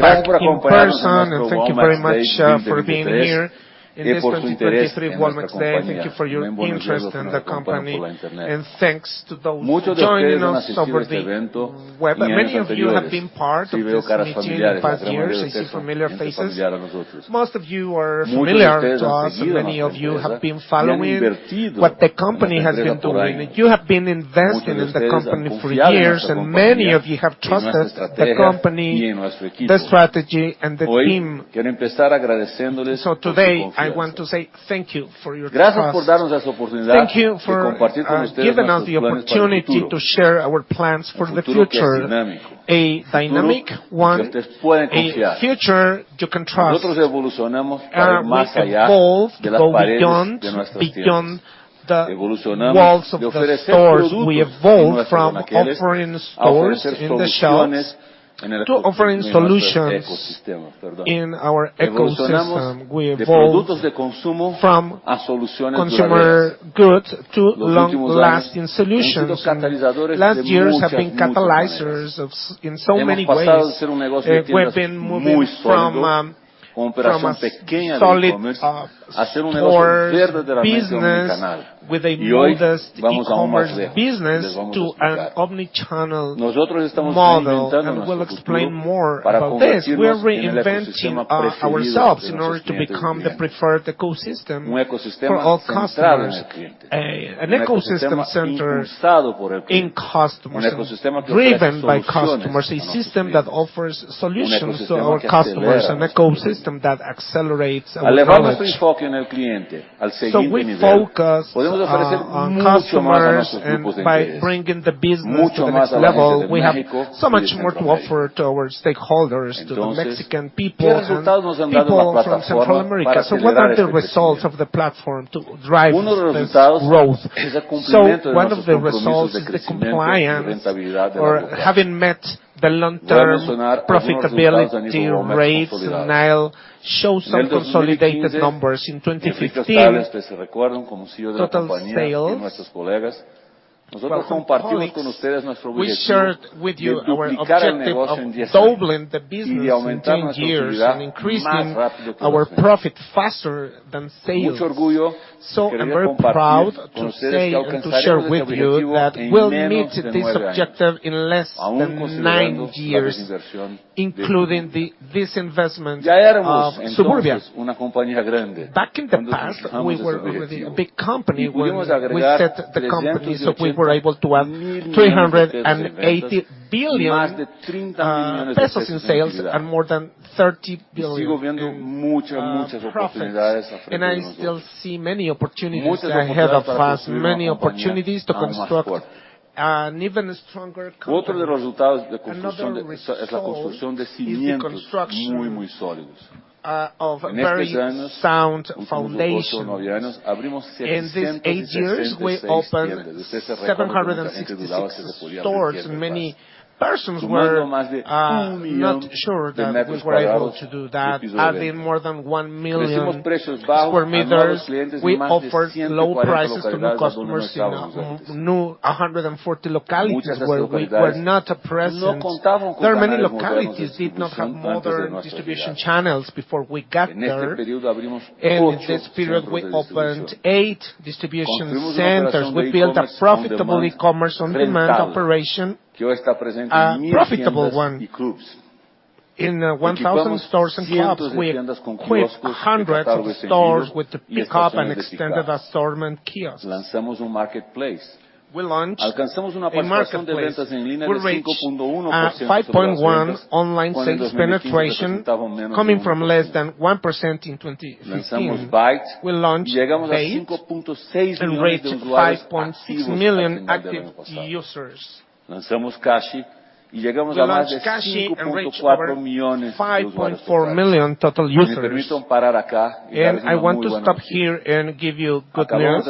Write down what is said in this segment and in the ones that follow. For those in person, thank you very much, for being here in this 2023 Walmex Day. Thank you for your interest in the company. Thanks to those joining us over the web. Many of you have been part of this meeting in past years. I see familiar faces. Most of you are familiar to us, and many of you have been following what the company has been doing. You have been investing in the company for years, and many of you have trusted the company, the strategy, and the team. Today, I want to say thank you for your trust. Thank you for giving us the opportunity to share our plans for the future, a dynamic one, a future you can trust. We evolve to go beyond the walls of the stores. We evolve from offering stores in the shelves to offering solutions in our ecosystem. We evolve from consumer goods to long-lasting solutions. Last years have been catalyzers in so many ways. We've been moving from a solid stores business with a modest e-commerce business to an omni-channel model. We'll explain more about this. We're reinventing ourselves in order to become the preferred ecosystem for all customers. An ecosystem centered in customers, driven by customers, a system that offers solutions to our customers, an ecosystem that accelerates our growth. We focus on customers. By bringing the business to the next level, we have so much more to offer to our stakeholders, to the Mexican people, and people from Central America. What are the results of the platform to drive this growth? One of the results is the compliance or having met the long-term profitability rates. I'll show some consolidated numbers. In 2015, total sales with our colleagues, we shared with you our objective of doubling the business in 10 years and increasing our profit faster than sales. I'm very proud to say and to share with you that we'll meet this objective in less than 9 years, including the disinvestment of Suburbia. Back in the past, we were the big company. When we set the company, so we were able to add 380 billion pesos in sales and more than 30 billion in profits. I still see many opportunities ahead of us, many opportunities to construct an even stronger company. Another result is the construction of very sound foundation. In these eight years, we opened 766 stores. Many persons were not sure that we were able to do that, adding more than 1 million square meters. We offered low prices to new customers in new 140 localities where we were not present. There are many localities that did not have modern distribution channels before we got there. In this period, we opened 8 distribution centers. We built a profitable e-commerce On Demand operation, a profitable one in 1,000 stores and clubs. We equipped hundreds of stores with the pickup and extended assortment kiosks. We launched a marketplace. We reached 5.1 online sales penetration coming from less than 1% in 2015. We launched BAIT and reached 5.6 million active users. We launched Cashi and reached over 5.4 million total users. I want to stop here and give you good news.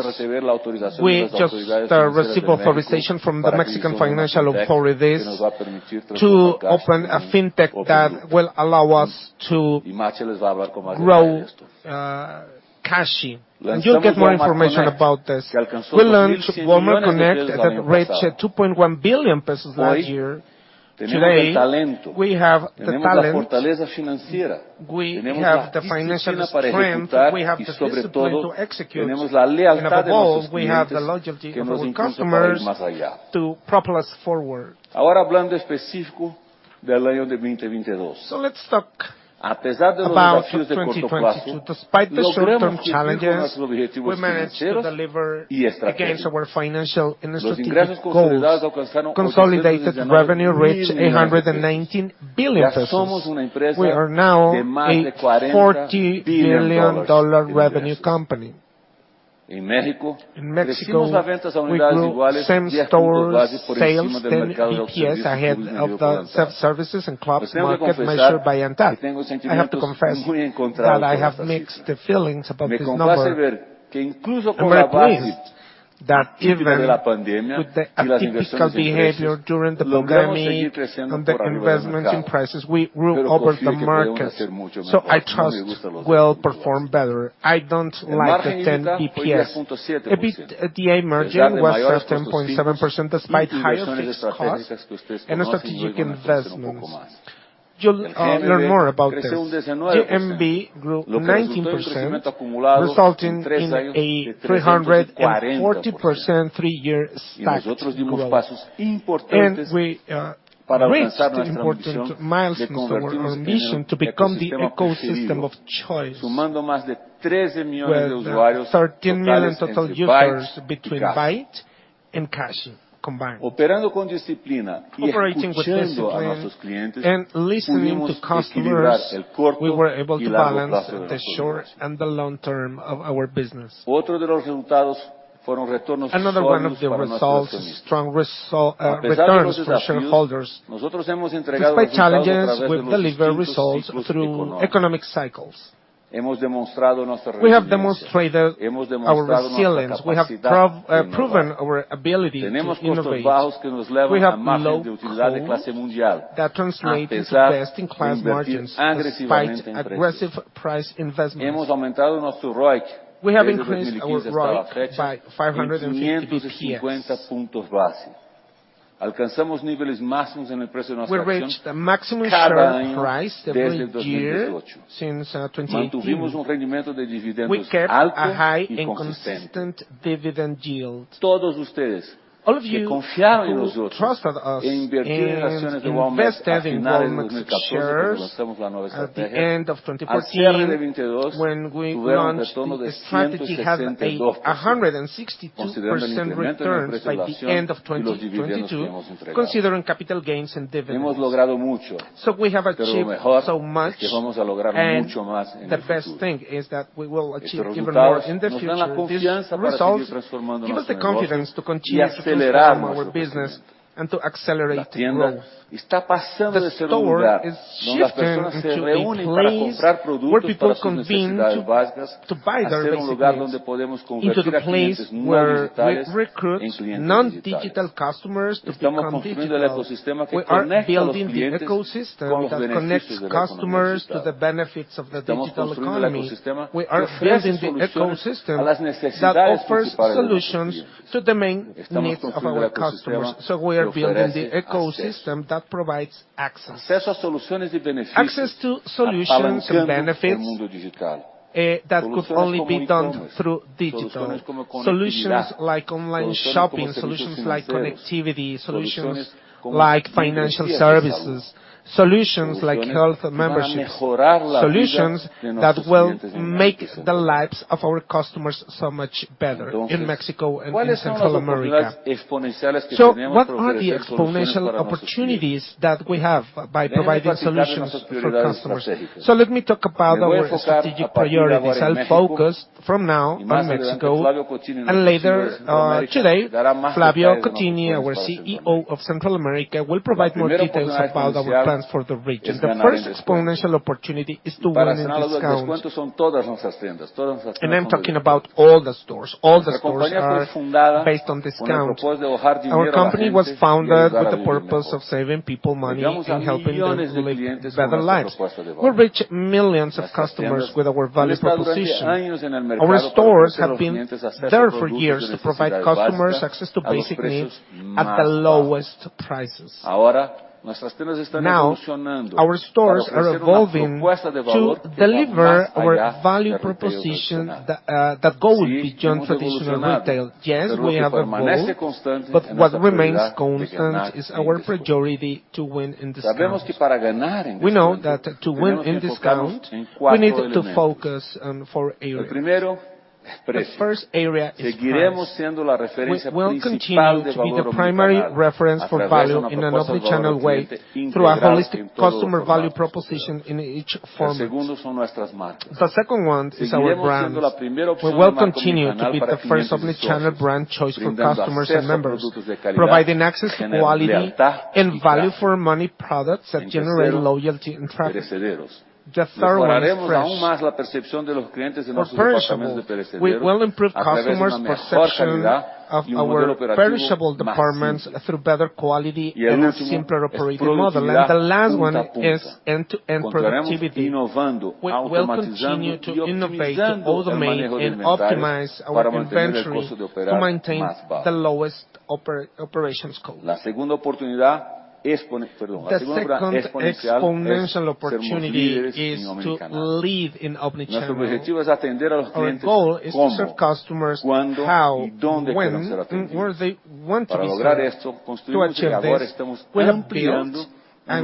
We just received authorization from the Mexican Financial Authorities to open a fintech that will allow us to grow Cashi. You'll get more information about this. We launched Walmart Connect that reached 2.1 billion pesos last year. Today, we have the talent, we have the financial strength, we have the discipline to execute. Above all, we have the loyalty of our customers to propel us forward. Let's talk about 2022. Despite the short-term challenges, we managed to deliver against our financial and strategic goals. Consolidated revenue reached 119 billion pesos. We are now a $40 billion revenue company. In Mexico, we grew same-stores sales and EPS ahead of the self-services and clubs market measured by ANTAD. I have to confess that I have mixed feelings about this number. at least that even with the atypical behavior during the pandemic and the investments in prices, we grew over the market. I trust we'll perform better. I don't like the 10 basis points. EBITDA margin was at 10.7% despite higher fixed costs and strategic investments. You'll learn more about this. GMV grew 19%, resulting in a 340% three-year stacked growth. We reached important milestones for our mission to become the ecosystem of choice with 13 million total users between BAIT and Cashi combined. Operating with discipline and listening to customers, we were able to balance the short- and the long-term of our business. Another one of the results, strong returns for shareholders. Despite challenges, we've delivered results through economic cycles. We have demonstrated our resilience. We have proven our ability to innovate. We have low cost that translate into best-in-class margins despite aggressive price investments. We have increased our ROIC by 550 basis points. We reached the maximum share price every year since 2018. We kept a high and consistent dividend yield. All of you who trusted us and invested in Walmex's shares at the end of 2014 when we launched the strategy had a 162% returns by the end of 2022, considering capital gains and dividends. We have achieved so much, and the best thing is that we will achieve even more in the future. These results give us the confidence to continue to transform our business and to accelerate growth. The store is shifting into the only place where people convene to buy their basic needs into the place where we recruit non-digital customers to become digital. We are building the ecosystem that connects customers to the benefits of the digital economy. We are building the ecosystem that offers solutions to the main needs of our customers, we are building the ecosystem that provides access. Access to solutions and benefits, that could only be done through digital. Solutions like online shopping, solutions like connectivity, solutions like financial services, solutions like health memberships, solutions that will make the lives of our customers so much better in Mexico and Central America. What are the exponential opportunities that we have by providing solutions for customers? Let me talk about our strategic priorities and focus from now on Mexico and later today, Flavio Cotini, our CEO of Central America, will provide more details about our plans for the region. The first exponential opportunity is to win in discounts. I'm talking about all the stores. All the stores are based on discounts. Our company was founded with the purpose of saving people money and helping them live better lives. We reach millions of customers with our value proposition. Our stores have been there for years to provide customers access to basic needs at the lowest prices. Now, our stores are evolving to deliver our value proposition that go beyond traditional retail. Yes, we have evolved, but what remains constant is our priority to win in discounts. We know that to win in discounts, we need to focus on four areas. The first area is price. We'll continue to be the primary reference for value in an omni-channel way through a holistic customer value proposition in each format. The second one is our brands. We will continue to be the first omni-channel brand choice for customers and members, providing access to quality and value-for-money products that generate loyalty and traffic. The third one is fresh. For perishable, we will improve customers' perception of our perishable departments through better quality and a simpler operating model. The last one is end-to-end productivity. We will continue to innovate the whole domain and optimize our inventory to maintain the lowest operations cost. The second exponential opportunity is to lead in omni-channel. Our goal is to serve customers how, when, where they want to be served. To achieve this, we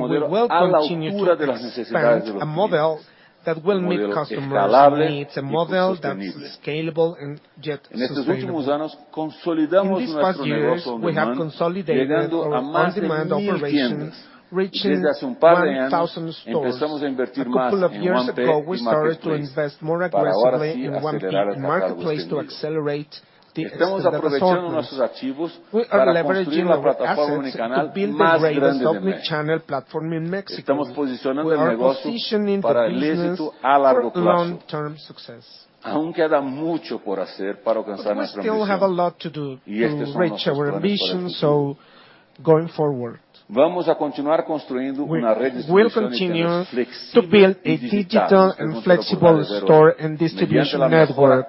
will continue to expand a model that will meet customers' needs, a model that's scalable and yet sustainable. In these past years, we have consolidated our On Demand operations, reaching 1,000 stores. A couple of years ago, we started to invest more aggressively in OnePe and Marketplace to accelerate this, the results. We are leveraging our assets to build the greatest omni-channel platform in Mexico. We are positioning the business for long-term success. We still have a lot to do to reach our ambition. Going forward, we'll continue to build a digital and flexible store and distribution network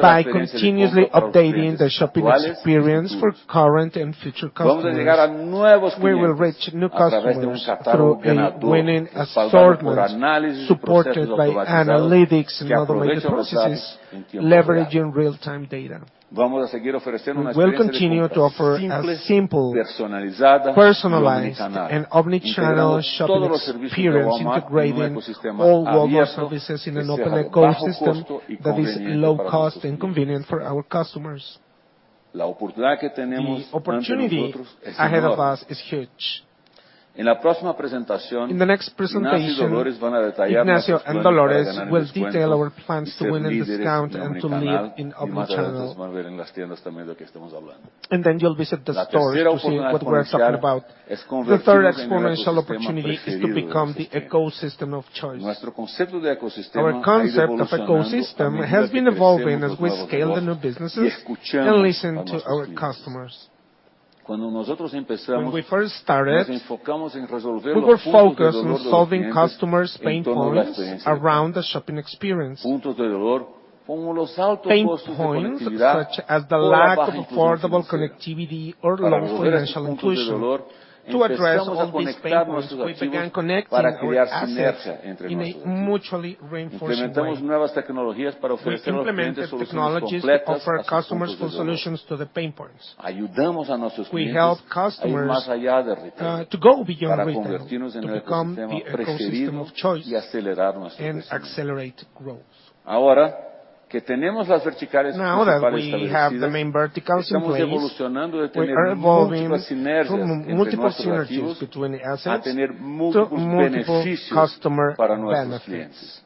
by continuously updating the shopping experience for current and future customers. We will reach new customers through a winning assortment, supported by analytics and automated processes, leveraging real-time data. We will continue to offer a simple, personalized, and omni-channel shopping experience, integrating all Walmart services in an open ecosystem that is low cost and convenient for our customers. The opportunity ahead of us is huge. In the next presentation, Ignacio and Dolores will detail our plans to win in discount and to lead in omni-channel. You'll visit the store to see what we are talking about. The third exponential opportunity is to become the ecosystem of choice. Our concept of ecosystem has been evolving as we scale the new businesses and listen to our customers. When we first started, we were focused on solving customers' pain points around the shopping experience. Pain points such as the lack of affordable connectivity or low financial inclusion. To address all these pain points, we began connecting our assets in a mutually reinforced way. We implemented technologies to offer customers full solutions to the pain points. We help customers to go beyond retail, to become the ecosystem of choice and accelerate growth. Now that we have the main verticals in place, we are evolving from multiple synergies between the assets to multiple customer benefits.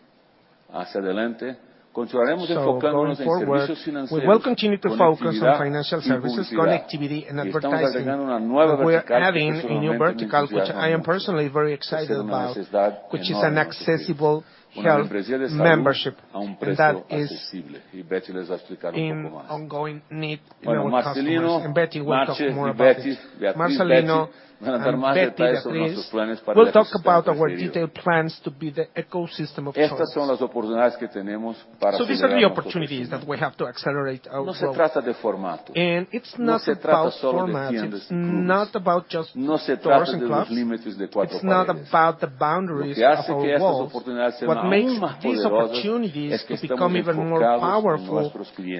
Going forward, we will continue to focus on financial services, connectivity, and advertising. We're adding a new vertical, which I am personally very excited about, which is an accessible health membership, and that is in ongoing need in our customers. Betty will talk more about it. Marcelino and Betty, at least, will talk about our detailed plans to be the ecosystem of choice. These are the opportunities that we have to accelerate our growth. It's not about format, it's not about just stores and clubs. It's not about the boundaries of our walls. What makes these opportunities to become even more powerful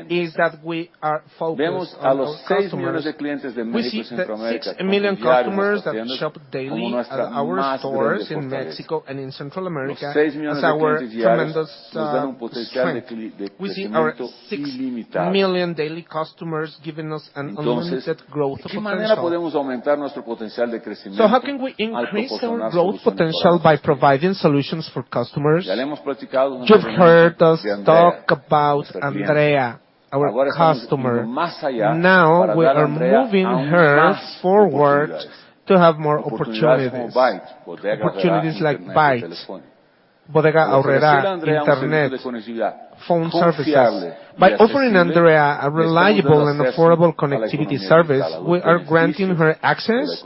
is that we are focused on our customers. We see the 6 million customers that shop daily at our stores in Mexico and in Central America as our tremendous strength. We see our 6 million daily customers giving us an unlimited growth potential. How can we increase our growth potential by providing solutions for customers? You've heard us talk about Andrea, our customer. Now we are moving her forward to have more opportunities. Opportunities like BAIT, Bodega Aurrerá, internet, phone services. By offering Andrea a reliable and affordable connectivity service, we are granting her access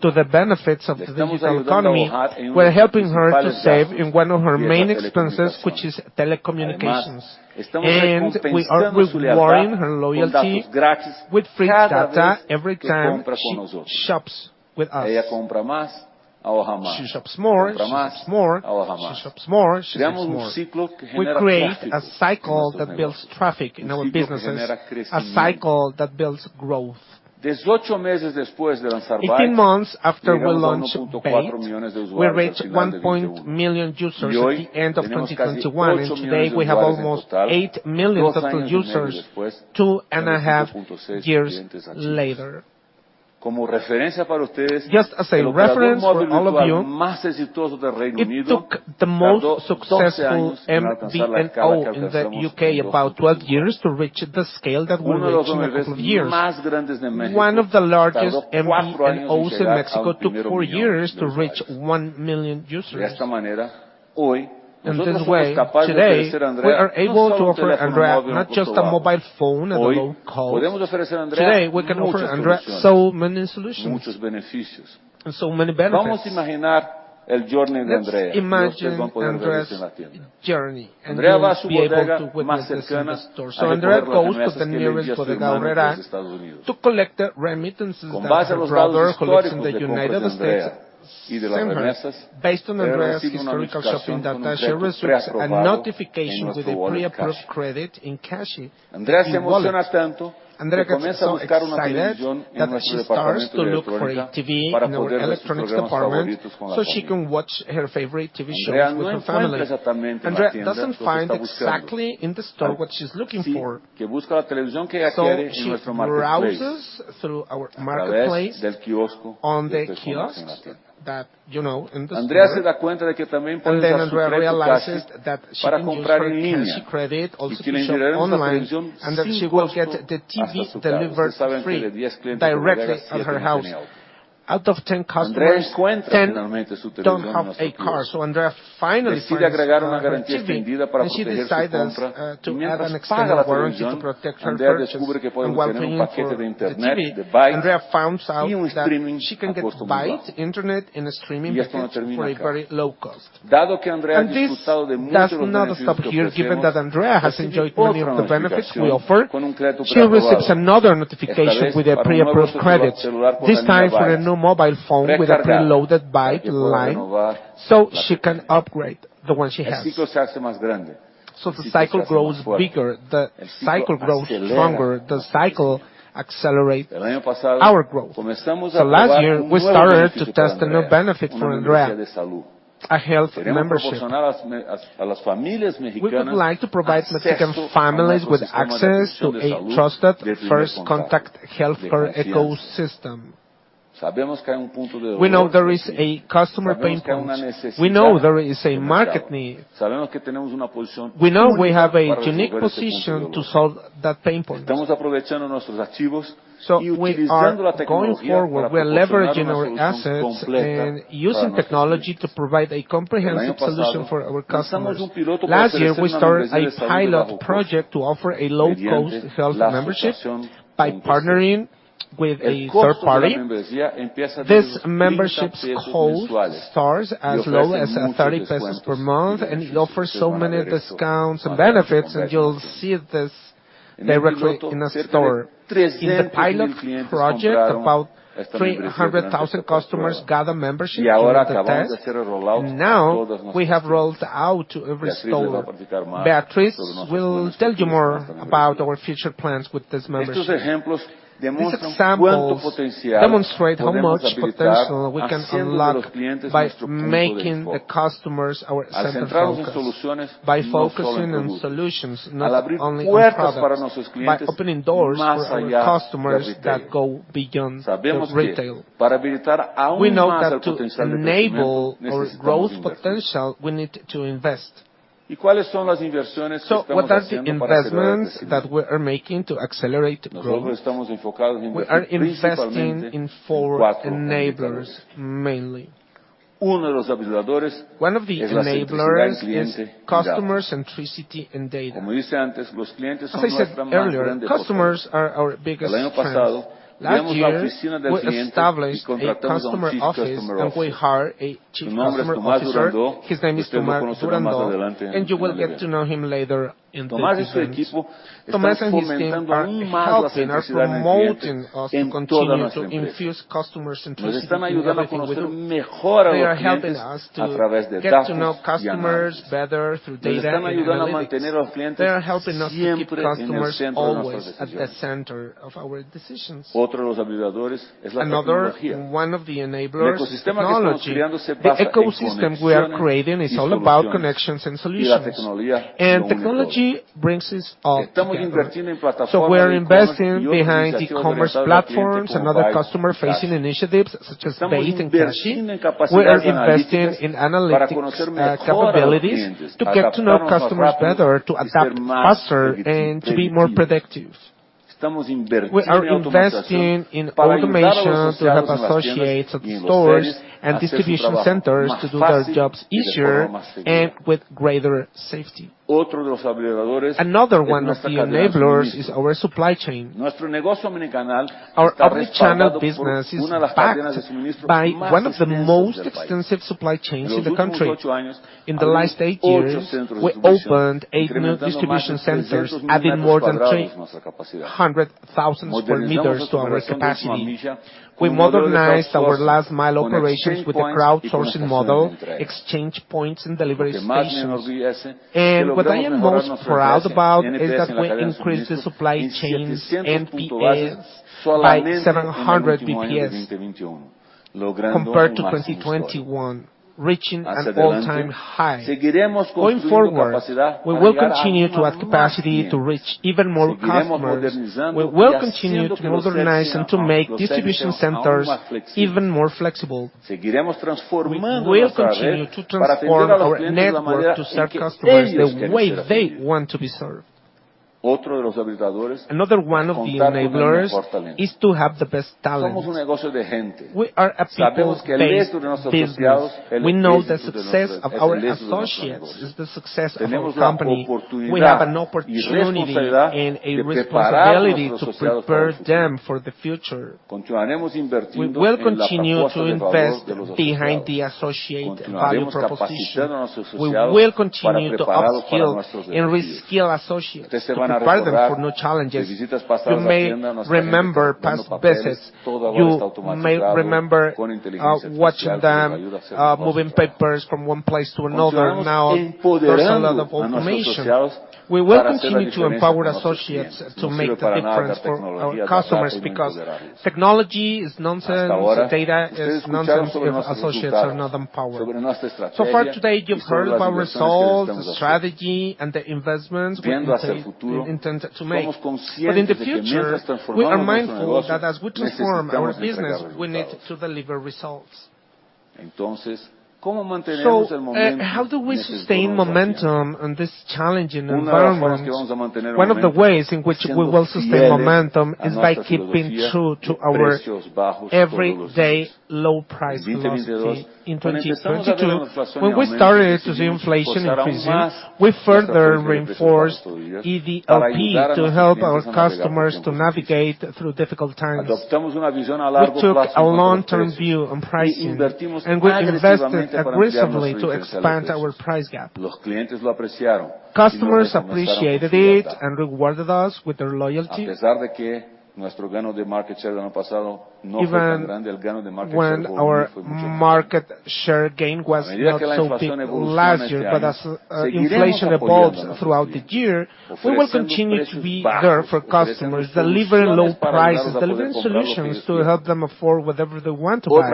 to the benefits of the digital economy. We're helping her to save in one of her main expenses, which is telecommunications. We are rewarding her loyalty with free data every time she shops with us. She shops more, she saves more. She shops more, she saves more. We create a cycle that builds traffic in our businesses, a cycle that builds growth. 18 months after we launched BAIT, we reached 1 million users at the end of 2021, and today we have almost 8 million users two and a half years later. Just as a reference for all of you, it took the most successful MVNO in the U.K. about 12 years to reach the scale that we reached in a couple of years. One of the largest MVNOs in Mexico took four years to reach 1 million users. In this way, today, we are able to offer Andrea not just a mobile phone at a low cost. Today, we can offer Andrea so many solutions and so many benefits. Let's imagine Andrea's journey, and you'll be able to witness this in the store. Andrea goes to the nearest Bodega Aurrerá to collect the remittances that her brother collects in the United States. September, based on Andrea's historical shopping data, she receives a notification with a pre-approved credit in Cashi and wallet. Andrea gets so excited that she starts to look for a TV in our electronics department so she can watch her favorite TV shows with her family. Andrea doesn't find exactly in the store what she's looking for, she browses through our marketplace on the kiosk that, you know, in the store. Andrea realizes that she can use her Cashi credit also to shop online, and that she will get the TV delivered free directly at her house. Out of 10 customers, 10 don't have a car. Andrea finally finds her TV, and she decides to add an extended warranty to protect her purchase. While paying for the TV, Andrea finds out that she can get BAIT internet and a streaming package for a very low cost. This does not stop here. Given that Andrea has enjoyed many of the benefits we offer, she receives another notification with a pre-approved credit, this time for a new mobile phone with a preloaded BAIT line, so she can upgrade the one she has. The cycle grows bigger, the cycle grows stronger, the cycle accelerate our growth. Last year, we started to test a new benefit for Andrea, a healthcare membership. We would like to provide Mexican families with access to a trusted first contact healthcare ecosystem. We know there is a customer pain point. We know there is a market need. We know we have a unique position to solve that pain point. We are going forward. We are leveraging our assets and using technology to provide a comprehensive solution for our customers. Last year, we started a pilot project to offer a low-cost health membership by partnering with a third party. This membership cost starts as low as 30 pesos per month, and it offers so many discounts and benefits, and you'll see this directly in a store. In the pilot project, about 300,000 customers got a membership in the test. Now we have rolled out to every store. Beatriz will tell you more about our future plans with this membership. These examples demonstrate how much potential we can unlock by making the customers our central focus, by focusing on solutions, not only on products, by opening doors for our customers that go beyond the retail. We know that to enable our growth potential, we need to invest. What are the investments that we are making to accelerate growth? We are investing in four enablers, mainly. One of the enablers is customer centricity and data. As I said earlier, customers are our biggest fans. Last year, we established a customer office, and we hired a chief customer officer. His name is Tomás Durandeau, and you will get to know him later in the presentation. Tomás and his team are helping, are promoting us to continue to infuse customer centricity in everything we do. They are helping us to get to know customers better through data and analytics. They are helping us to keep customers always at the center of our decisions. Another one of the enablers: technology. The ecosystem we are creating is all about connections and solutions, and technology brings this all together. We are investing behind e-commerce platforms and other customer-facing initiatives such as BAIT and Cashi. We are investing in analytics capabilities to get to know customers better, to adapt faster and to be more predictive. We are investing in automation to help associates at stores and distribution centers to do their jobs easier and with greater safety. Another one of the enablers is our supply chain. Our omni-channel business is backed by one of the most extensive supply chains in the country. In the last eight years, we opened eight new distribution centers, adding more than 200,000 square meters to our capacity. We modernized our last mile operations with a crowdsourcing model, exchange points and delivery stations. What I am most proud about is that we increased the supply chain's MPAs by 700 basis points compared to 2021, reaching an all-time high. Going forward, we will continue to add capacity to reach even more customers. We will continue to modernize and to make distribution centers even more flexible. We will continue to transform our network to serve customers the way they want to be served. Another one of the enablers is to have the best talents. We are a people-based business. We know the success of our associates is the success of our company. We have an opportunity and a responsibility to prepare them for the future. We will continue to invest behind the associate value proposition. We will continue to upskill and reskill associates to prepare them for new challenges. You may remember past visits. You may remember, watching them, moving papers from one place to another. Now, there's a lot of automation. We will continue to empower associates to make the difference for our customers because technology is nonsense, data is nonsense if associates are not empowered. So far today, you've heard about results, strategy, and the investments we intend to make. In the future, we are mindful that as we transform our business, we need to deliver results. How do we sustain momentum in this challenging environment? One of the ways in which we will sustain momentum is by keeping true to our Everyday Low Price philosophy. In 2022, when we started to see inflation increasing, we further reinforced EDLP to help our customers to navigate through difficult times. We took a long-term view on pricing, and we invested aggressively to expand our price gap. Customers appreciated it and rewarded us with their loyalty. Even when our market share gain was not so big last year. As inflation evolves throughout the year, we will continue to be there for customers, deliver low prices, delivering solutions to help them afford whatever they want to buy.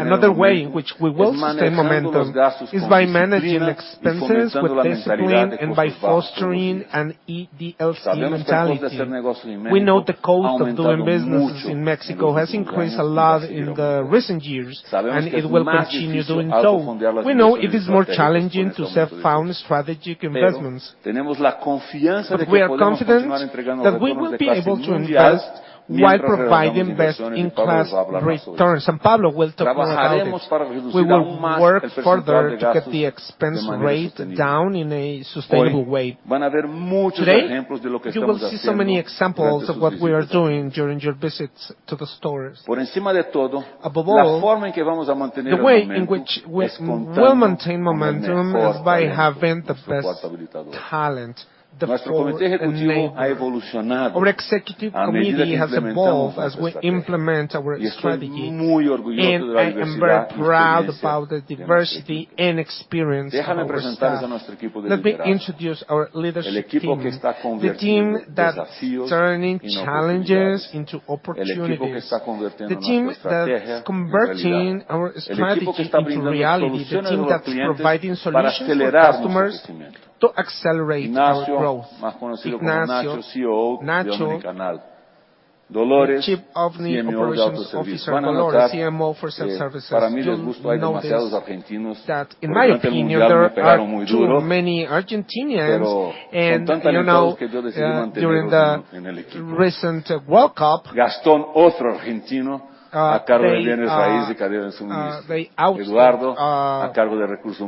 Another way in which we will sustain momentum is by managing expenses with discipline and by fostering an EDLC mentality. We know the cost of doing businesses in Mexico has increased a lot in the recent years, and it will continue doing so. We know it is more challenging to self-fund strategic investments. We are confident that we will be able to invest while providing best-in-class returns. Pablo will talk more about it. We will work further to get the expense rate down in a sustainable way. Today, you will see so many examples of what we are doing during your visits to the stores. Above all, the way in which we will maintain momentum is by having the best talent, the fourth enabler. Our executive committee has evolved as we implement our strategy. I am very proud about the diversity and experience of our staff. Let me introduce our leadership team, the team that's turning challenges into opportunities, the team that's converting our strategy into reality, the team that's providing solutions for customers to accelerate our growth. Ignacio, Nacho, Chief Operating Officer. Dolores, CMO for self-services. You'll notice that in my opinion, there are too many Argentinians, you know, during the recent World Cup, they outstand.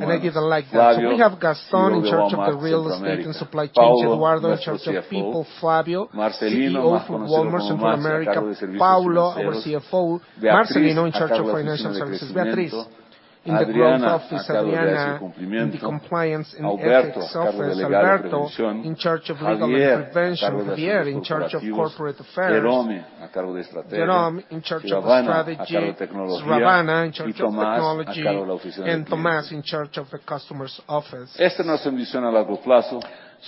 I didn't like that. We have Gaston in charge of the real estate and supply chains. Eduardo, in charge of people. Fabio, CFO for Walmex North America. Paulo, our CFO. Marcelino, in charge of financial services. Beatriz in the growth office. Adriana in the compliance and ethics office. Alberto in charge of legal and prevention. Javier in charge of corporate affairs. Jerome in charge of strategy. Sravana in charge of technology. Tomás in charge of the Customer Office.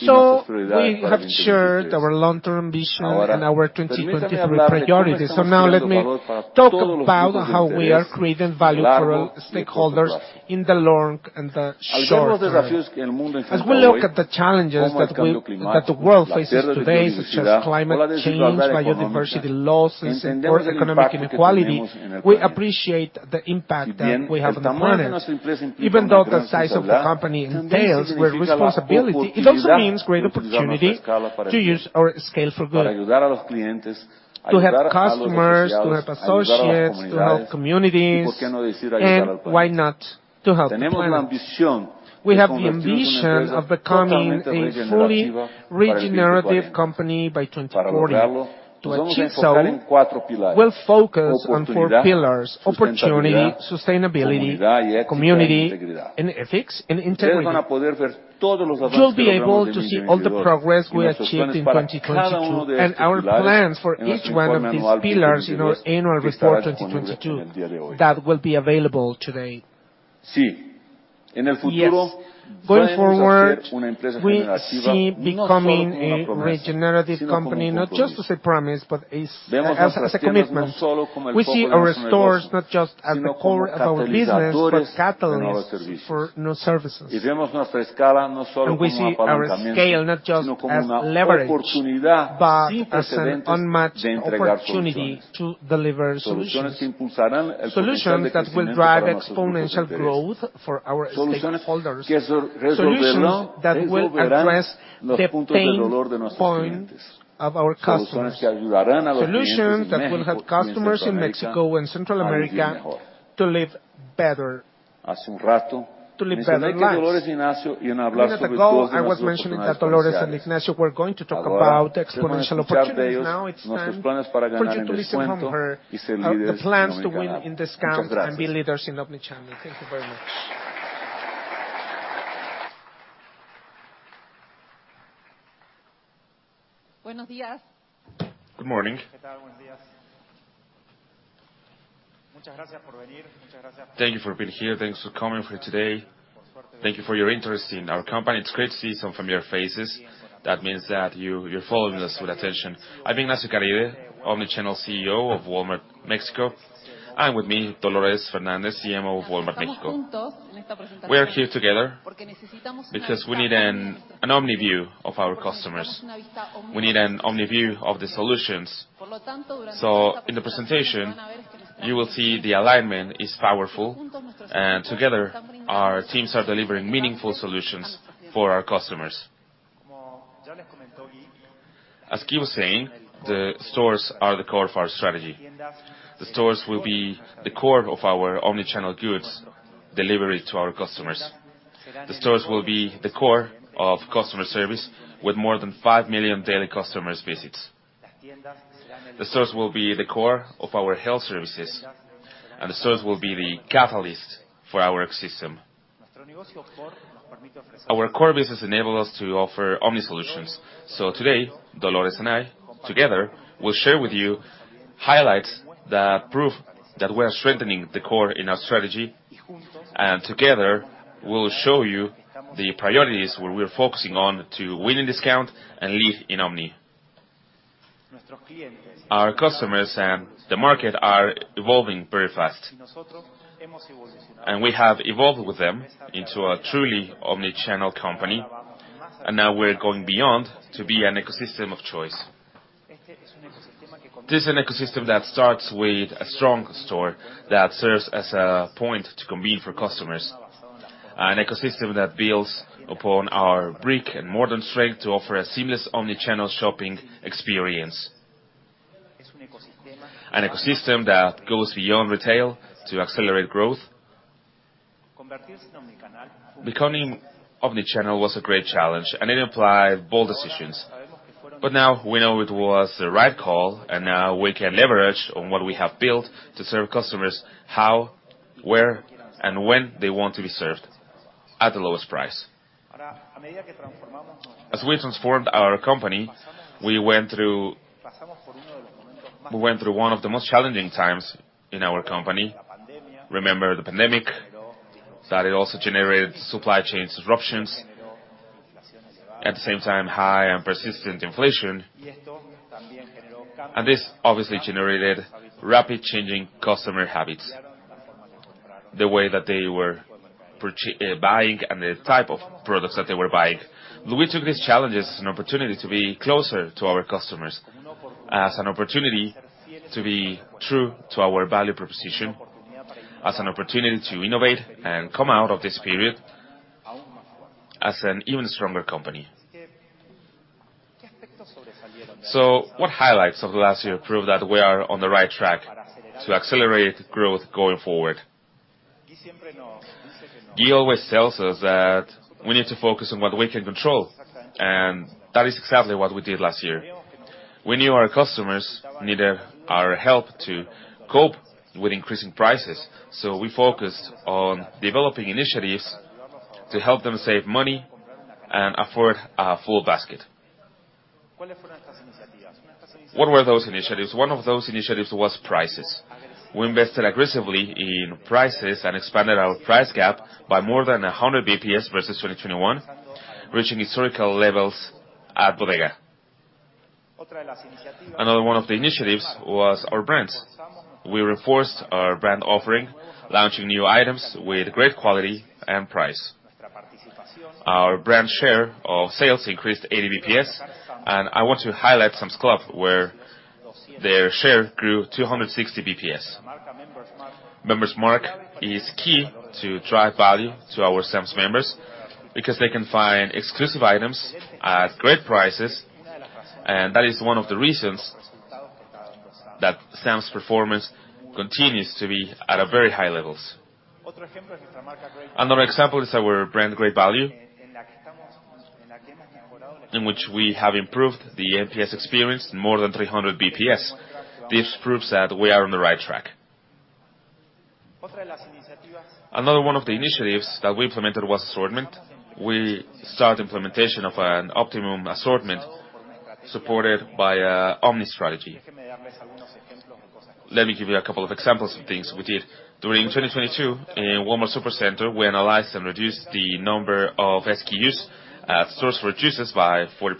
We have shared our long-term vision and our 2023 priorities. Now let me talk about how we are creating value for our stakeholders in the long and the short term. As we look at the challenges that the world faces today, such as climate change, biodiversity losses, and poor economic inequality, we appreciate the impact that we have on the planet. Even though the size of the company entails where responsibility, it also means great opportunity to use our scale for good, to help customers, to help associates, to help communities, and why not to help the planet? We have the ambition of becoming a fully regenerative company by 2040. To achieve so, we'll focus on four pillars: opportunity, sustainability, community, and ethics and integrity. You'll be able to see all the progress we achieved in 2022 and our plans for each one of these pillars in our annual report 2022 that will be available today. Yes. Going forward, we see becoming a regenerative company, not just as a promise, but as a commitment. We see our stores not just as the core of our business, but catalysts for new services. We see our scale not just as leverage, but as an unmatched opportunity to deliver solutions. Solutions that will drive exponential growth for our stakeholders. Solutions that will address the pain point of our customers. Solutions that will help customers in Mexico and Central America to live better, to live better lives. In that goal, I was mentioning that Dolores and Ignacio were going to talk about exponential opportunities. Now it's time for you to listen from her, the plans to win in discount and be leaders in omni-channel. Thank you very much. Good morning. Thank you for being here. Thanks for coming here today. Thank you for your interest in our company. It's great to see some familiar faces. That means that you're following us with attention. I'm Ignacio Caride, Omni-channel CEO of Walmart de México. With me, Dolores Fernandez, CMO of Walmart de México. We are here together because we need an omni-view of our customers. We need an omni view of the solutions. In the presentation, you will see the alignment is powerful. Together, our teams are delivering meaningful solutions for our customers. As Gui was saying, the stores are the core of our strategy. The stores will be the core of our omni-channel goods delivery to our customers. The stores will be the core of customer service with more than 5 million daily customers visits. The stores will be the core of our health services, the stores will be the catalyst for our ecosystem. Our core business enable us to offer omni-solutions. Today, Dolores and I, together, will share with you highlights that prove that we are strengthening the core in our strategy. Together, we'll show you the priorities, where we're focusing on to Win in Discount and lead in omni. Our customers and the market are evolving very fast. We have evolved with them into a truly omni-channel company, and now we're going beyond to be an ecosystem of choice. This is an ecosystem that starts with a strong store that serves as a point to convene for customers, an ecosystem that builds upon our brick-and-mortar strength to offer a seamless omni-channel shopping experience. An ecosystem that goes beyond retail to accelerate growth. Becoming omni-channel was a great challenge, and it implied bold decisions. Now we know it was the right call, and now we can leverage on what we have built to serve customers, how, where, and when they want to be served, at the lowest price. As we transformed our company, we went through one of the most challenging times in our company. Remember the pandemic, that it also generated supply chain disruptions. At the same time, high and persistent inflation. This obviously generated rapid changing customer habits, the way that they were buying and the type of products that they were buying. We took these challenges as an opportunity to be closer to our customers, as an opportunity to be true to our value proposition, as an opportunity to innovate and come out of this period as an even stronger company. What highlights of last year prove that we are on the right track to accelerate growth going forward? Gui always tells us that we need to focus on what we can control, that is exactly what we did last year. We knew our customers needed our help to cope with increasing prices, we focused on developing initiatives to help them save money and afford a full basket. What were those initiatives? One of those initiatives was prices. We invested aggressively in prices and expanded our price gap by more than 100 basis points versus 2021, reaching historical levels at Bodega. Another one of the initiatives was our brands. We reinforced our brand offering, launching new items with great quality and price. Our brand share of sales increased 80 basis points, I want to highlight Sam's Club, where their share grew 260 basis points. Member's Mark is key to drive value to our Sam's members because they can find exclusive items at great prices. That is one of the reasons that Sam's performance continues to be at a very high levels. Another example is our brand, Great Value, in which we have improved the NPS experience more than 300 basis points. This proves that we are on the right track. Another one of the initiatives that we implemented was assortment. We start implementation of an optimum assortment supported by omni strategy. Let me give you a couple of examples of things we did. During 2022, in Walmart Supercenter, we analyzed and reduced the number of SKUs at stores reduces by 40%.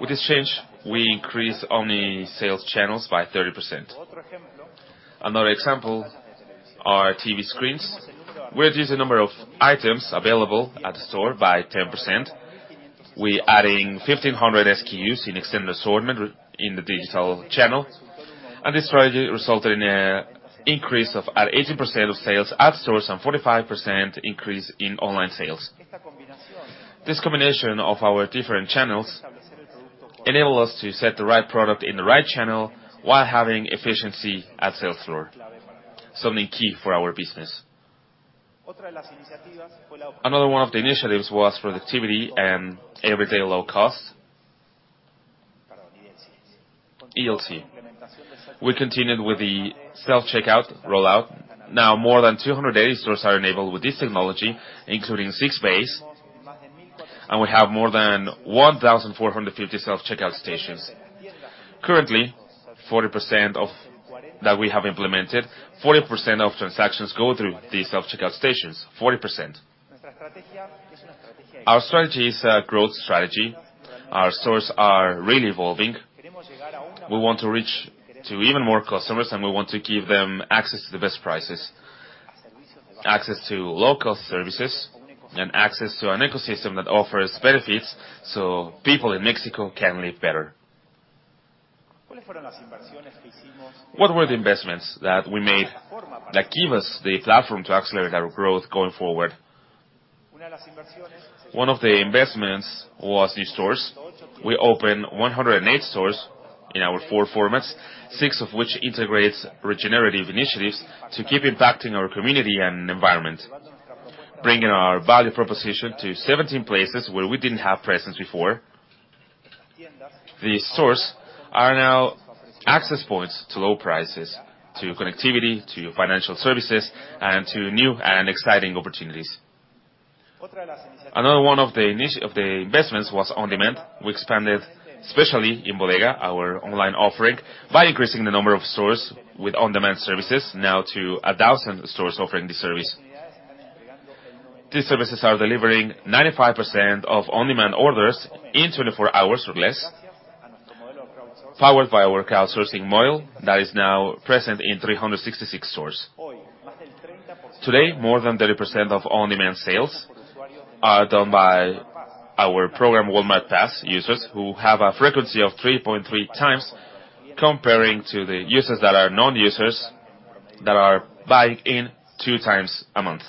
With this change, we increased only sales channels by 30%. Another example are TV screens. We reduced the number of items available at the store by 10%. We adding 1,500 SKUs in extended assortment in the digital channel. This strategy resulted in a increase of at 18% of sales at stores and 45% increase in online sales. This combination of our different channels enable us to set the right product in the right channel while having efficiency at sales floor, something key for our business. Another one of the initiatives was productivity and Everyday Low Cost. ELC. We continued with the Self-Checkout Rollout. Now more than 200 daily stores are enabled with this technology, including six base. We have more than 1,450 Self-Checkout Stations. Currently, that we have implemented, 40% of transactions go through the Self-Checkout Stations. 40%. Our strategy is a growth strategy. Our stores are really evolving. We want to reach to even more customers. We want to give them access to the best prices, access to low-cost services, and access to an ecosystem that offers benefits so people in Mexico can live better. What were the investments that we made that give us the platform to accelerate our growth going forward? One of the investments was these stores. We opened 108 stores in our four formats, six of which integrates regenerative initiatives to keep impacting our community and environment, bringing our value proposition to 17 places where we didn't have presence before. The stores are now access points to low prices, to connectivity, to financial services, and to new and exciting opportunities. Another one of the investments was On Demand. We expanded, especially in Bodega, our online offering, by increasing the number of stores with On Demand services now to 1,000 stores offering this service. These services are delivering 95% of On Demand orders in 24 hours or less, powered by our crowdsourcing model that is now present in 366 stores. Today, more than 30% of On Demand sales are done by our program, Walmart Pass users, who have a frequency of 3.3 times comparing to the users that are non-users that are buying in two times a month.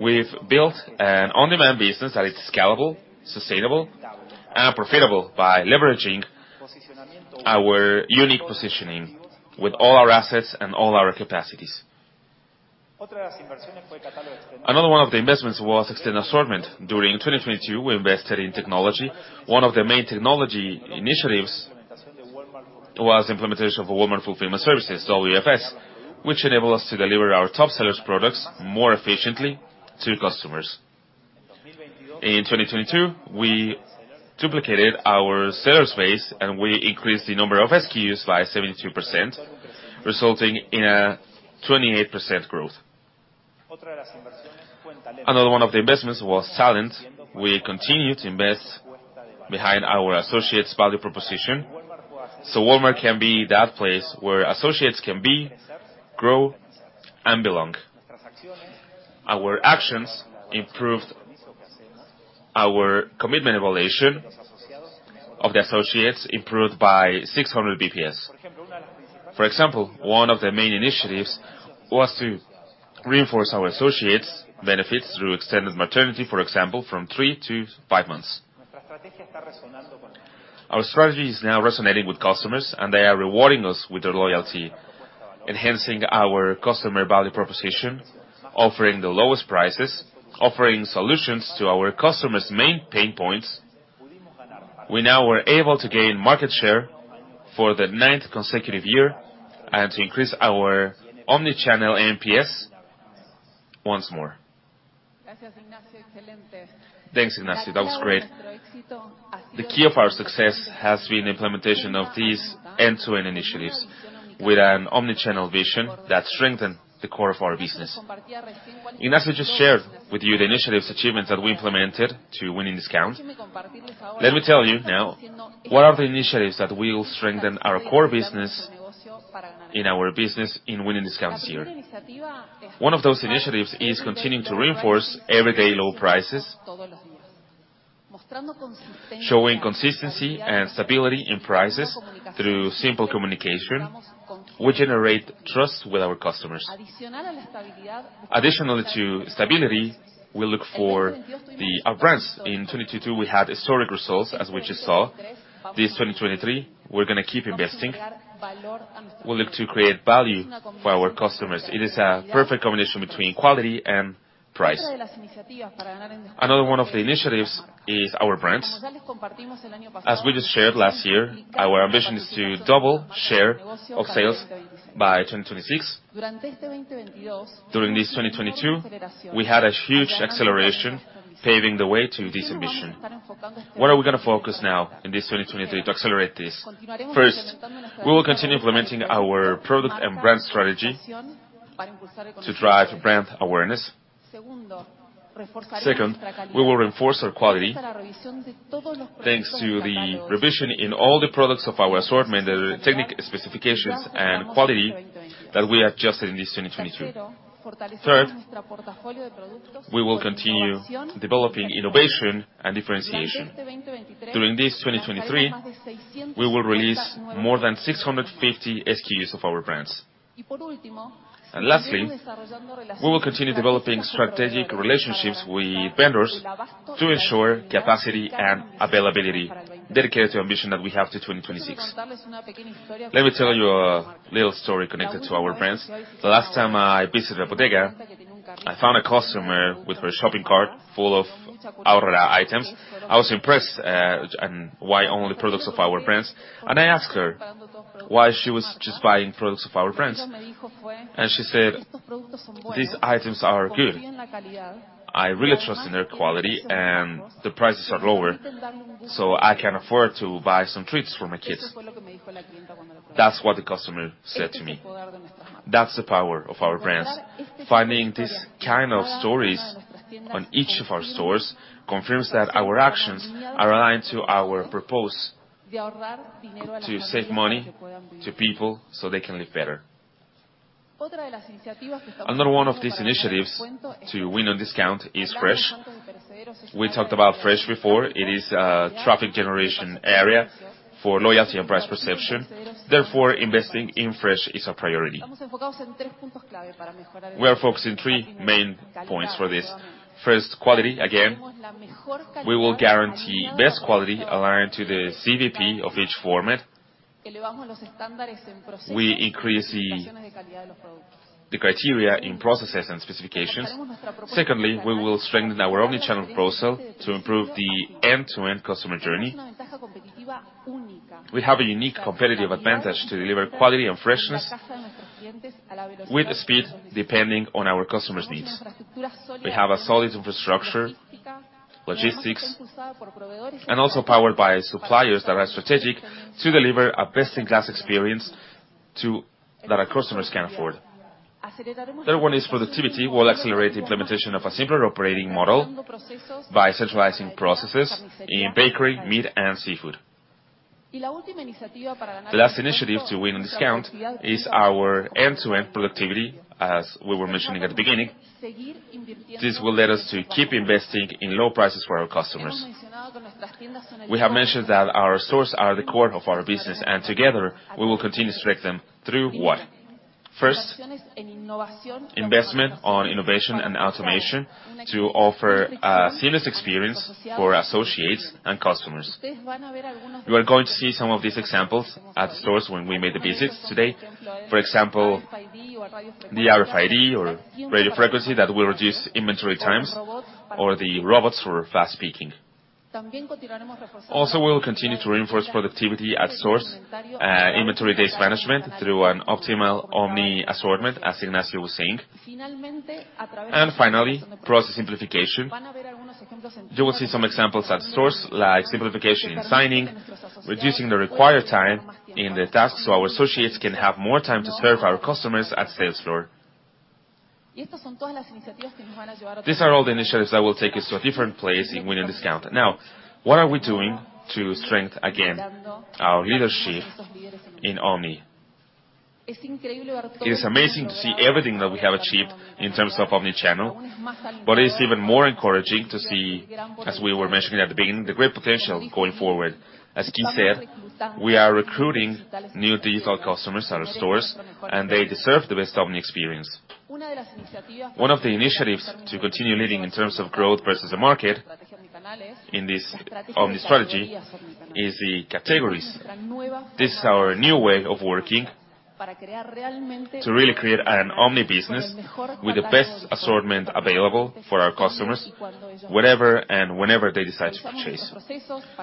We've built an On Demand business that is scalable, sustainable, and profitable by leveraging our unique positioning with all our assets and all our capacities. Another one of the investments was extend assortment. During 2022, we invested in technology. One of the main technology initiatives was implementation of Walmart Fulfillment Services, WFS, which enable us to deliver our top sellers products more efficiently to customers. In 2022, we duplicated our sellers base, and we increased the number of SKUs by 72%, resulting in a 28% growth. Another one of the investments was talent. We continue to invest behind our associates value proposition, so Walmart can be that place where associates can be, grow, and belong. Our actions improved our commitment evaluation of the associates, improved by 600 BPS. For example, one of the main initiatives was to reinforce our associates benefits through extended maternity, for example, from three to five months. Our strategy is now resonating with customers, and they are rewarding us with their loyalty, enhancing our customer value proposition, offering the lowest prices, offering solutions to our customers' main pain points. We now are able to gain market share for the ninth consecutive year and to increase our omni-channel NPS once more. Thanks, Ignacio. That was great. The key of our success has been the implementation of these end-to-end initiatives with an omni-channel vision that strengthen the core of our business. Ignacio just shared with you the initiatives achievements that we implemented to Win In Discount. Let me tell you now what are the initiatives that will strengthen our core business in our business in Win in Discounts year. One of those initiatives is continuing to reinforce Everyday Low Prices, showing consistency and stability in prices through simple communication. We generate trust with our customers. Additionally to stability, we look for our brands. In 2022, we had historic results, as we just saw. This 2023, we're gonna keep investing. We look to create value for our customers. It is a perfect combination between quality and price. Another one of the initiatives is our brands. As we just shared last year, our ambition is to double share of sales by 2026. During this 2022, we had a huge acceleration, paving the way to this ambition. What are we gonna focus now in this 2023 to accelerate this? First, we will continue implementing our product and brand strategy to drive brand awareness. Second, we will reinforce our quality thanks to the revision in all the products of our assortment, the technical specifications and quality that we adjusted in this 2022. Third, we will continue developing innovation and differentiation. During this 2023, we will release more than 650 SKUs of our brands. Lastly, we will continue developing strategic relationships with vendors to ensure capacity and availability dedicated to ambition that we have to 2026. Let me tell you a little story connected to our brands. The last time I visited a Bodega, I found a customer with her shopping cart full of Aurora items. I was impressed, and why only products of our brands, and I asked her why she was just buying products of our brands. She said, "These items are good. I really trust in their quality, and the prices are lower, so I can afford to buy some treats for my kids." That's what the customer said to me. That's the power of our brands. Finding these kind of stories on each of our stores confirms that our actions are aligned to our purpose, to save money to people so they can live better. Another one of these initiatives to win on discount is fresh. We talked about fresh before. It is a traffic generation area for loyalty and price perception. Investing in fresh is a priority. We are focused on three main points for this. First, quality. Again, we will guarantee best quality aligned to the CVP of each format. We increase the criteria in processes and specifications. We will strengthen our omni-channel process to improve the end-to-end customer journey. We have a unique competitive advantage to deliver quality and freshness with speed depending on our customers' needs. We have a solid infrastructure, logistics, and also powered by suppliers that are strategic to deliver a best-in-class experience that our customers can afford. Third one is productivity. We'll accelerate the implementation of a simpler operating model by centralizing processes in bakery, meat, and seafood. The last initiative to win on discount is our end-to-end productivity, as we were mentioning at the beginning. This will lead us to keep investing in low prices for our customers. We have mentioned that our stores are the core of our business. Together we will continue to strengthen through what? First, investment on innovation and automation to offer a seamless experience for associates and customers. You are going to see some of these examples at stores when we made the visits today. For example, the RFID or radio frequency that will reduce inventory times or the robots for fast picking. Also, we will continue to reinforce productivity at source, inventory days management through an optimal omni assortment, as Ignacio was saying. Finally, process simplification. You will see some examples at stores like simplification in signing, reducing the required time in the tasks, so our associates can have more time to serve our customers at sales floor. These are all the initiatives that will take us to a different place in Win in Discount. What are we doing to strengthen again our leadership in Omni? It is amazing to see everything that we have achieved in terms of omni-channel, but it's even more encouraging to see, as we were mentioning at the beginning, the great potential going forward. As Gui said, we are recruiting new digital customers at our stores, and they deserve the best omni-experience. One of the initiatives to continue leading in terms of growth versus the market in this omni strategy is the categories. This is our new way of working to really create an omni-business with the best assortment available for our customers, whatever and whenever they decide to purchase.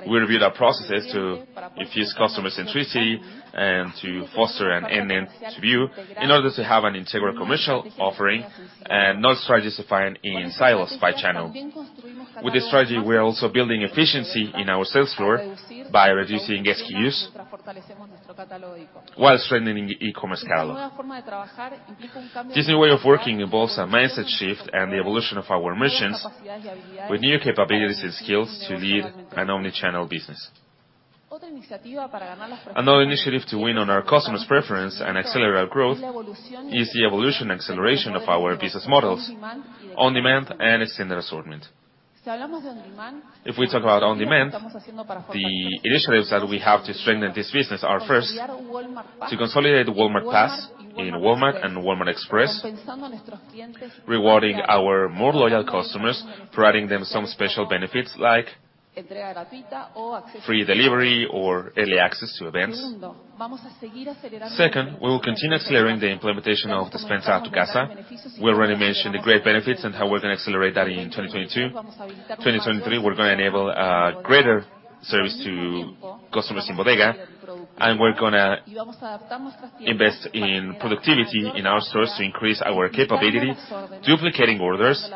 We review their processes to infuse customer centricity and to foster an end-to-end view in order to have an integral commercial offering and not strategies defined in silos by channel. With this strategy, we are also building efficiency in our sales floor by reducing SKUs while strengthening e-commerce catalog. This new way of working involves a mindset shift and the evolution of our missions with new capabilities and skills to lead an omni-channel business. Another initiative to win on our customers preference and accelerate our growth is the evolution and acceleration of our business models On Demand and extended assortment. If we talk about On Demand, the initiatives that we have to strengthen this business are, first, to consolidate Walmart Pass in Walmart and Walmart Express, rewarding our more loyal customers, providing them some special benefits like free delivery or early access to events. Second, we will continue accelerating the implementation of Despensa a tu Casa. We already mentioned the great benefits and how we're gonna accelerate that in 2022. 2023, we're gonna enable greater service to customers in Bodega, and we're gonna invest in productivity in our stores to increase our capability, duplicating orders,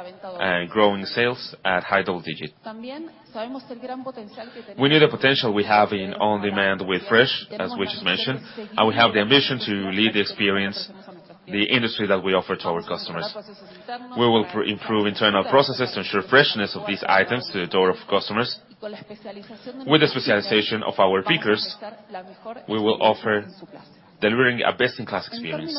growing sales at high double-digit. We need the potential we have in On Demand with fresh, as which is mentioned, and we have the ambition to lead the experience. The industry that we offer to our customers. We will improve internal processes to ensure freshness of these items to the door of customers. With the specialization of our pickers, we will offer delivering our best in class experience.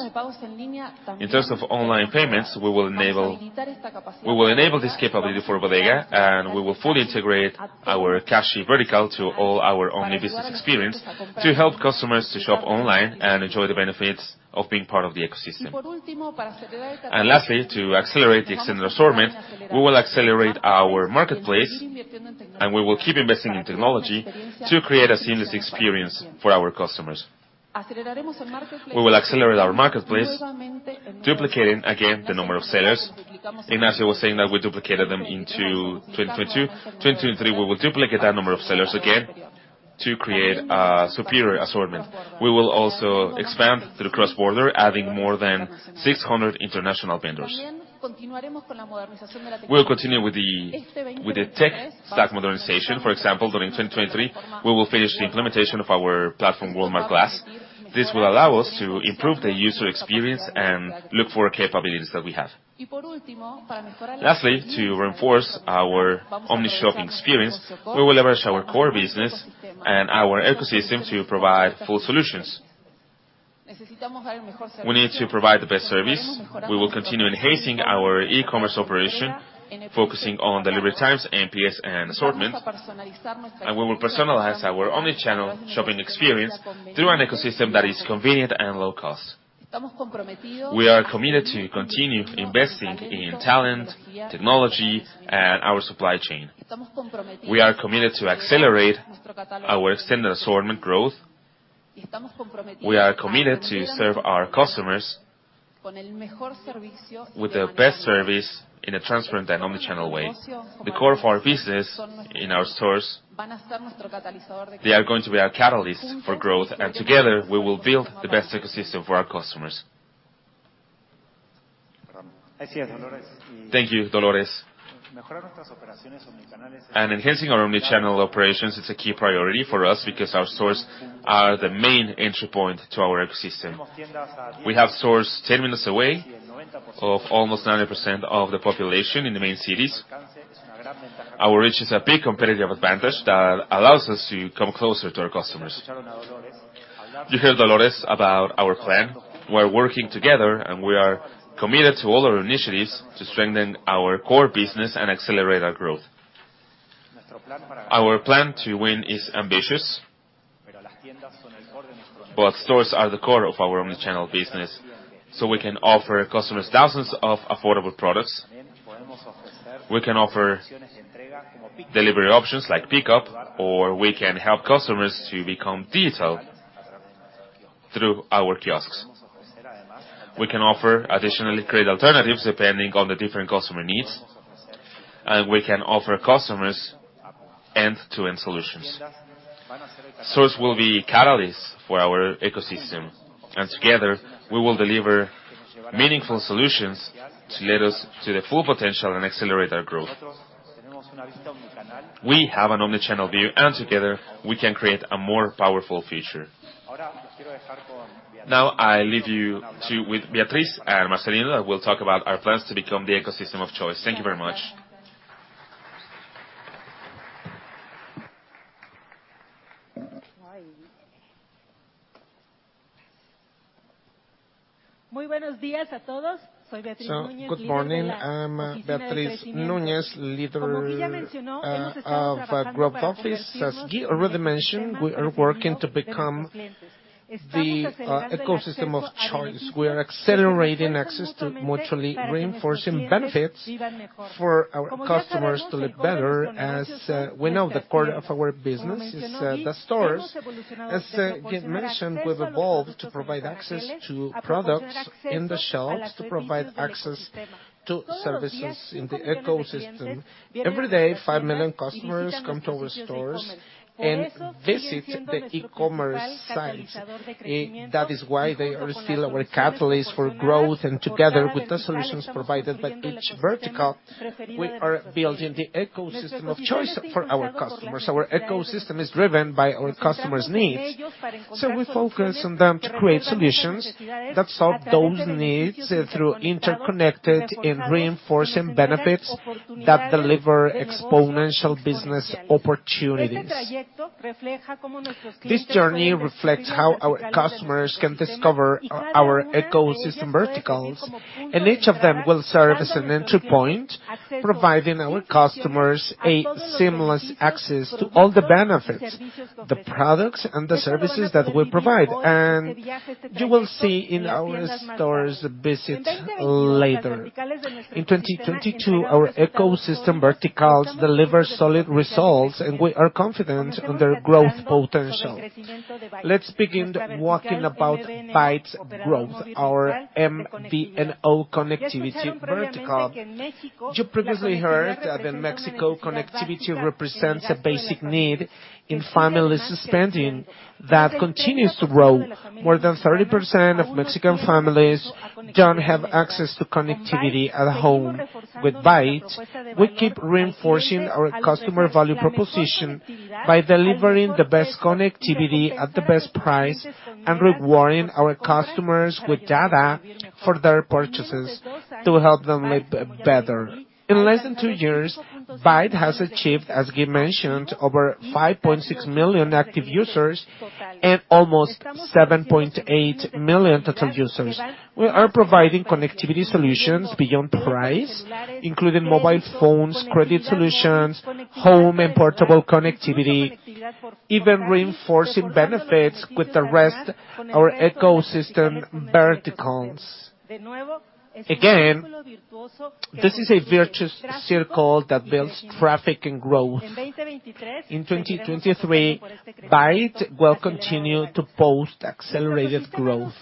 In terms of online payments, we will enable this capability for Bodega, and we will fully integrate our Cashi vertical to all our omni-business experience to help customers to shop online and enjoy the benefits of being part of the ecosystem. Lastly, to accelerate the Extended Assortment, we will accelerate our marketplace, and we will keep investing in technology to create a seamless experience for our customers. We will accelerate our marketplace, duplicating again the number of sellers. Ignacio was saying that we duplicated them into 2022. 2023, we will duplicate that number of sellers again to create a superior assortment. We will also expand to the cross-border, adding more than 600 international vendors. We'll continue with the tech stack modernization. For example, during 2023, we will finish the implementation of our platform, Walmart Glass. This will allow us to improve the user experience and look for capabilities that we have. Lastly, to reinforce our omni-shopping experience, we will leverage our core business and our ecosystem to provide full solutions. We need to provide the best service. We will continue enhancing our e-commerce operation, focusing on delivery times, NPS, and assortment, and we will personalize our omni-channel shopping experience through an ecosystem that is convenient and low cost. We are committed to continue investing in talent, technology, and our supply chain. We are committed to accelerate our extended assortment growth. We are committed to serve our customers with the best service in a transparent and omni-channel way. The core of our business in our stores, they are going to be our catalyst for growth. Together, we will build the best ecosystem for our customers. Thank you, Dolores. Enhancing our omni-channel operations is a key priority for us because our stores are the main entry point to our ecosystem. We have stores 10 minutes away of almost 90% of the population in the main cities. Our reach is a big competitive advantage that allows us to come closer to our customers. You heard Dolores about our plan. We're working together. We are committed to all our initiatives to strengthen our core business and accelerate our growth. Our plan to win is ambitious. Stores are the core of our omni-channel business, we can offer customers thousands of affordable products. We can offer delivery options like pickup. We can help customers to become digital through our kiosks. We can offer additionally credit alternatives depending on the different customer needs. We can offer customers end-to-end solutions. Stores will be catalyst for our ecosystem. Together, we will deliver meaningful solutions to let us to the full potential and accelerate our growth. We have an omni-channel view. Together, we can create a more powerful future. Now, I leave you with Beatriz and Marcelino that will talk about our plans to become the ecosystem of choice. Thank you very much. Good morning. I'm Beatriz Núñez, leader of our group office. As Gui already mentioned, we are working to become the ecosystem of choice. We are accelerating access to mutually reinforcing benefits for our customers to live better. As we know, the core of our business is the stores. As Gui mentioned, we've evolved to provide access to products in the shelves, to provide access to services in the ecosystem. Every day, 5 million customers come to our stores and visit the e-commerce site. That is why they are still our catalyst for growth, and together with the solutions provided by each vertical, we are building the ecosystem of choice for our customers. Our ecosystem is driven by our customers' needs, so we focus on them to create solutions that solve those needs through interconnected and reinforcing benefits that deliver exponential business opportunities. This journey reflects how our customers can discover our ecosystem verticals, and each of them will serve as an entry point, providing our customers a seamless access to all the benefits, the products and the services that we provide, and you will see in our stores visit later. In 2022, our ecosystem verticals delivered solid results, and we are confident on their growth potential. Let's begin walking about BAIT Growth, our MVNO connectivity vertical. You previously heard that the Mexico connectivity represents a basic need in families' spending that continues to grow. More than 30% of Mexican families don't have access to connectivity at home. With BAIT, we keep reinforcing our customer value proposition by delivering the best connectivity at the best price and rewarding our customers with data for their purchases to help them live better. In less than two years, BAIT has achieved, as Gui mentioned, over 5.6 million active users. Almost 7.8 million total users. We are providing connectivity solutions beyond price, including mobile phones, credit solutions, home and portable connectivity, even reinforcing benefits with the rest our ecosystem verticals. Again, this is a virtuous circle that builds traffic and growth. In 2023, BAIT will continue to post accelerated growth.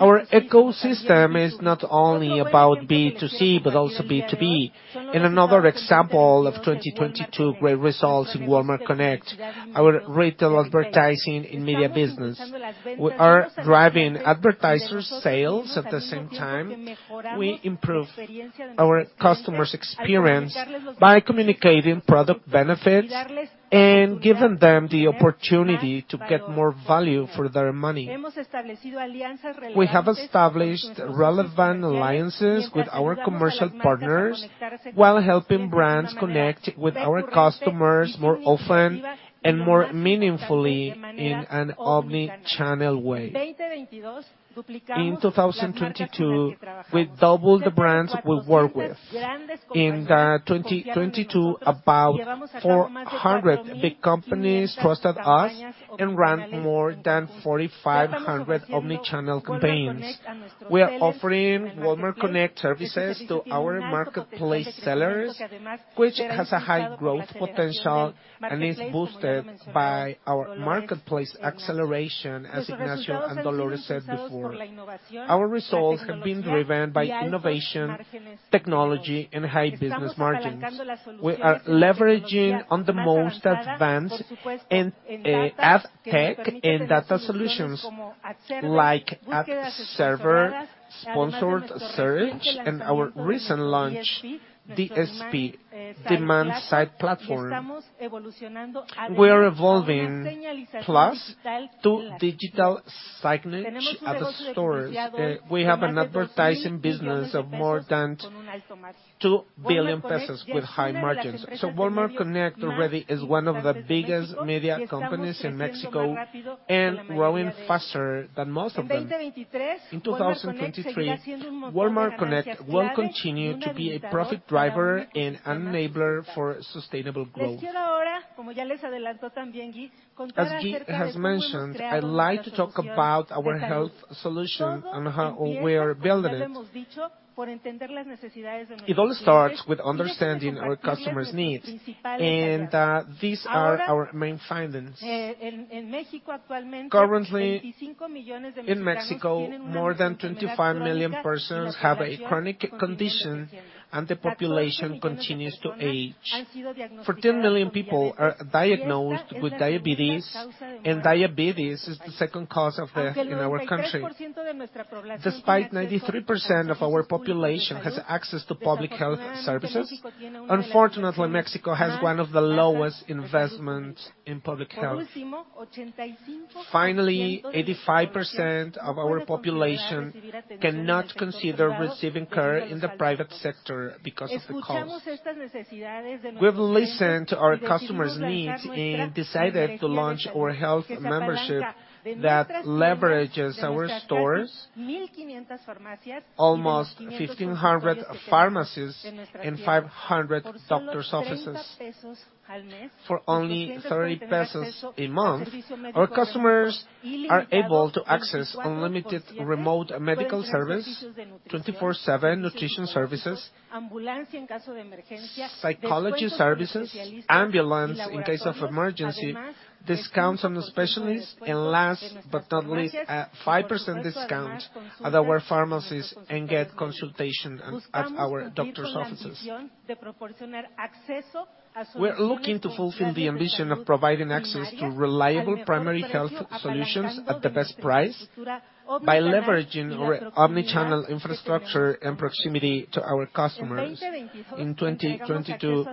Our ecosystem is not only about B2C, but also B2B. In another example of 2022 great results in Walmart Connect, our retail advertising and media business. We are driving advertiser sales. At the same time, we improve our customers' experience by communicating product benefits and giving them the opportunity to get more value for their money. We have established relevant alliances with our commercial partners while helping brands connect with our customers more often and more meaningfully in an omni-channel way. In 2022, we doubled the brands we work with. In the 2022, about 400 big companies trusted us and ran more than 4,500 omni-channel campaigns. We are offering Walmart Connect services to our marketplace sellers, which has a high growth potential and is boosted by our marketplace acceleration, as Ignacio and Dolores said before. Our results have been driven by innovation, technology, and high business margins. We are leveraging on the most advanced in ad tech and data solutions like ad server, sponsored search, and our recent launch, DSP, Demand-Side Platform. We are evolving Plus to digital signage at the stores. We have an advertising business of more than 2 billion pesos with high margins. Walmart Connect already is one of the biggest media companies in Mexico and growing faster than most of them. In 2023, Walmart Connect will continue to be a profit driver and enabler for sustainable growth. As Gui has mentioned, I'd like to talk about our health solution and how we are building it. It all starts with understanding our customers' needs, these are our main findings. Currently, in Mexico, more than 25 million persons have a chronic condition, and the population continues to age. 14 million people are diagnosed with diabetes, and diabetes is the second cause of death in our country. Despite 93% of our population has access to public health services, unfortunately, Mexico has one of the lowest investment in public health. Finally, 85% of our population cannot consider receiving care in the private sector because of the cost. We've listened to our customers' needs and decided to launch our health membership that leverages our stores, almost 1,500 pharmacies and 500 doctors' offices. For only 30 pesos a month, our customers are able to access unlimited remote medical service, 24/7 nutrition services, psychology services, ambulance in case of emergency, discounts on the specialists, and last but not least, a 5% discount at our pharmacies and get consultation at our doctor's offices. We're looking to fulfill the ambition of providing access to reliable primary health solutions at the best price by leveraging our omni-channel infrastructure and proximity to our customers. In 2022,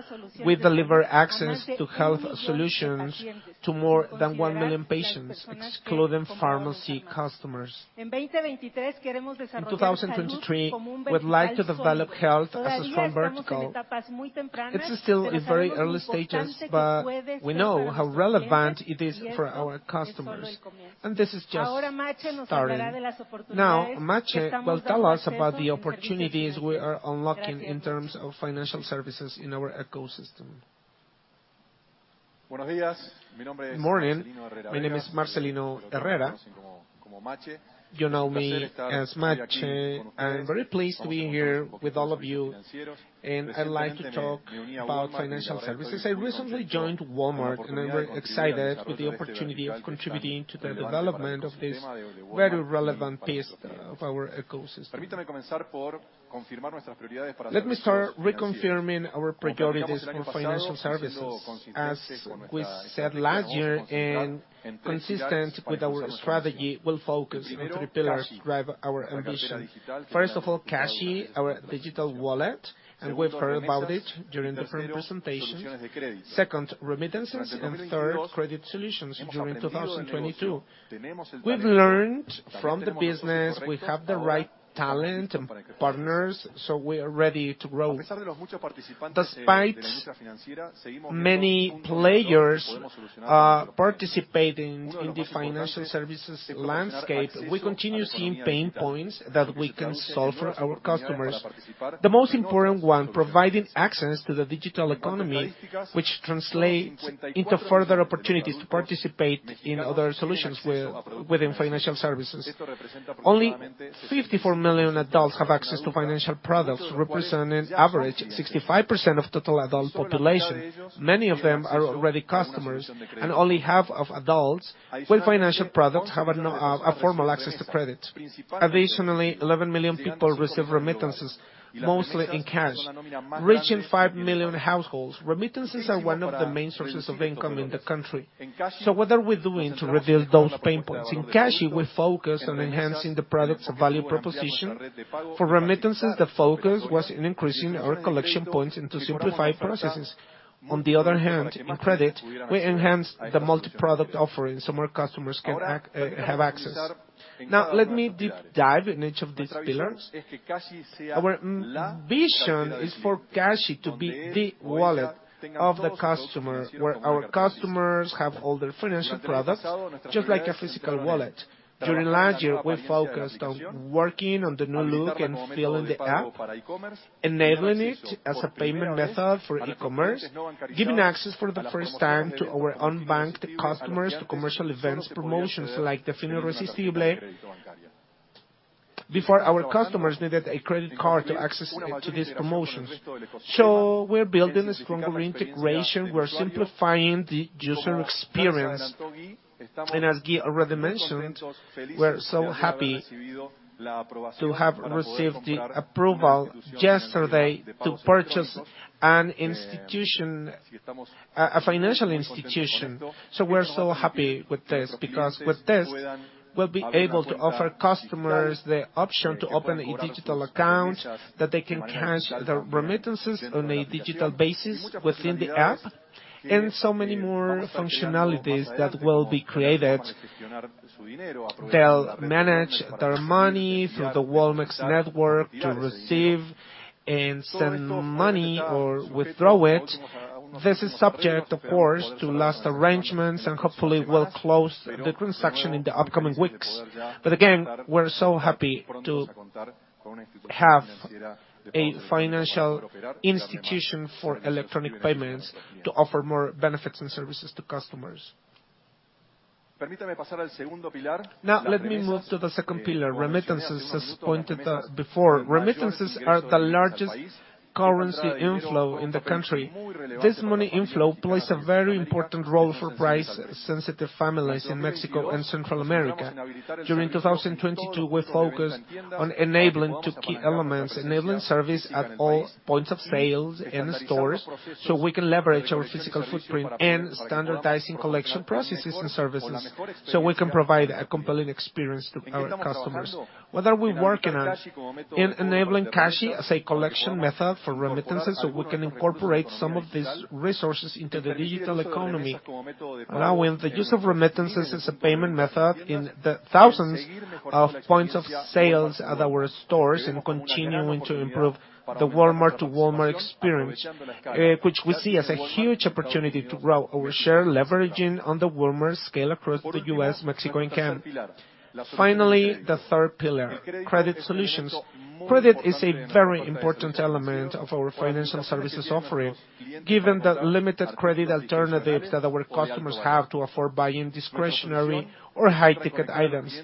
we deliver access to health solutions to more than 1 million patients, excluding pharmacy customers. In 2023, we'd like to develop health as a strong vertical. It's still in very early stages, but we know how relevant it is for our customers, and this is just starting. Now, Mache will tell us about the opportunities we are unlocking in terms of financial services in our ecosystem. Good morning. My name is Marcelino Herrera. You know me as Mache. I'm very pleased to be here with all of you, and I'd like to talk about financial services. I recently joined Walmart, and I'm very excited with the opportunity of contributing to the development of this very relevant piece of our ecosystem. Let me start reconfirming our priorities for financial services. As we said last year, and consistent with our strategy, we'll focus on three pillars drive our ambition. First of all, Cashi, our digital wallet, and we've heard about it during different presentations. Second, remittances, and third, credit solutions during 2022. We've learned from the business, we have the right talent and partners. We are ready to grow. Despite many players participating in the financial services landscape, we continue seeing pain points that we can solve for our customers. The most important one, providing access to the digital economy, which translates into further opportunities to participate in other solutions within financial services. Only 54 million adults have access to financial products, representing average 65% of total adult population. Many of them are already customers and only half of adults with financial products have a formal access to credit. Additionally, 11 million people receive remittances mostly in cash. Reaching 5 million households, remittances are one of the main sources of income in the country. What are we doing to reveal those pain points? In Cashi, we focus on enhancing the product's value proposition. For remittances, the focus was in increasing our collection points and to simplify processes. In credit, we enhanced the multi-product offering so more customers can have access. Let me deep dive in each of these pillars. Our M-vision is for Cashi to be the wallet of the customer, where our customers have all their financial products, just like a physical wallet. During last year, we focused on working on the new look and feel in the app, enabling it as a payment method for e-commerce, giving access for the first time to our unbanked customers to commercial events promotions like El Fin Irresistible. Before our customers needed a credit card to access to these promotions. We're building a stronger integration. We're simplifying the user experience. As Gui already mentioned, we're so happy to have received the approval yesterday to purchase a financial institution. We're so happy with this because with this, we'll be able to offer customers the option to open a digital account, that they can cash their remittances on a digital basis within the app, and so many more functionalities that will be created. They'll manage their money through the Walmex network to receive and send money or withdraw it. This is subject, of course, to last arrangements and hopefully we'll close the transaction in the upcoming weeks. Again, we're so happy to have a financial institution for electronic payments to offer more benefits and services to customers. Let me move to the second pillar, remittances as pointed before. Remittances are the largest currency inflow in the country. This money inflow plays a very important role for price-sensitive families in Mexico and Central America. During 2022, we focused on enabling two key elements: enabling service at all points of sales and stores, so we can leverage our physical footprint and standardizing collection processes and services, so we can provide a compelling experience to our customers. What are we working on? In enabling Cashi as a collection method for remittances, so we can incorporate some of these resources into the digital economy. Allowing the use of remittances as a payment method in the thousands of points of sales at our stores and continuing to improve the Walmart to Walmart experience, which we see as a huge opportunity to grow our share, leveraging on the Walmart scale across the U.S., Mexico, and Canada. Finally, the third pillar, credit solutions. Credit is a very important element of our financial services offering, given the limited credit alternatives that our customers have to afford buying discretionary or high-ticket items.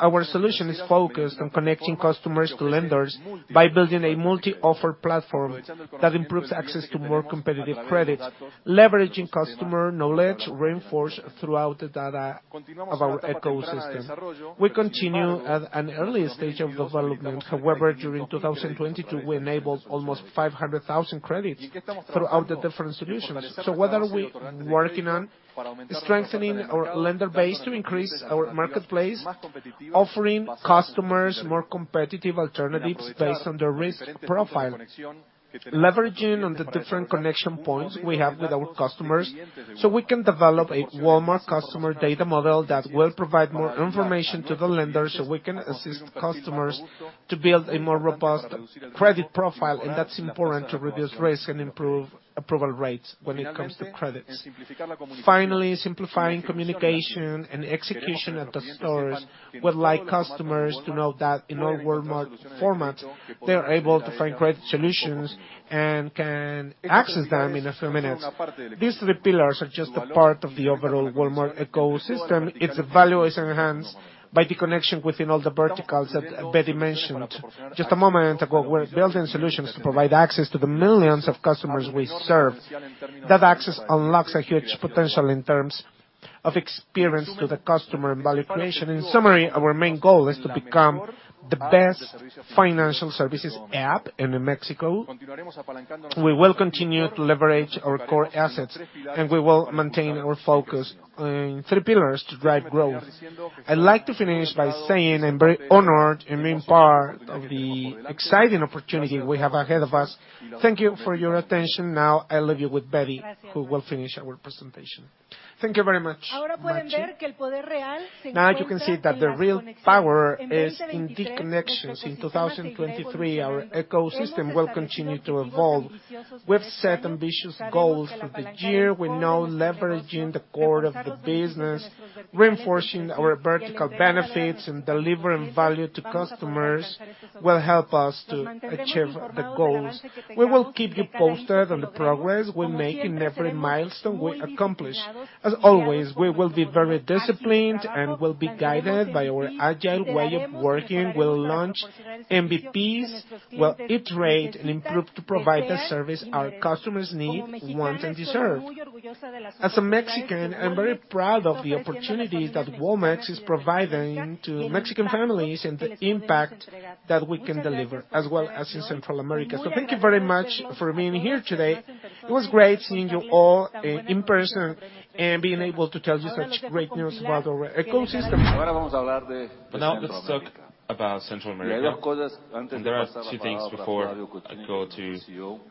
Our solution is focused on connecting customers to lenders by building a multi-offer platform that improves access to more competitive credits, leveraging customer knowledge reinforced throughout the data of our ecosystem. We continue at an early stage of development. However, during 2022, we enabled almost 500,000 credits throughout the different solutions. What are we working on? Strengthening our lender base to increase our marketplace, offering customers more competitive alternatives based on their risk profile. Leveraging on the different connection points we have with our customers, so we can develop a Walmart customer data model that will provide more information to the lender, so we can assist customers to build a more robust credit profile. That's important to reduce risk and improve approval rates when it comes to credits. Finally, simplifying communication and execution at the stores. We'd like customers to know that in all Walmart formats, they are able to find credit solutions and can access them in a few minutes. These three pillars are just a part of the overall Walmart ecosystem. Its value is enhanced by the connection within all the verticals that Betty mentioned just a moment ago. We're building solutions to provide access to the millions of customers we serve. That access unlocks a huge potential in terms of experience to the customer and value creation. In summary, our main goal is to become the best financial services app in Mexico. We will continue to leverage our core assets, we will maintain our focus on three pillars to drive growth. I'd like to finish by saying I'm very honored in being part of the exciting opportunity we have ahead of us. Thank you for your attention. I leave you with Betty, who will finish our presentation. Thank you very much, Mache. You can see that the real power is in deep connections. In 2023, our ecosystem will continue to evolve. We've set ambitious goals for the year. We know leveraging the core of the business, reinforcing our vertical benefits, and delivering value to customers will help us to achieve the goals. We will keep you posted on the progress we make in every milestone we accomplish. As always, we will be very disciplined and we'll be guided by our agile way of working. We'll launch MVPs. We'll iterate and improve to provide the service our customers need, want, and deserve. As a Mexican, I'm very proud of the opportunity that Walmex is providing to Mexican families and the impact that we can deliver, as well as in Central America. Thank you very much for being here today. It was great seeing you all in person and being able to tell you such great news about our ecosystem. Now let's talk about Central America. There are two things before I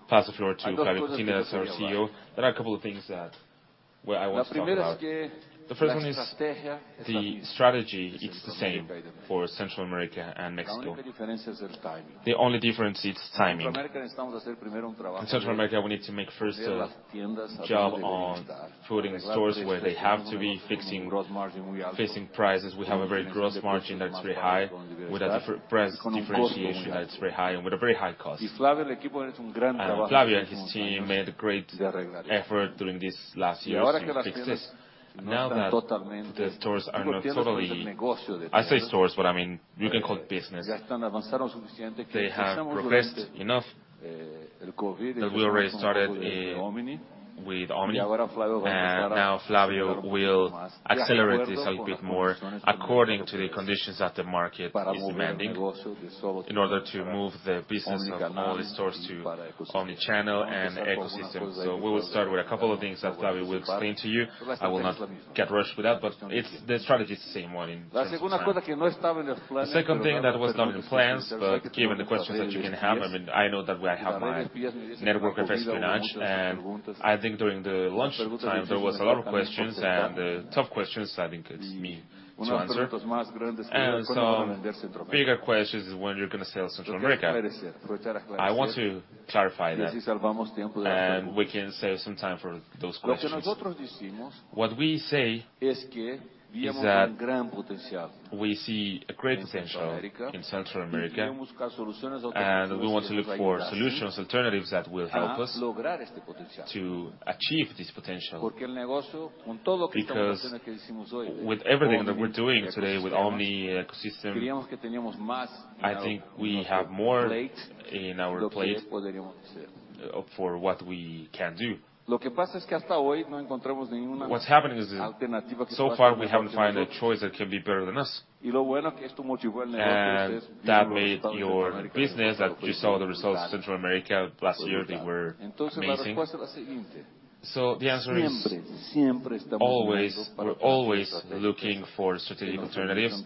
pass the floor to Flavio Cotini, our CEO. There are a couple of things that, well, I want to talk about. The first one is the strategy. It's the same for Central America and Mexico. The only difference, it's timing. In Central America, we need to make first a job on putting stores where they have to be, fixing prices. We have a very gross margin that's very high, with a price differentiation that's very high and with a very high cost. Flavio and his team made a great effort during these last years to fix this. Now that the stores are not totally... I say stores, but, I mean, you can call business. They have progressed enough that we already started in, with Omni, and now Flavio will accelerate this a bit more according to the conditions that the market is demanding in order to move the business of only stores to omni-channel and ecosystem. We will start with a couple of things that Flavio will explain to you. I will not get rushed with that, but the strategy is the same one in Central America. The second thing that was not in the plans, but given the questions that you can have, I mean, I know that I have my network of espionage, and I think during the lunch time, there was a lot of questions and tough questions I think it's me to answer. Bigger question is when you're gonna sell Central America. I want to clarify that. We can save some time for those questions. What we say is that we see a great potential in Central America. We want to look for solutions, alternatives that will help us to achieve this potential. With everything that we're doing today with Omni Ecosystem, I think we have more in our place for what we can do. What's happening is, so far we haven't found a choice that can be better than us. That made your business that you saw the results Central America last year, they were amazing. The answer is always, we're always looking for strategic alternatives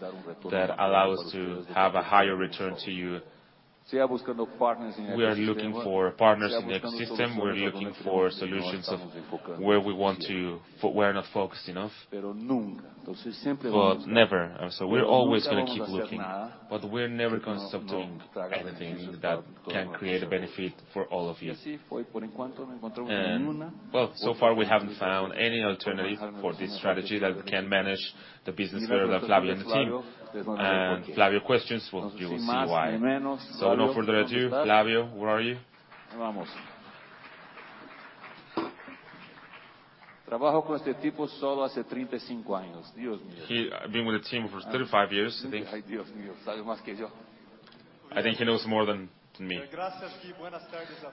that allow us to have a higher return to you. We are looking for partners in the ecosystem. We're looking for solutions of where we're not focused enough. Never. We're always going to keep looking, but we're never going to stop doing everything that can create a benefit for all of you. Well, so far we haven't found any alternative for this strategy that we can manage the business better than Flavio and the team. Flavio questions, well, you will see why. No further ado, Flavio, where are you? I've been with the team for 35 years. I think he knows more than me.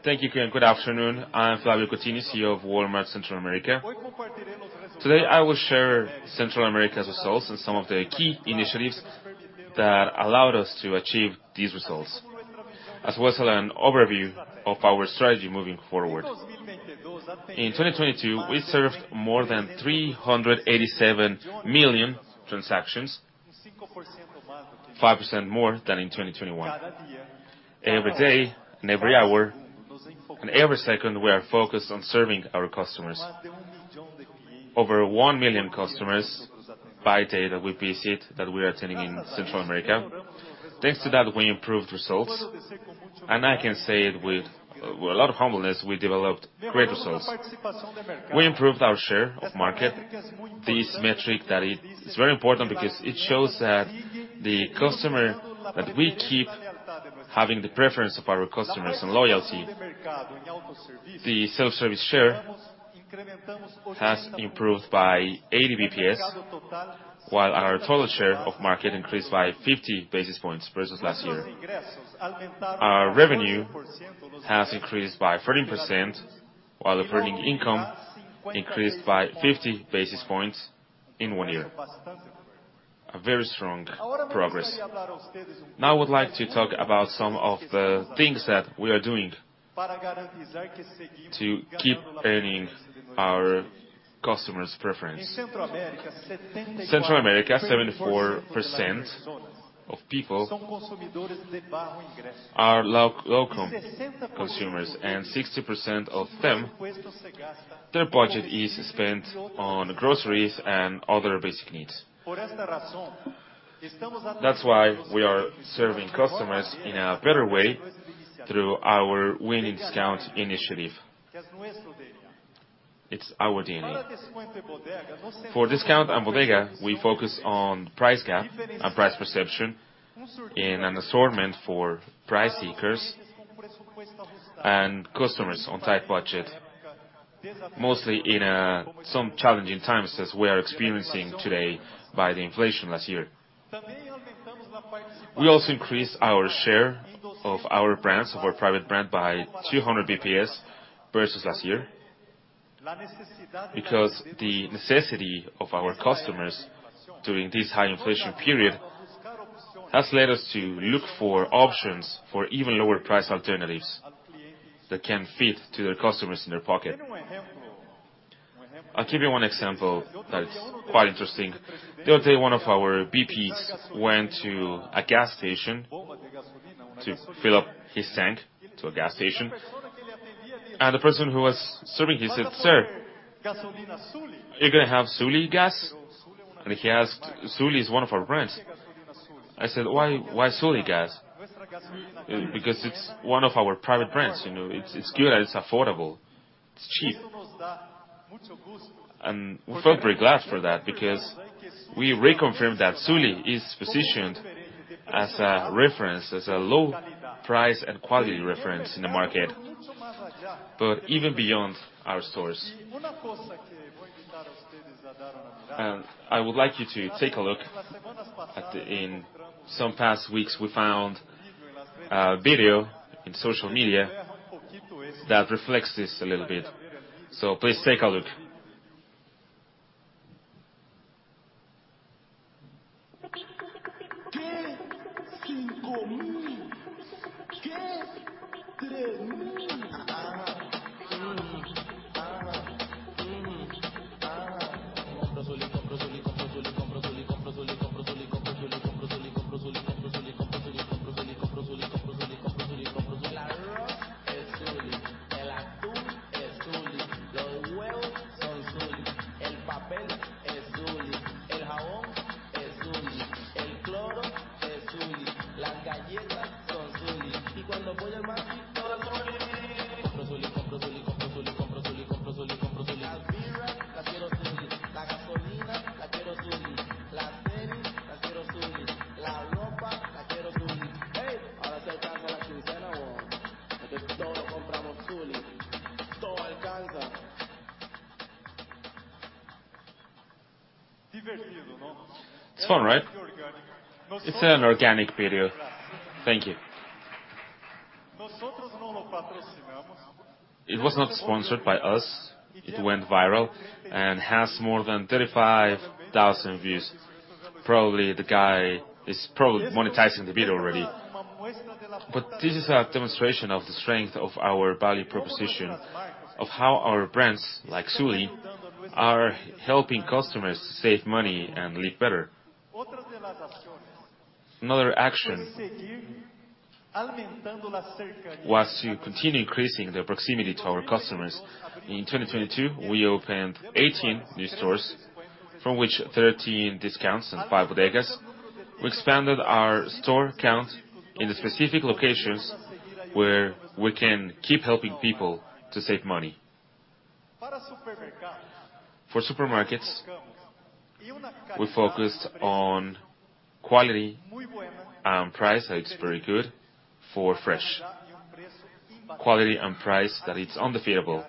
Thank you, Christian. Good afternoon. I'm Flavio Cotini, CEO of Walmart Centroamérica. Today, I will share Centroamérica's results and some of the key initiatives that allowed us to achieve these results, as well as an overview of our strategy moving forward. In 2022, we served more than 387 million transactions, 5% more than in 2021. Every day, every hour, every second, we are focused on serving our customers. Over 1 million customers by data we visit that we are attending in Central America. Thanks to that, we improved results, and I can say it with a lot of humbleness, we developed great results. We improved our share of market. This metric that it is very important because it shows that we keep having the preference of our customers and loyalty. The self-service share has improved by 80 basis points, while our total share of market increased by 50 basis points versus last year. Our revenue has increased by 13%, while the operating income increased by 50 basis points in one year. A very strong progress. I would like to talk about some of the things that we are doing to keep earning our customers' preference. Central America, 74% of people are local consumers. Sixty percent of them, their budget is spent on groceries and other basic needs. That's why we are serving customers in a better way through our Win in Discount initiative. It's our DNA. For discount and Bodega, we focus on price gap and price perception in an assortment for price seekers and customers on tight budget, mostly in some challenging times as we are experiencing today by the inflation last year. We also increased our share of our brands, our private brand by 200 basis points versus last year. The necessity of our customers during this high inflation period has led us to look for options for even lower price alternatives that can fit to their customers in their pocket. I'll give you one example that is quite interesting. The other day, one of our VPs went to a gas station to fill up his tank to a gas station. The person who was serving, he said, "Sir, are you gonna have Zuli gas?" He asked, "Zuli is one of our brands." I said, "Why, why Zuli gas?" "Because it's one of our private brands, you know. It's good and it's affordable. It's cheap." We felt very glad for that because we reconfirmed that Zuli is positioned as a reference, as a low price and quality reference in the market, but even beyond our stores. I would like you to take a look at, in some past weeks, we found a video in social media that reflects this a little bit. Please take a look. It's fun, right? It's an organic video. Thank you. It was not sponsored by us. It went viral and has more than 35,000 views. Probably the guy is probably monetizing the video already. This is a demonstration of the strength of our value proposition, of how our brands, like Zuli, are helping customers to save money and live better. Another action was to continue increasing the proximity to our customers. In 2022, we opened 18 new stores, from which 13 discounts and 5 Bodegas. We expanded our store count in the specific locations where we can keep helping people to save money. For supermarkets, we focused on quality and price that is very good for fresh. Quality and price that is undefeatable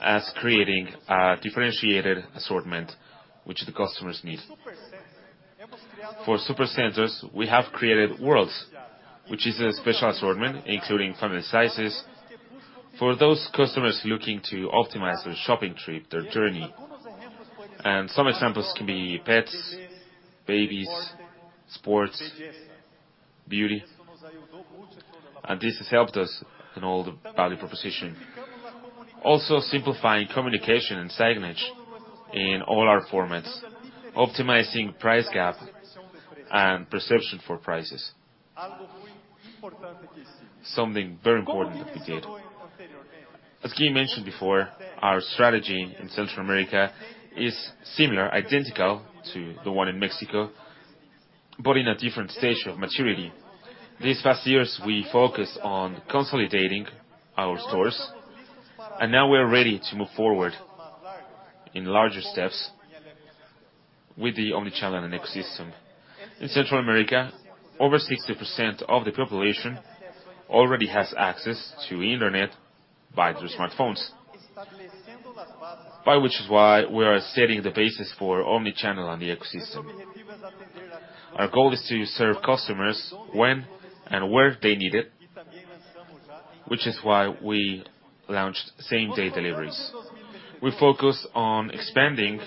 as creating a differentiated assortment which the customers need. For supercenters, we have created worlds, which is a special assortment, including family sizes, for those customers looking to optimize their shopping trip, their journey. Some examples can be pets, babies, sports, beauty. This has helped us in all the value proposition. Also simplifying communication and signage in all our formats, optimizing price gap and perception for prices. Something very important that we did. As Gui mentioned before, our strategy in Central America is similar, identical to the one in Mexico, but in a different stage of maturity. These past years, we focused on consolidating our stores, and now we're ready to move forward in larger steps with the omni-channel and ecosystem. In Central America, over 60% of the population already has access to internet via their smartphones. By which is why we are setting the basis for omni-channel and the ecosystem. Our goal is to serve customers when and where they need it. We launched same-day deliveries. We focused on expanding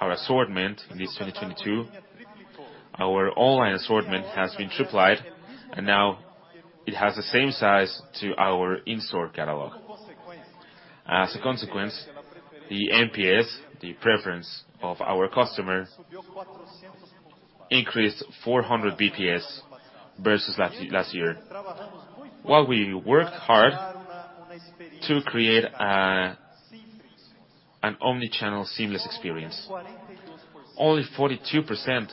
our assortment in this 2022. Our online assortment has been tripled, and now it has the same size to our in-store catalog. As a consequence, the NPS, the preference of our customer, increased 400 BPS versus last year. We worked hard to create an omni-channel seamless experience. Only 42%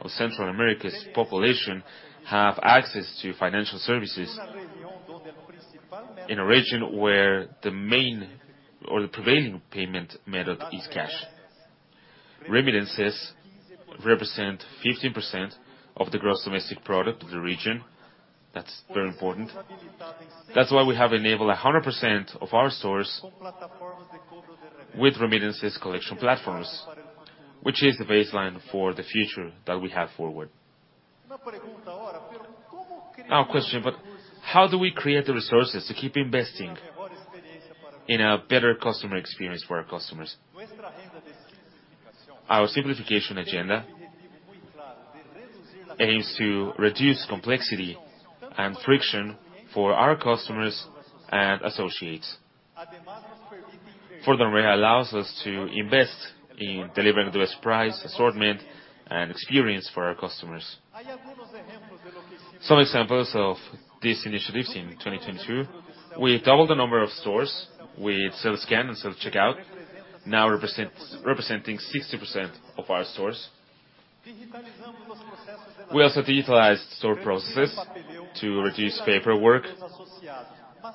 of Central America's population have access to financial services. In a region where the main or the prevailing payment method is cash. Remittances represent 15% of the gross domestic product of the region. That's very important. That's why we have enabled 100% of our stores with remittances collection platforms, which is the baseline for the future that we have forward. How do we create the resources to keep investing in a better customer experience for our customers? Our simplification agenda aims to reduce complexity and friction for our customers and associates. Furthermore, it allows us to invest in delivering the best price, assortment, and experience for our customers. Some examples of these initiatives in 2022, we doubled the number of stores with self-scan and self-checkout, representing 60% of our stores. We also digitalized store processes to reduce paperwork,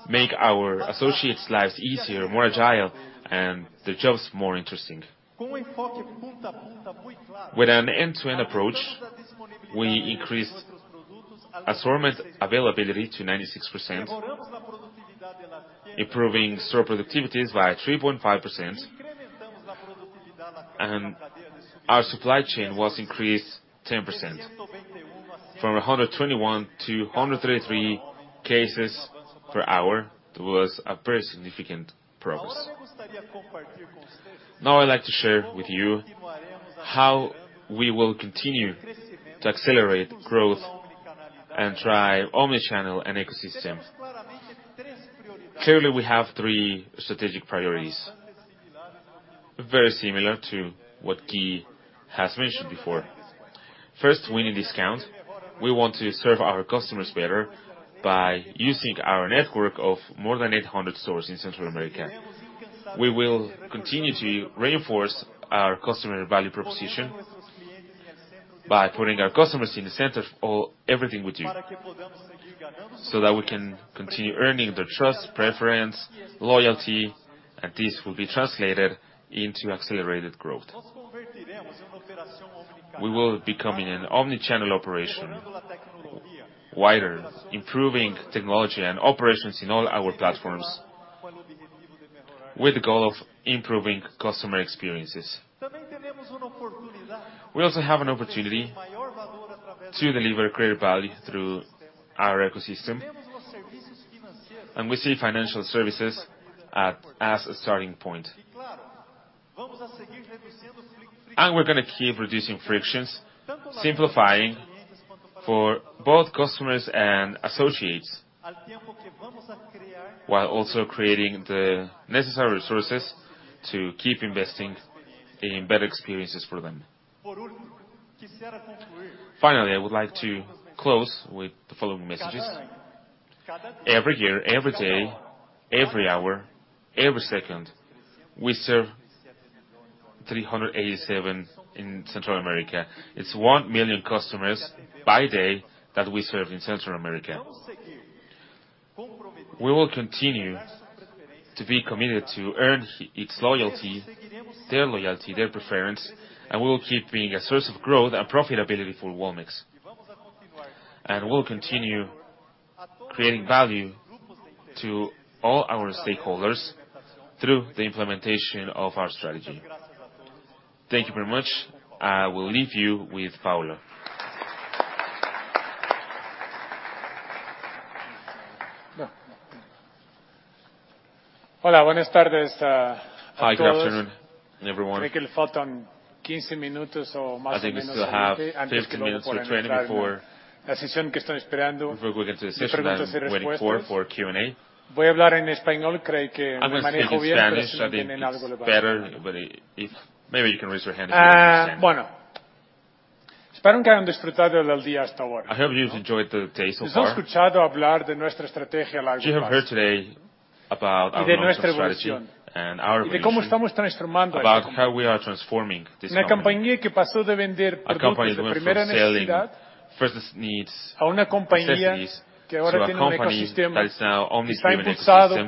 make our associates' lives easier, more agile, and the jobs more interesting. With an end-to-end approach, we increased assortment availability to 96%, improving store productivities by 3.5%, and our supply chain was increased 10%. From 121 to 133 cases per hour. That was a very significant progress. Now I'd like to share with you how we will continue to accelerate growth and drive omni-channel and ecosystem. Clearly, we have three strategic priorities, very similar to what Gui has mentioned before. First, win and discount. We want to serve our customers better by using our network of more than 800 stores in Centroamérica. We will continue to reinforce our customer value proposition by putting our customers in the center of everything we do, so that we can continue earning their trust, preference, loyalty, and this will be translated into accelerated growth. We will be becoming an omni-channel operation, wider, improving technology and operations in all our platforms with the goal of improving customer experiences. We also have an opportunity to deliver greater value through our ecosystem, and we see financial services as a starting point. We're gonna keep reducing frictions, simplifying for both customers and associates, while also creating the necessary resources to keep investing in better experiences for them. Finally, I would like to close with the following messages. Every year, every day, every hour, every second, we serve 387 in Central America. It's 1 million customers by day that we serve in Central America. We will continue to be committed to earn its loyalty, their loyalty, their preference. We will keep being a source of growth and profitability for Walmex. We'll continue creating value to all our stakeholders through the implementation of our strategy. Thank you very much. I will leave you with Paolo. Hi, good afternoon, everyone. I think we still have 15 minutes or 20 before-. Before we get to the session that I'm waiting for Q&A. I'm gonna speak in Spanish. I think it's better. Maybe you can raise your hand if you don't understand. I hope you've enjoyed the day so far. You have heard today about our growth strategy and our vision. ...about how we are transforming this company. A company that went from selling first needs to a company that is now Omni-Driven Ecosystem.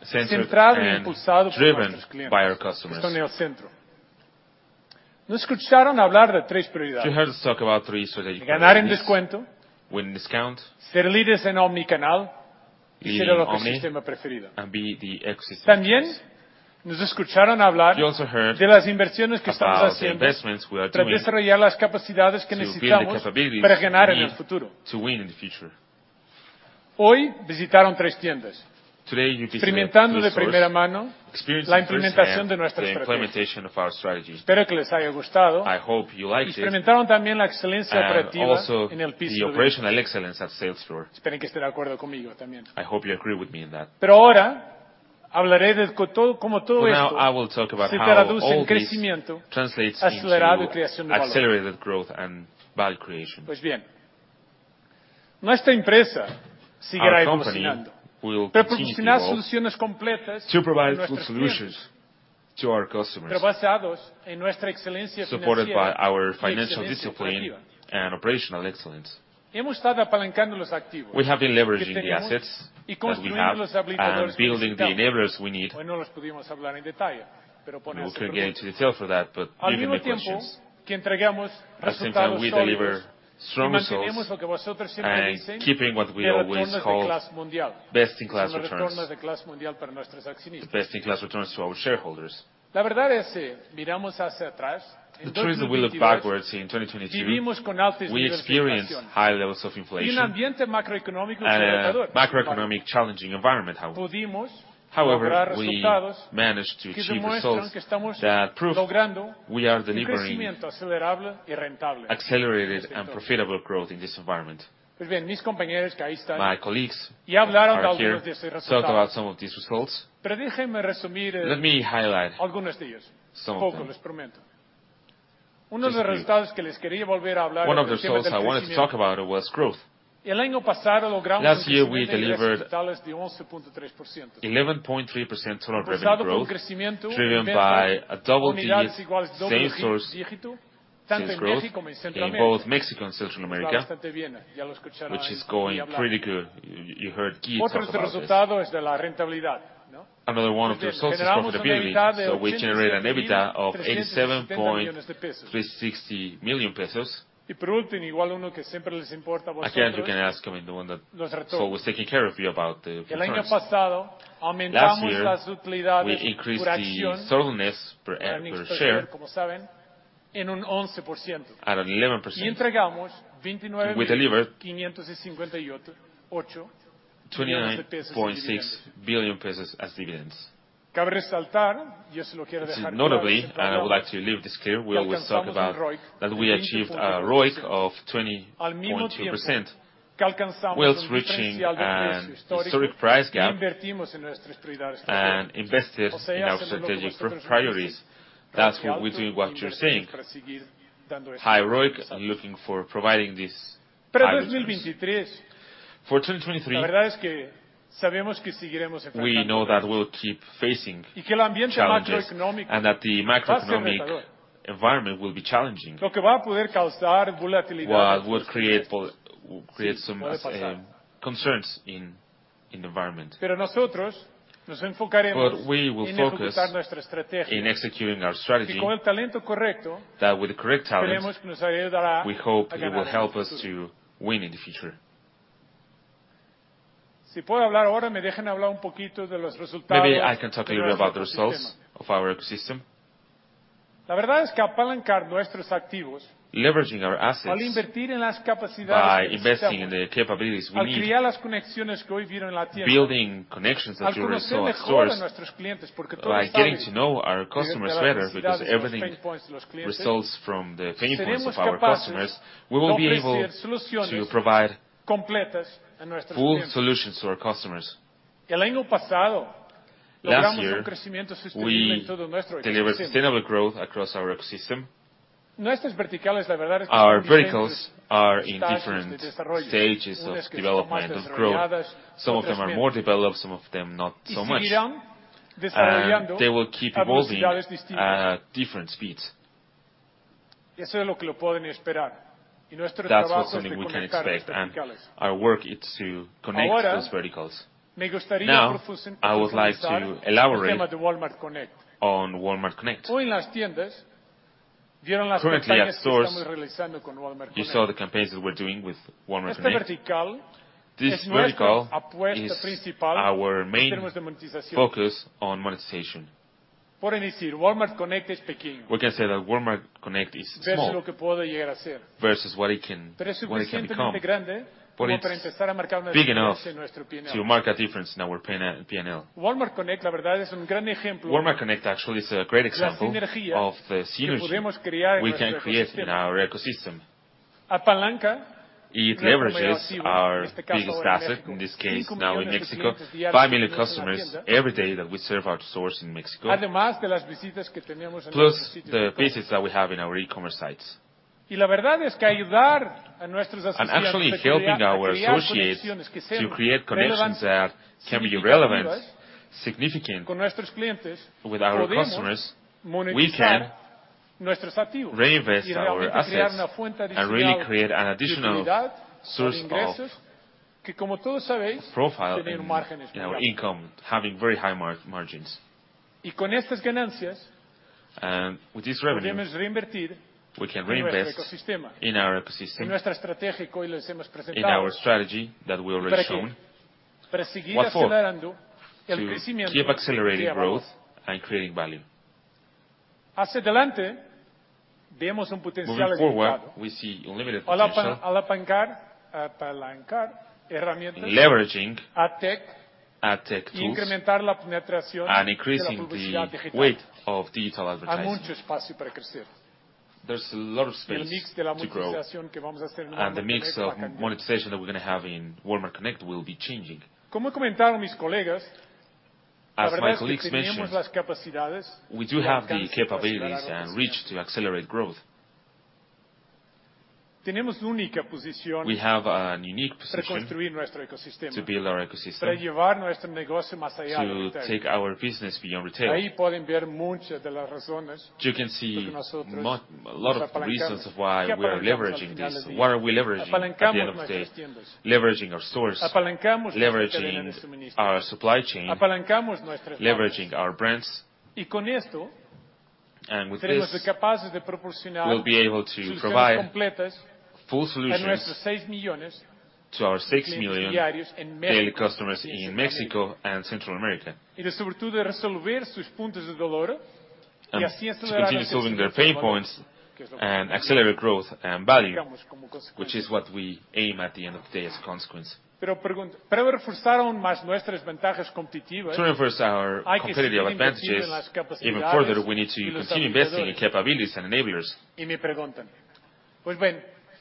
Centered driven by our customers. You heard us talk about three strategic priorities. Win in Discount. Leading omni and be the ecosystem. You also heard about the investments we are doing to build the capabilities we need to win in the future. Today, you visited three stores, experienced firsthand the implementation of our strategy. I hope you liked it, and also the operational excellence at sales floor. I hope you agree with me in that. Now I will talk about how all this translates into accelerated growth and value creation. Our company will continue to evolve to provide good solutions to our customers, supported by our financial discipline and operational excellence. We have been leveraging the assets that we have and building the enablers we need. We couldn't get into detail for that, but you can make questions. At the same time, we deliver strong results and keeping what we always call best-in-class returns. The best-in-class returns to our shareholders. The truth is that we look backwards in 2022, we experienced high levels of inflation and a macroeconomic challenging environment. However, we managed to achieve results that prove we are delivering accelerated and profitable growth in this environment. My colleagues are here, talked about some of these results. Let me highlight some of them. Just few. One of the results I wanted to talk about was growth. Last year, we delivered 11.3% total revenue growth, driven by a double-digit same sales growth in both Mexico and Central America, which is going pretty good. You heard Gui talk about this. Another one of the results is profitability. We generate an EBITDA of 87.36 million pesos. Again, you can ask me the one that always taking care of you about the returns. Last year, we increased the thoroughness per share at 11%. We delivered MXN 29.6 billion as dividends. Notably, and I would like to leave this clear, we always talk about that we achieved a ROIC of 20.2%, while reaching an historic price gap and invested in our strategic priorities. That's what we do what you're seeing. High ROIC looking for providing these high returns. For 2023, we know that we'll keep facing challenges and that the macroeconomic environment will be challenging. What will create some concerns in environment. We will focus in executing our strategy that with the correct talent, we hope it will help us to win in the future. Maybe I can talk a little bit about the results of our ecosystem. Leveraging our assets by investing in the capabilities we need, building connections that you also saw at stores, by getting to know our customers better because everything results from the pain points of our customers, we will be able to provide full solutions to our customers. Last year, we delivered sustainable growth across our ecosystem. Our verticals are in different stages of development, of growth. Some of them are more developed, some of them not so much. They will keep evolving at different speeds. That's what only we can expect, and our work is to connect those verticals. I would like to elaborate on Walmart Connect. Currently at stores, you saw the campaigns that we're doing with Walmart Connect. This vertical is our main focus on monetization. We can say that Walmart Connect is small versus what it can, what it can become, but it's big enough to mark a difference in our P&L. Walmart Connect actually is a great example of the synergy we can create in our ecosystem. It leverages our biggest asset, in this case, now in Mexico, 5 million customers every day that we serve our stores in Mexico, plus the visits that we have in our e-commerce sites. Actually helping our associates to create connections that can be relevant, significant with our customers, we can reinvest our assets and really create an additional source of profile in our income, having very high margins. With this revenue, we can reinvest in our ecosystem, in our strategy that we already shown. What for? To keep accelerating growth and creating value. Moving forward, we see unlimited potential. Leveraging ad tech tools and increasing the weight of digital advertising. There's a lot of space to grow, and the mix of monetization that we're gonna have in Walmart Connect will be changing. As my colleagues mentioned, we do have the capabilities and reach to accelerate growth. We have a unique position to build our ecosystem, to take our business beyond retail. You can see a lot of the reasons of why we are leveraging this. What are we leveraging at the end of the day? Leveraging our stores, leveraging our supply chain, leveraging our brands. With this, we'll be able to provide full solutions to our 6 million daily customers in Mexico and Central America. To continue solving their pain points and accelerate growth and value, which is what we aim at the end of the day as a consequence. To reverse our competitive advantages even further, we need to continue investing in capabilities and enablers.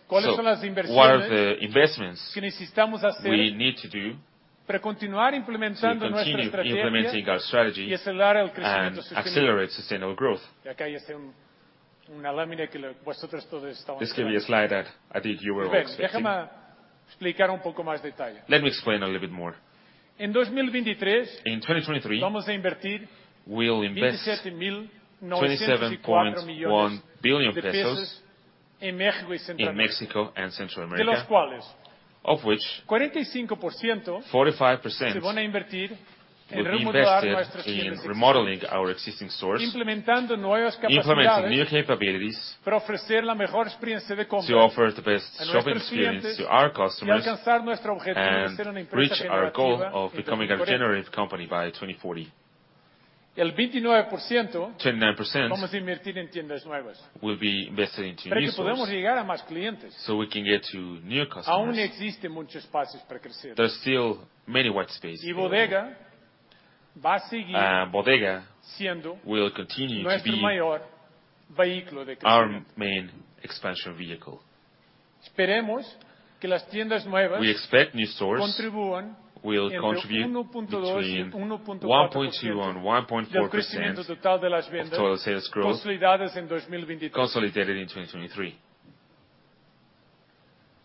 What are the investments we need to do to continue implementing our strategy and accelerate sustainable growth? This could be a slide that I think you were all expecting. Let me explain a little bit more. In 2023, we'll invest 27.1 billion pesos in Mexico and Central America, of which 45% will be invested in remodeling our existing stores, implementing new capabilities to offer the best shopping experience to our customers, and reach our goal of becoming a generative company by 2040. 29% will be invested into new stores, we can get to new customers. There's still many white space available. Bodega will continue to be our main expansion vehicle. We expect new stores will contribute between 1.2% and 1.4% of total sales growth consolidated in 2023.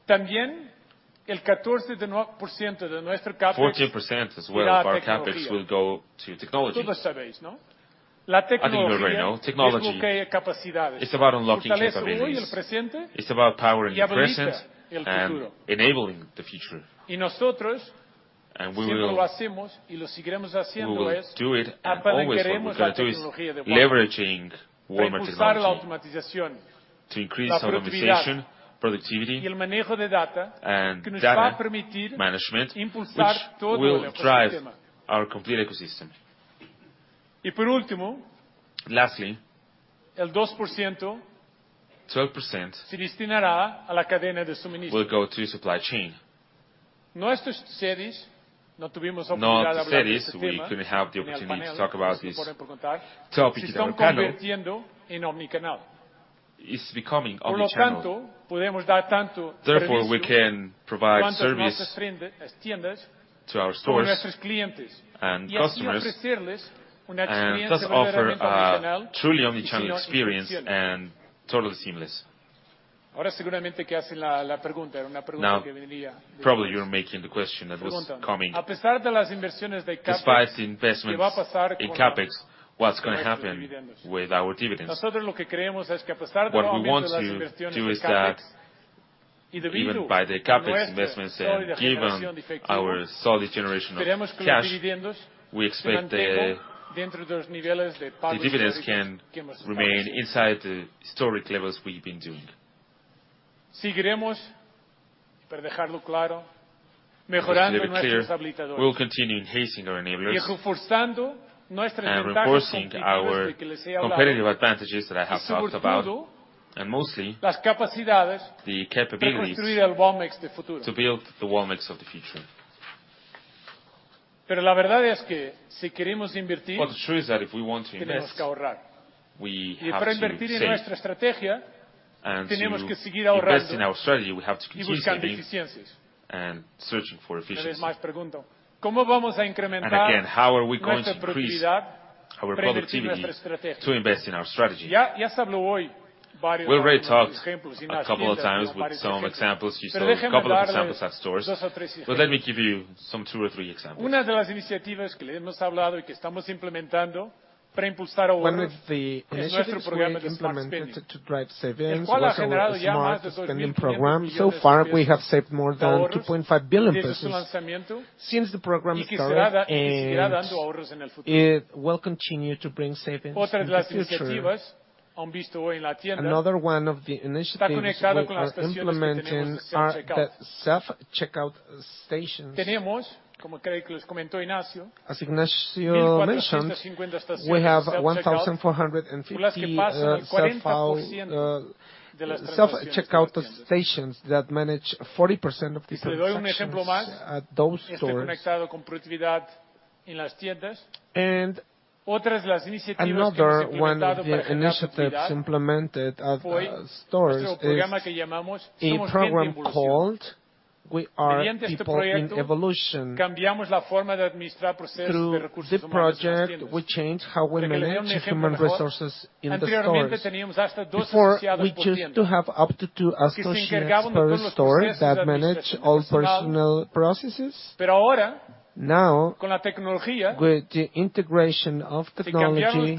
14% as well of our CapEx will go to technology. I think we already know, technology is about unlocking capabilities. It's about power in the present and enabling the future. We will do it, and always what we're gonna do is leveraging Walmart technology to increase our optimization, productivity, and data management, which will drive our complete ecosystem. Lastly, 12% will go to supply chain. Not the cities, we couldn't have the opportunity to talk about this topic to Ricardo. It's becoming omni-channel. Therefore, we can provide service to our stores and customers, and thus offer a truly omni-channel experience and totally seamless. Now, probably you're making the question that was coming. Despite the investments in CapEx, what's gonna happen with our dividends? What we want to do is that even by the CapEx investments and given our solid generation of cash, we expect the dividends can remain inside the historic levels we've been doing. Just to be very clear, we will continue enhancing our enablers and reinforcing our competitive advantages that I have talked about, and mostly the capabilities to build the Walmex of the future. The truth is that if we want to invest, we have to save. To invest in our strategy, we have to continue saving and searching for efficiencies. Again, how are we going to increase. Our productivity to invest in our strategy. We already talked a couple of times with some examples. You saw a couple of examples at stores, but let me give you some two or three examples. One of the initiatives we implemented to drive savings was our Smart Spending Program. Far, we have saved more than 2.5 billion pesos since the program started, and it will continue to bring savings in the future. One of the initiatives we are implementing are the Self-Checkout Stations. As Ignacio mentioned, we have 1,450 Self-Checkout Stations that manage 40% of the transactions at those stores. Another one of the initiatives implemented at stores is a program called We Are People in Evolution. Through the project, we change how we manage human resources in the stores. Before, we chose to have up to two associates per store that manage all personal processes. Now, with the integration of technology,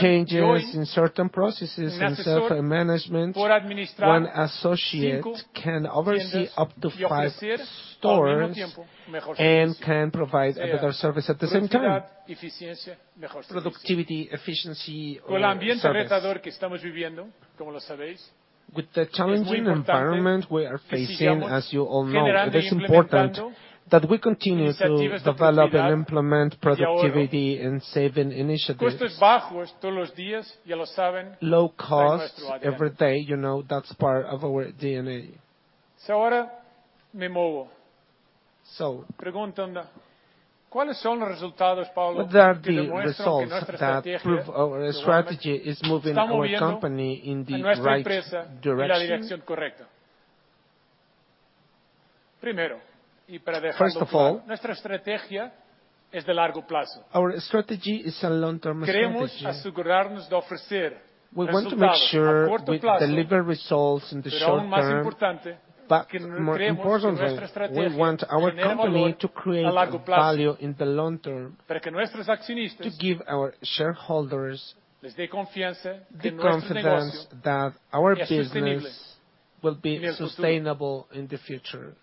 changes in certain processes and self-management, one associate can oversee up to five stores and can provide a better service at the same time. Productivity, efficiency, service. With the challenging environment we are facing, as you all know, it is important that we continue to develop and implement productivity and saving initiatives. Low costs every day, you know, that's part of our DNA. What are the results that prove our strategy is moving our company in the right direction? First of all, our strategy is a long-term strategy. We want to make sure we deliver results in the short term. More importantly, we want our company to create value in the long term to give our shareholders the confidence that our business will be sustainable in the future.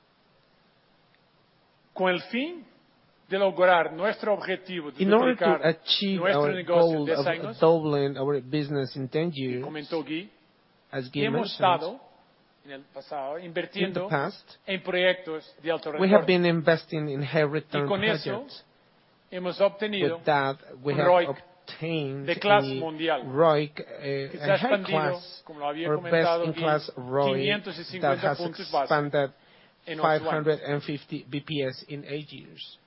In order to achieve our goal of doubling our business in 10 years, as Gui mentioned, in the past, we have been investing in high-return projects. With that, we have obtained the ROIC, a high class or best-in-class ROIC that has expanded 550 basis points in eight years.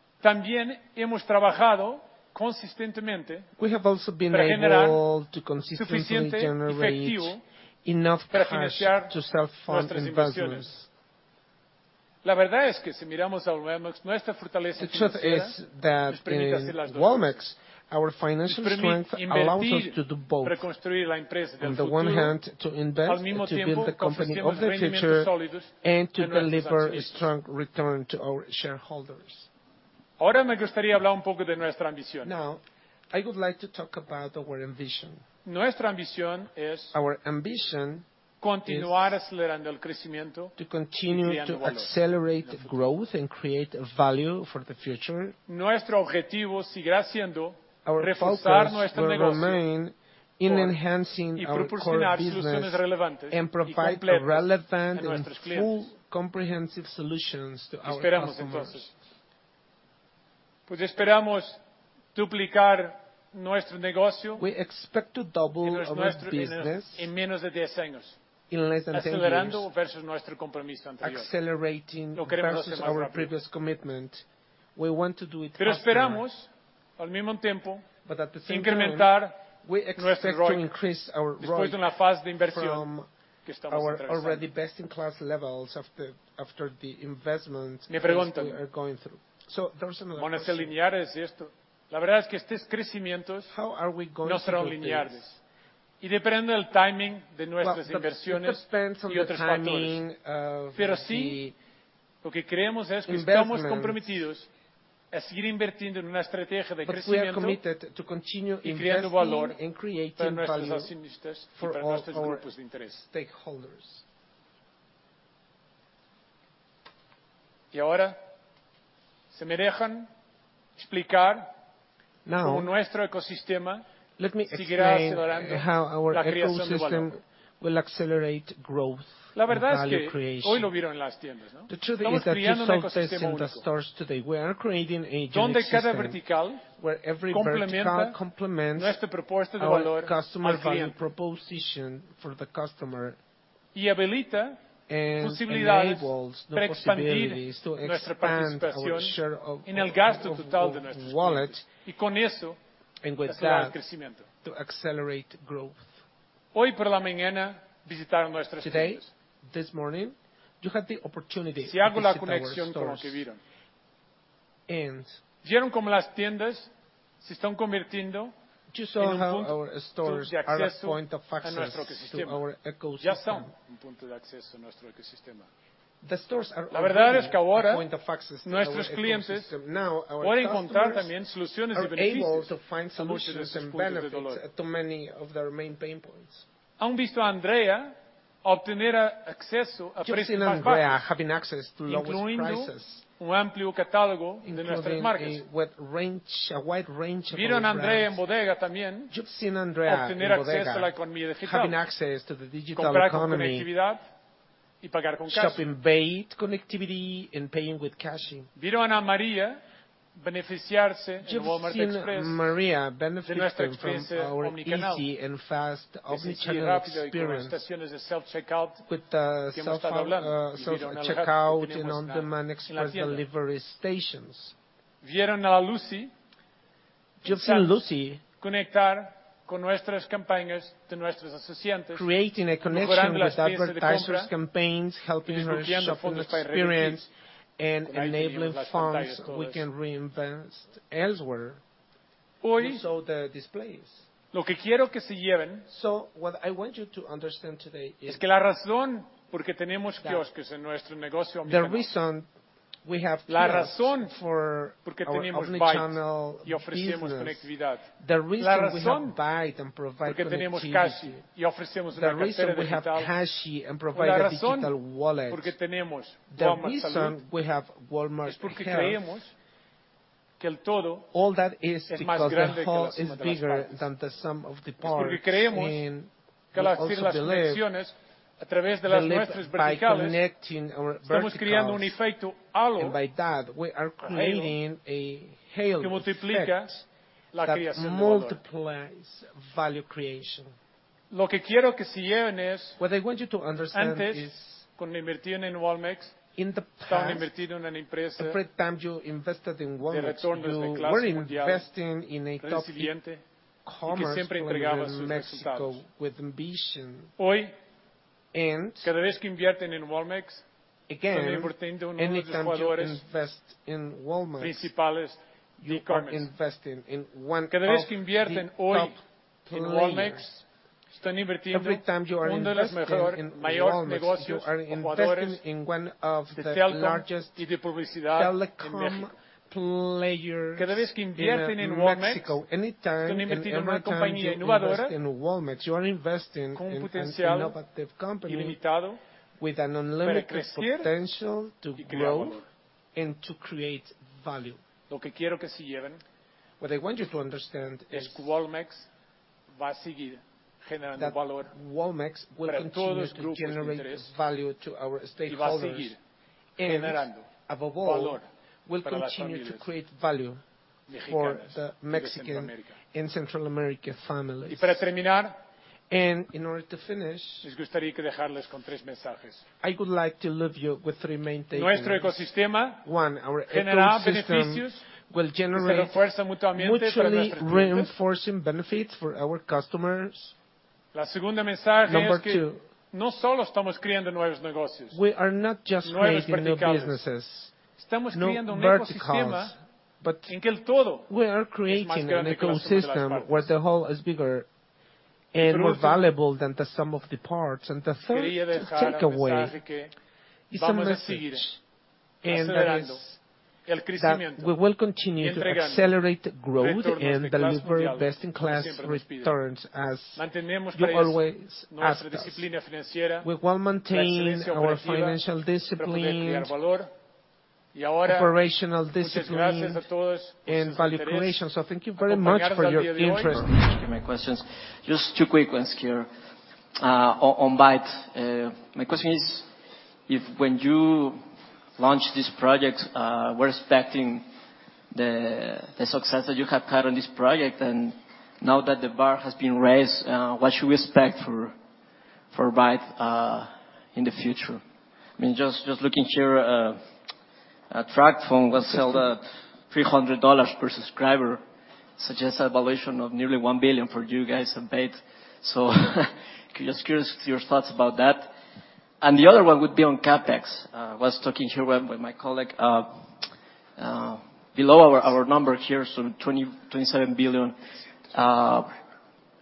We have also been able to consistently generate enough cash to self-fund investments. The truth is that in Walmex, our financial strength allows us to do both. On the one hand, to invest, to build the company of the future, and to deliver a strong return to our shareholders. I would like to talk about our ambition. Our ambition is to continue to accelerate growth and create value for the future. Our focus will remain in enhancing our core business and provide relevant and full comprehensive solutions to our customers. We expect to double our business in less than 10 years, accelerating versus our previous commitment. We want to do it faster. At the same time, we expect to increase our ROIC from our already best-in-class levels after the investments that we are going through. There is another question. How are we going to do this? Well, it depends on the timing of the investments. We are committed to continue investing and creating value for all our stakeholders. Let me explain how our ecosystem will accelerate growth and value creation. The truth is that you saw this in the stores today. We are creating a unique system where every vertical complements our customer value proposition for the customer and enables the possibilities to expand our share of wallet, and with that, to accelerate growth. Today, this morning, you had the opportunity to visit our stores. You saw how our stores are a point of access to our ecosystem. The stores are our main point of access to our ecosystem. Our customers are able to find solutions and benefits to many of their main pain points. You've seen Andrea having access to the lowest prices, including a wide range of own brands. You've seen Andrea in Bodega having access to the digital economy. Shopping, paid connectivity and paying with Cashi. You've seen Maria benefiting from our easy and fast omni-channel experience with the self-checkout and On Demand Express Delivery Stations. You've seen Lucy creating a connection with advertisers' campaigns, helping their shopping experience, and enabling funds we can reinvest elsewhere. You saw the displays. What I want you to understand today is the reason we have Kiosks for our omni-channel business, the reason we have BAIT and provide connectivity, the reason we have Cashi and provide digital wallets, the reason we have Walmart Health, all that is because the whole is bigger than the sum of the parts. We also believe by connecting our verticals, we are creating a halo effect that multiplies value creation. What I want you to understand is in the past, every time you invested in Walmex, you were investing in a top e-commerce player in Mexico with ambition. Again, anytime you invest in Walmex, you are investing in one of the top players. Every time you are investing in Walmex, you are investing in one of the largest telecom players in Mexico. Anytime and every time you invest in Walmex, you are investing in an innovative company with an unlimited potential to grow and to create value. What I want you to understand is that Walmex will continue to generate value to our stakeholders and above all will continue to create value for the Mexican and Central America families. In order to finish, I would like to leave you with three main takeaways. One, our ecosystem will generate mutually reinforcing benefits for our customers. Number two. We are not just creating new businesses, new verticals, but we are creating an ecosystem where the whole is bigger and more valuable than the sum of the parts. The third takeaway is a message, and that is that we will continue to accelerate growth and deliver best in class returns as you always ask us. We will maintain our financial discipline, operational discipline and value creation. Thank you very much for your interest. Thank you for taking my questions. Just two quick ones here, on BAIT. My question is, if when you launched this project, were expecting the success that you have had on this project, and now that the bar has been raised, what should we expect for BAIT in the future? I mean, just looking here, a Tracfone was sold at $300 per subscriber, suggests a valuation of nearly $1 billion for you guys at BAIT. Just curious to your thoughts about that. The other one would be on CapEx. Was talking here with my colleague, below our number here, 27 billion.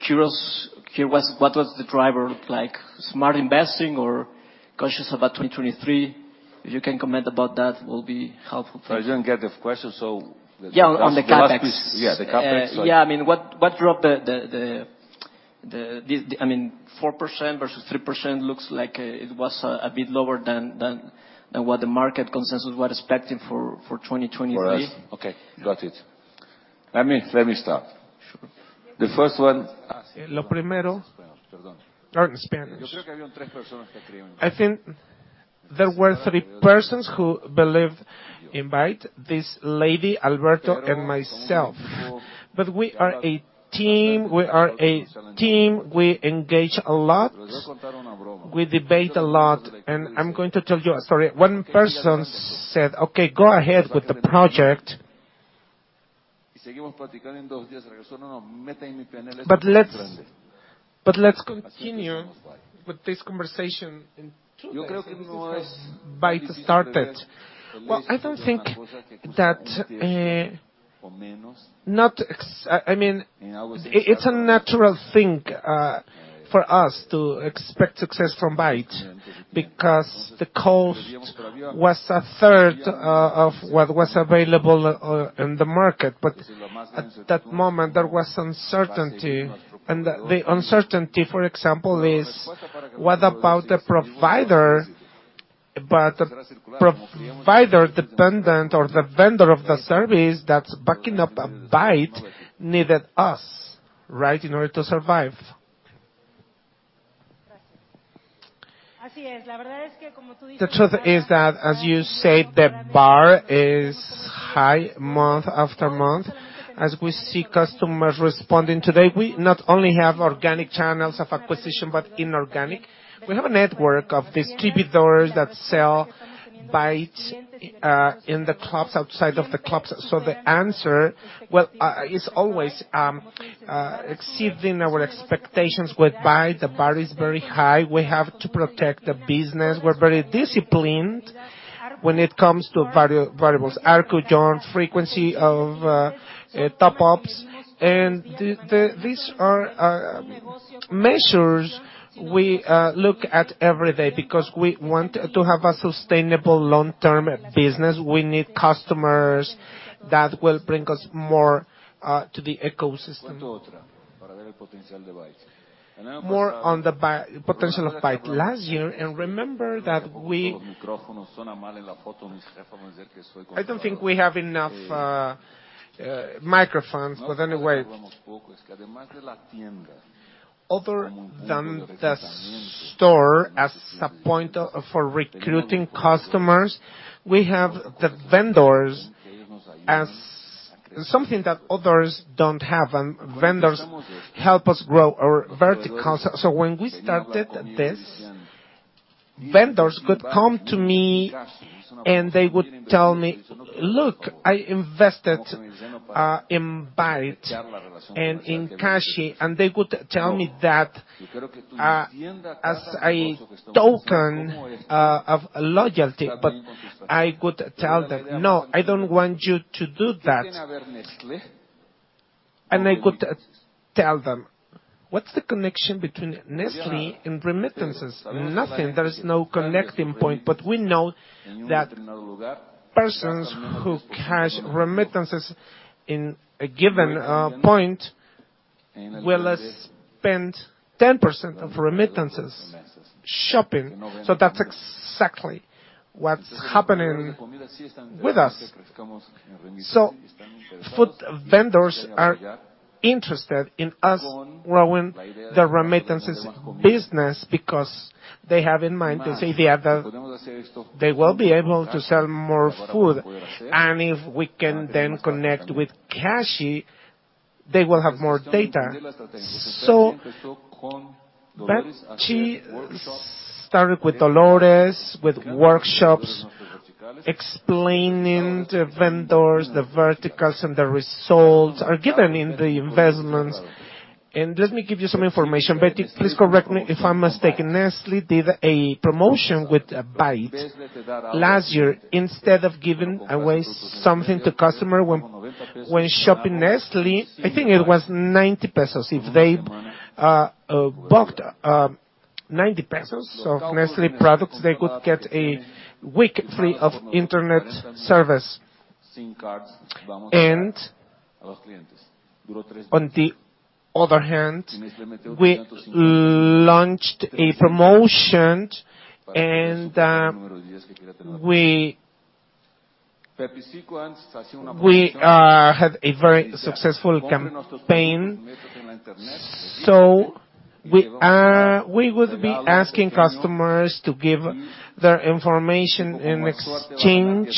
Curious here, what was the driver like? Smart investing or cautious about 2023? If you can comment about that, will be helpful for me. Sorry, I didn't get the question. Yeah, on the CapEx. Yeah, the CapEx. Yeah. I mean, what drove the. I mean, 4% versus 3% looks like it was a bit lower than what the market consensus were expecting for 2023. For us? Okay. Got it. Let me start. Sure. The first. I think there were three persons who believed in BAIT. This lady, Alberto and myself. We are a team. We are a team. We engage a lot. We debate a lot. I'm going to tell you a story. One person said, "Okay, go ahead with the project." Let's continue with this conversation in two days and we must BAIT started. Well, I don't think that, I mean, it's a natural thing for us to expect success from BAIT because the cost was a third of what was available in the market. At that moment, there was uncertainty and the uncertainty, for example, is what about the provider? Provider dependent or the vendor of the service that's backing up a BAIT needed us, right, in order to survive. The truth is that, as you said, the bar is high month after month as we see customers responding. Today, we not only have organic channels of acquisition, but inorganic. We have a network of distributors that sell BAIT in the clubs, outside of the clubs. The answer, well, is always exceeding our expectations with BAIT. The bar is very high. We have to protect the business. We're very disciplined when it comes to variables, ARPU churn, frequency of top-ups. These are measures we look at every day because we want to have a sustainable long-term business. We need customers that will bring us more to the ecosystem. More on the potential of BAIT last year, remember that I don't think we have enough microphones, anyway. Other than the store as a point for recruiting customers, we have the vendors as something that others don't have. Vendors help us grow our verticals. When we started this, vendors could come to me and they would tell me, "Look, I invested in BAIT and in Cashi." They would tell me that as a token of loyalty. I would tell them, "No, I don't want you to do that." I would tell them, "What's the connection between Nestlé and remittances? Nothing. There is no connecting point." We know that persons who cash remittances in a given point will spend 10% of remittances shopping. That's exactly what's happening with us. Food vendors are interested in us growing the remittances business because they have in mind this idea that they will be able to sell more food, and if we can then connect with Cashi, they will have more data. Betty started with Dolores, with workshops explaining to vendors the verticals and the results are given in the investments. Let me give you some information. Betty, please correct me if I'm mistaken. Nestlé did a promotion with BAIT last year. Instead of giving away something to customer when shopping Nestlé, I think it was 90 pesos. If they bought 90 pesos of Nestlé products, they could get a week free of internet service, SIM cards. On the other hand, we launched a promotion and we had a very successful campaign. We would be asking customers to give their information in exchange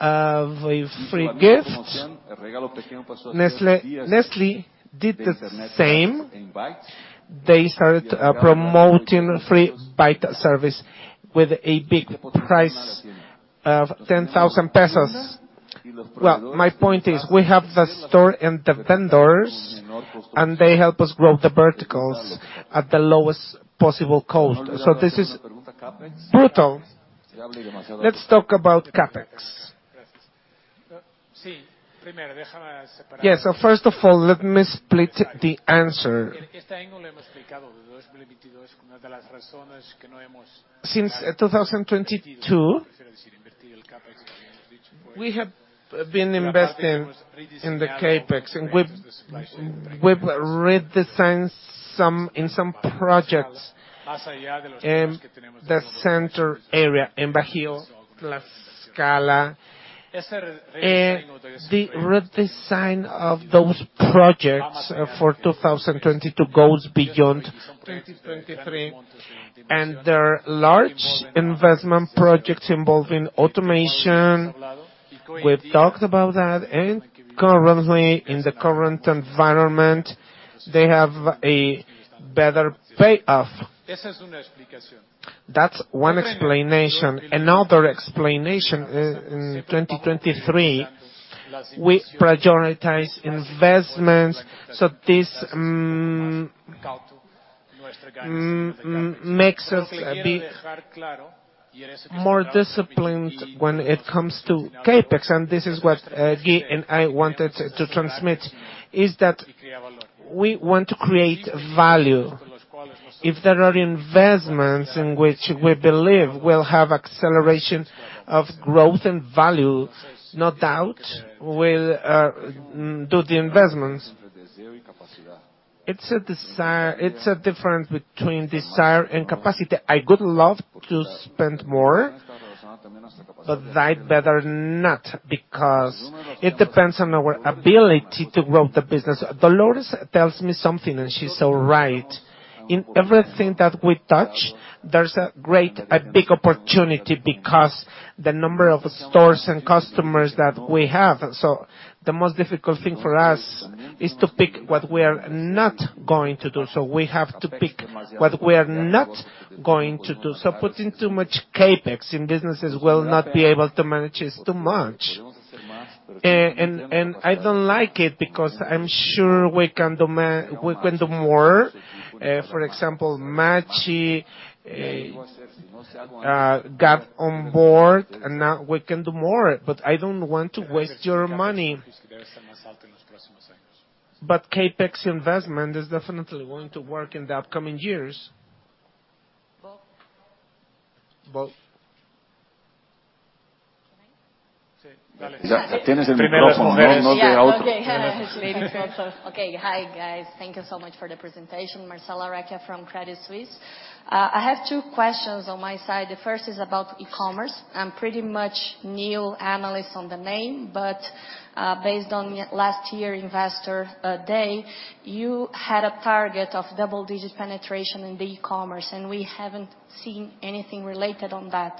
of a free gift. Nestlé did the same. They started promoting free BAIT service with a big price of 10,000 pesos. Well, my point is we have the store and the vendors, and they help us grow the verticals at the lowest possible cost. This is brutal. Let's talk about CapEx. Yes. First of all, let me split the answer. Since 2022, we have been investing in the CapEx and we've redesigned some, in some projects, the center area in Bajío, Tlaxcala. The redesign of those projects for 2022 goes beyond 2023. There are large investment projects involving automation. We've talked about that and currently in the current environment, they have better payoff. That's one explanation. Another explanation, in 2023, we prioritize investments, this makes us a bit more disciplined when it comes to CapEx. This is what Gui and I wanted to transmit, is that we want to create value. If there are investments in which we believe will have acceleration of growth and value, no doubt we'll do the investments. It's a difference between desire and capacity. I would love to spend more, but I better not, because it depends on our ability to grow the business. Dolores tells me something, she's so right. In everything that we touch, there's a big opportunity because the number of stores and customers that we have. The most difficult thing for us is to pick what we are not going to do. We have to pick what we are not going to do. Putting too much CapEx in businesses we'll not be able to manage is too much. I don't like it because I'm sure we can do more. For example, Machi got on board, and now we can do more. I don't want to waste your money. CapEx investment is definitely going to work in the upcoming years. Both. Both. Can I? Sí. I think Okay. Maybe it's better. Okay. Hi, guys. Thank you so much for the presentation. Marcella Recchia from Credit Suisse. I have two questions on my side. The first is about e-commerce. I'm pretty much new analyst on the name, but, based on last year investor day, you had a target of double-digit penetration in the e-commerce, and we haven't seen anything related on that.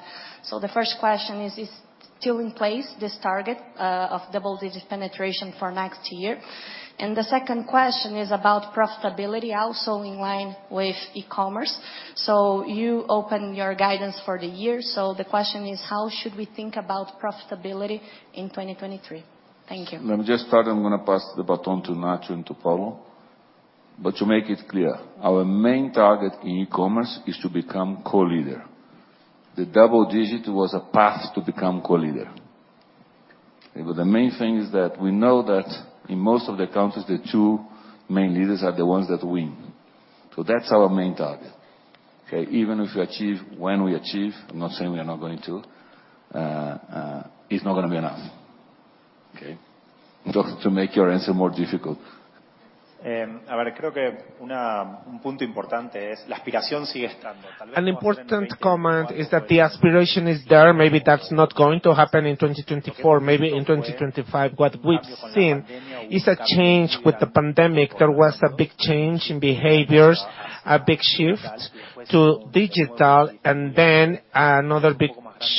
The first question is still in place this target of double-digit penetration for next year? The second question is about profitability also in line with e-commerce. You open your guidance for the year. The question is, how should we think about profitability in 2023? Thank you. Let me just start. I'm gonna pass the baton to Nacho and to Paulo. To make it clear, our main target in e-commerce is to become co-leader. The double-digit was a path to become co-leader. The main thing is that we know that in most of the countries, the two main leaders are the ones that win. That's our main target, okay? Even if we achieve when we achieve, I'm not saying we are not going to, it's not gonna be enough. Okay? Just to make your answer more difficult. An important comment is that the aspiration is there. Maybe that's not going to happen in 2024, maybe in 2025. What we've seen is a change with the pandemic. There was a big change in behaviors, a big shift to digital, and then another big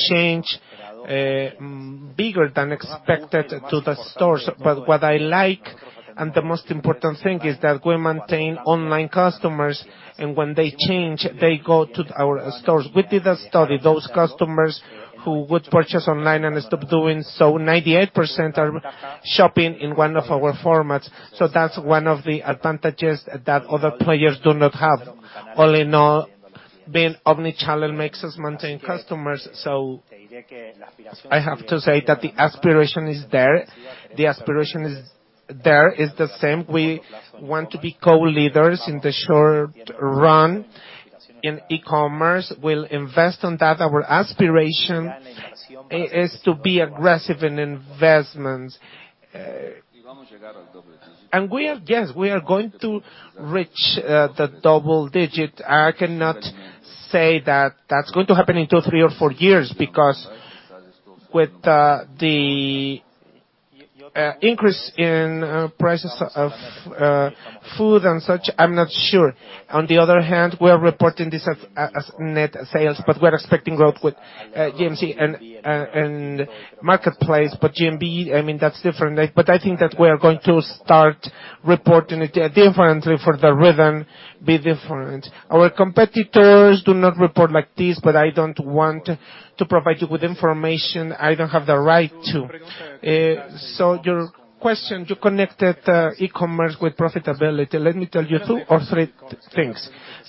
change, bigger than expected to the stores. What I like, and the most important thing, is that we maintain online customers, and when they change, they go to our stores. We did a study. Those customers who would purchase online and stop doing so, 98% are shopping in one of our formats. That's one of the advantages that other players do not have. All in all, being omni-channel makes us maintain customers. I have to say that the aspiration is there. The aspiration is there. It's the same. We want to be co-leaders in the short run. In e-commerce, we'll invest on that. Our aspiration is to be aggressive in investments. We are, yes, we are going to reach the double-digit. I cannot say that that's going to happen in two, three or four years because with the increase in prices of food and such, I'm not sure. On the other hand, we are reporting this as net sales, but we're expecting growth with GMC and Marketplace, but GMV, I mean, that's different. I think that we are going to start reporting it differently for the rhythm be different. Our competitors do not report like this. I don't want to provide you with information I don't have the right to. Your question, you connected e-commerce with profitability. Let me tell you two or three things.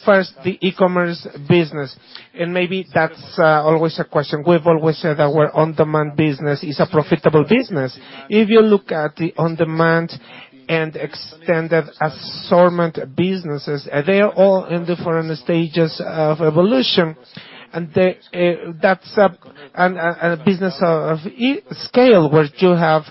First, the e-commerce business, maybe that's always a question. We've always said our On Demand business is a profitable business. If you look at the On Demand and extended assortment businesses, they are all in different stages of evolution. They, that's a business of e-scale, where you have.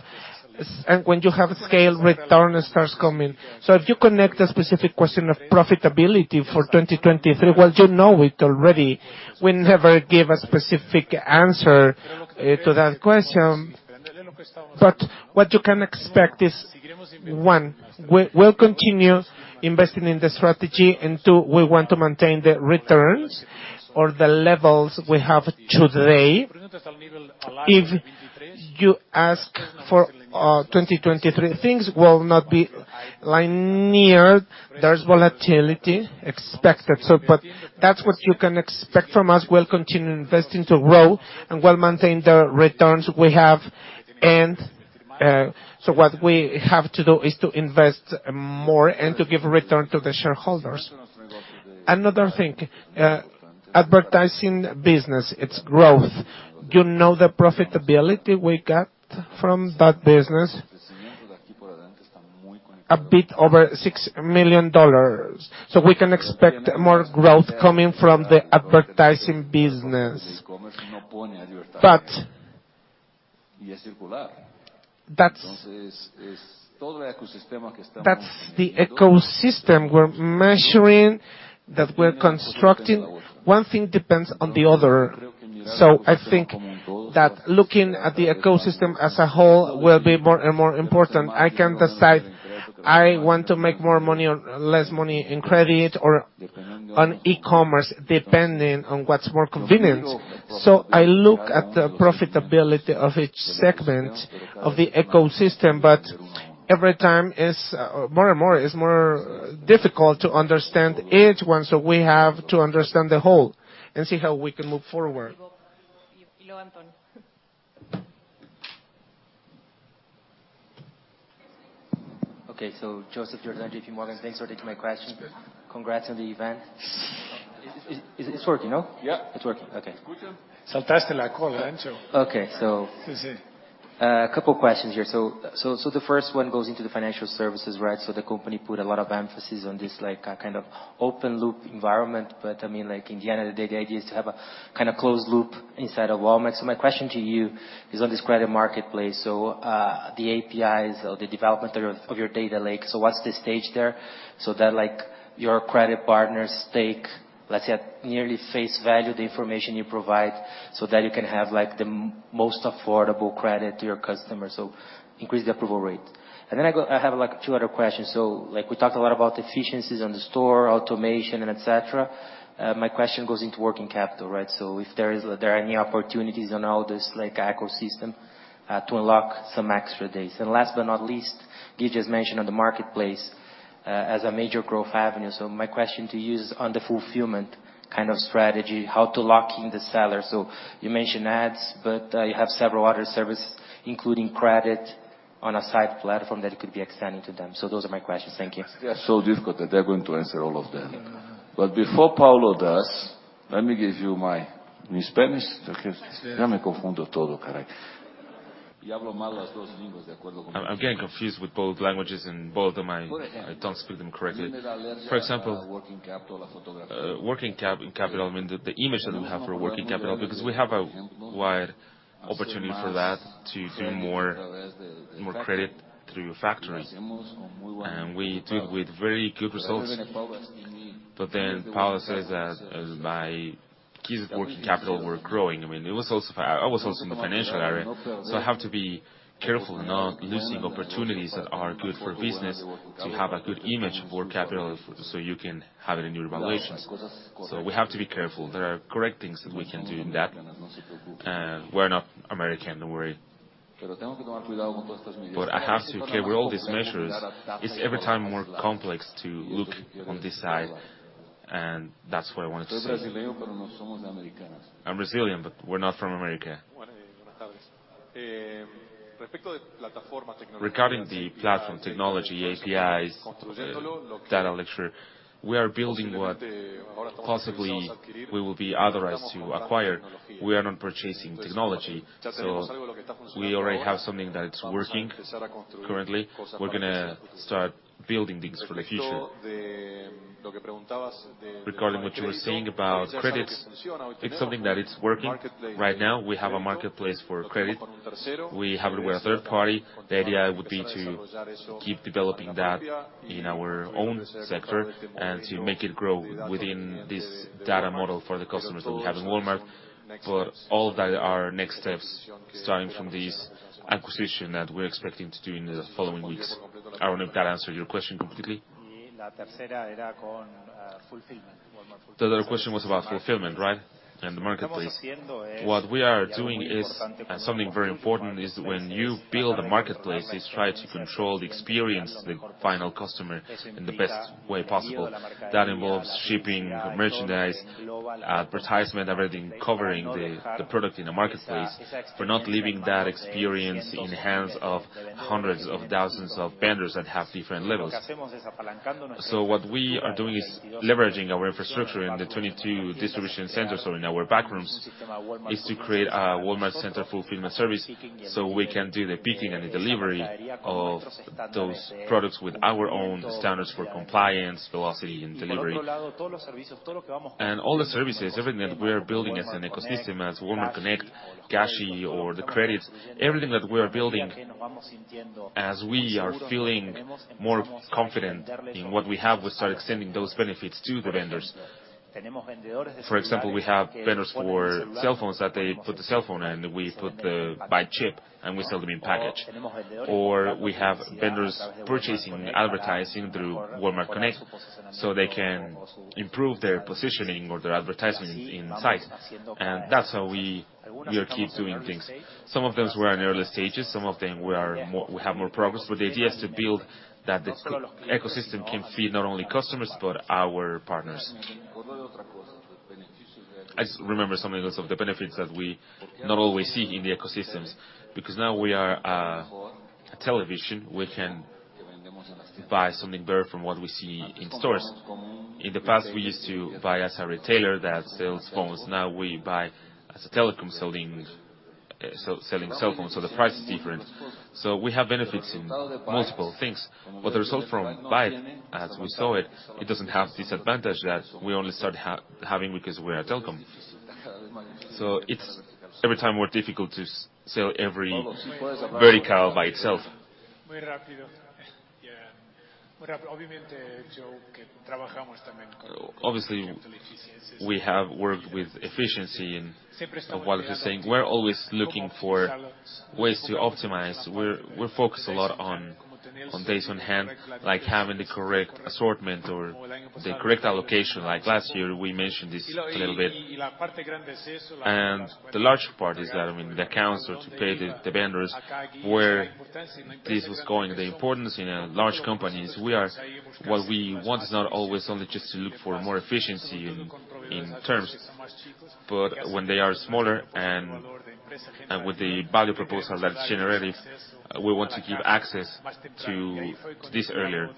When you have scale, return starts coming. If you connect a specific question of profitability for 2023, well, you know it already. We never give a specific answer to that question. What you can expect is, one, we'll continue investing in the strategy. Two, we want to maintain the returns or the levels we have today. You ask for 2023. Things will not be linear. There's volatility expected, so but that's what you can expect from us. We'll continue investing to grow, and we'll maintain the returns we have. What we have to do is to invest more and to give a return to the shareholders. Another thing, advertising business, its growth. You know the profitability we get from that business. A bit over $6 million. We can expect more growth coming from the advertising business. That's the ecosystem we're measuring, that we're constructing. One thing depends on the other. I think that looking at the ecosystem as a whole will be more and more important. I can decide I want to make more money or less money in credit or on e-commerce, depending on what's more convenient. I look at the profitability of each segment of the ecosystem, but every time is more and more, it's more difficult to understand each one. We have to understand the whole and see how we can move forward. Okay. Joseph thanks for taking my question. It's good. Congrats on the event. It's working, no? Yeah. It's working. Okay. Okay. Si, si. A couple questions here. The first one goes into the financial services, right? The company put a lot of emphasis on this, like, kind of open loop environment. I mean, like, in the end of the day, the idea is to have a kind of closed loop inside of Walmart. My question to you is on this credit marketplace. The APIs or the development of your, of your data lake. What's the stage there? That, like, your credit partners take, let's say, at nearly face value the information you provide, so that you can have, like, the most affordable credit to your customers, so increase the approval rate. Then I have, like, two other questions. Like, we talked a lot about efficiencies in the store, automation and et cetera. My question goes into working capital, right? If there are any opportunities on all this, like, ecosystem, to unlock some extra days. Last but not least, you just mentioned on the marketplace, as a major growth avenue. My question to you is on the fulfillment kind of strategy, how to lock in the seller. You mentioned ads, but you have several other service, including credit on a side platform that could be extended to them. Those are my questions. Thank you. They are so difficult that they're going to answer all of them. Before Paulo does, let me give you my... In Spanish? I'm getting confused with both languages, I don't speak them correctly. For example, working capital, I mean, the image that we have for working capital, because we have a wide opportunity for that to do more, more credit through factories. We do it with very good results. Paulo says that his working capital were growing. I mean, I was also in the financial area, so I have to be careful not losing opportunities that are good for business to have a good image of work capital so you can have it in your evaluations. We have to be careful. There are correct things that we can do in that. We're not American, don't worry. I have to carry all these measures. It's every time more complex to look on this side. That's what I wanted to say. I'm Brazilian. We're not from America. Regarding the platform technology, APIs, data lecture, we are building what possibly we will be authorized to acquire. We are not purchasing technology. We already have something that's working currently. We're gonna start building things for the future. Regarding what you were saying about credits, it's something that is working right now. We have a marketplace for credit. We have it with a third party. The idea would be to keep developing that in our own sector and to make it grow within this data model for the customers that we have in Walmart. All of that are next steps starting from this acquisition that we're expecting to do in the following weeks. I don't know if that answered your question completely. The other question was about fulfillment, right? The marketplace. What we are doing is, and something very important, is when you build a marketplace, is try to control the experience of the final customer in the best way possible. That involves shipping merchandise, advertisement, everything covering the product in the marketplace. We're not leaving that experience in the hands of hundreds of thousands of vendors that have different levels. What we are doing is leveraging our infrastructure in the 22 distribution centers or in our back rooms, is to create a Walmart Center Fulfillment service, so we can do the picking and the delivery of those products with our own standards for compliance, velocity and delivery. All the services, everything that we are building as an ecosystem, as Walmart Connect, Cashi or the credits, everything that we are building, as we are feeling more confident in what we have, we start extending those benefits to the vendors. For example, we have vendors for cell phones that they put the cell phone and we put the BAIT chip and we sell them in package. We have vendors purchasing advertising through Walmart Connect, so they can improve their positioning or their advertising in sites. That's how we are keep doing things. Some of those were in early stages, some of them we have more progress. The idea is to build that the ecosystem can fit not only customers but our partners. I just remember some of those, of the benefits that we not always see in the ecosystems because now we are a television. We can buy something better from what we see in stores. In the past, we used to buy as a retailer that sells phones, now we buy as a telecom selling cell phones. The price is different. We have benefits in multiple things. The result from BUYD, as we saw it doesn't have this advantage that we only start having because we're a telecom. It's every time more difficult to sell every vertical by itself. Obviously, we have worked with efficiency in what he is saying. We're always looking for ways to optimize. We're focused a lot on days on hand, like having the correct assortment or the correct allocation. Like last year, we mentioned this a little bit. The large part is that, I mean, the accounts or to pay the vendors where this was going, the importance in a large companies we are. What we want is not always only just to look for more efficiency in terms. When they are smaller and with the value proposal that's generated, we want to give access to this earlier.